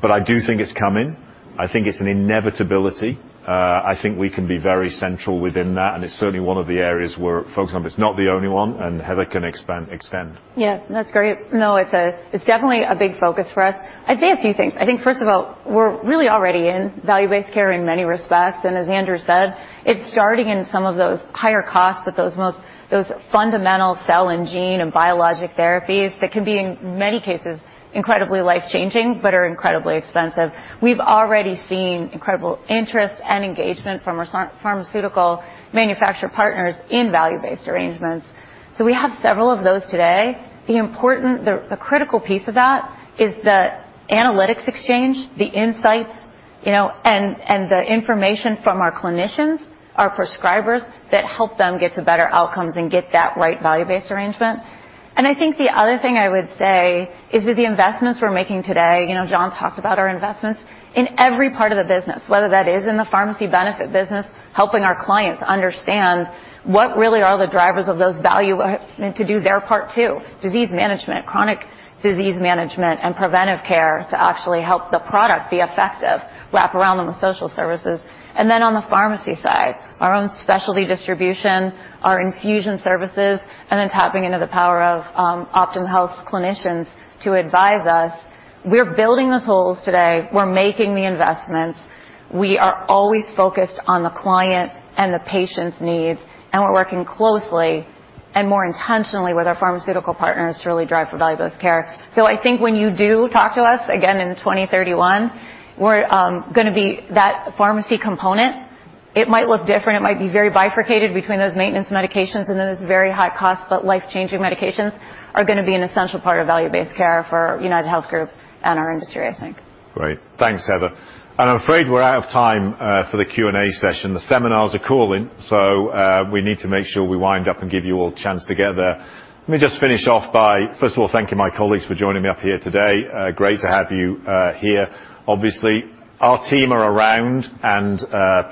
but I do think it's coming. I think it's an inevitability. I think we can be very central within that, and it's certainly one of the areas we're focused on. It's not the only one, and Heather can extend. Yeah. That's great. No, it's definitely a big focus for us. I'd say a few things. I think, first of all, we're really already in value-based care in many respects. As Andrew said, it's starting in some of those higher costs, but those fundamental cell and gene and biologic therapies that can be, in many cases, incredibly life-changing, but are incredibly expensive. We've already seen incredible interest and engagement from our pharmaceutical manufacturer partners in value-based arrangements. We have several of those today. The critical piece of that is the analytics exchange, the insights, you know, and the information from our clinicians, our prescribers, that help them get to better outcomes and get that right value-based arrangement. I think the other thing I would say is that the investments we're making today, you know, John talked about our investments, in every part of the business, whether that is in the pharmacy benefit business, helping our clients understand what really are the drivers of those value, and to do their part too, disease management, chronic disease management, and preventive care to actually help the product be effective, wrap around them with social services. Then on the pharmacy side, our own specialty distribution, our infusion services, and then tapping into the power of Optum Health's clinicians to advise us. We're building the tools today. We're making the investments. We are always focused on the client and the patient's needs, and we're working closely and more intentionally with our pharmaceutical partners to really drive for value-based care. I think when you do talk to us again in 2031, we're gonna be. That pharmacy component, it might look different. It might be very bifurcated between those maintenance medications and those very high cost but life-changing medications are gonna be an essential part of value-based care for UnitedHealth Group and our industry, I think. Great. Thanks, Heather. I'm afraid we're out of time for the Q&A session. The seminars are calling, so we need to make sure we wind up and give you all a chance to gather. Let me just finish off by first of all thanking my colleagues for joining me up here today. Great to have you here. Obviously, our team are around, and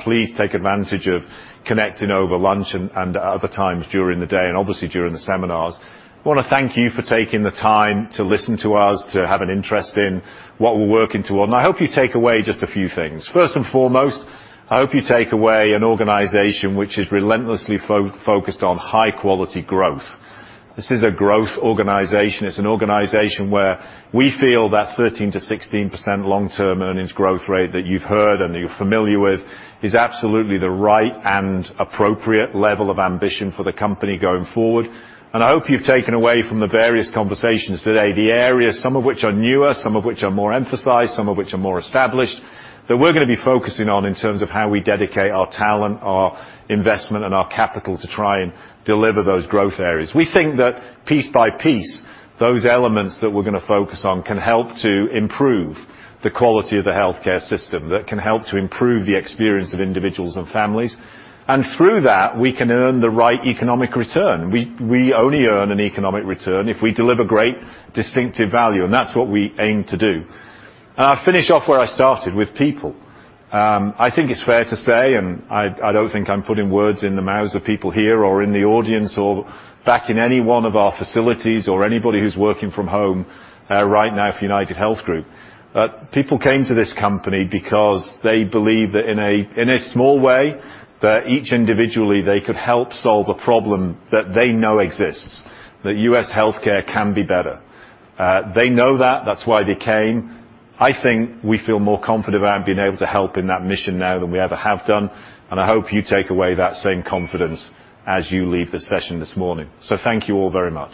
please take advantage of connecting over lunch and other times during the day, and obviously during the seminars. I wanna thank you for taking the time to listen to us, to have an interest in what we're working toward. I hope you take away just a few things. First and foremost, I hope you take away an organization which is relentlessly focused on high quality growth. This is a growth organization. It's an organization where we feel that 13%-16% long-term earnings growth rate that you've heard and that you're familiar with is absolutely the right and appropriate level of ambition for the company going forward. I hope you've taken away from the various conversations today the areas, some of which are newer, some of which are more emphasized, some of which are more established, that we're gonna be focusing on in terms of how we dedicate our talent, our investment, and our capital to try and deliver those growth areas. We think that piece by piece, those elements that we're gonna focus on can help to improve the quality of the healthcare system, that can help to improve the experience of individuals and families. Through that, we can earn the right economic return. We only earn an economic return if we deliver great distinctive value, and that's what we aim to do. I'll finish off where I started, with people. I think it's fair to say, I don't think I'm putting words in the mouths of people here or in the audience or back in any one of our facilities or anybody who's working from home, right now for UnitedHealth Group, people came to this company because they believe that in a small way, that each individually they could help solve a problem that they know exists, that U.S. healthcare can be better. They know that. That's why they came. I think we feel more confident about being able to help in that mission now than we ever have done, and I hope you take away that same confidence as you leave the session this morning. Thank you all very much.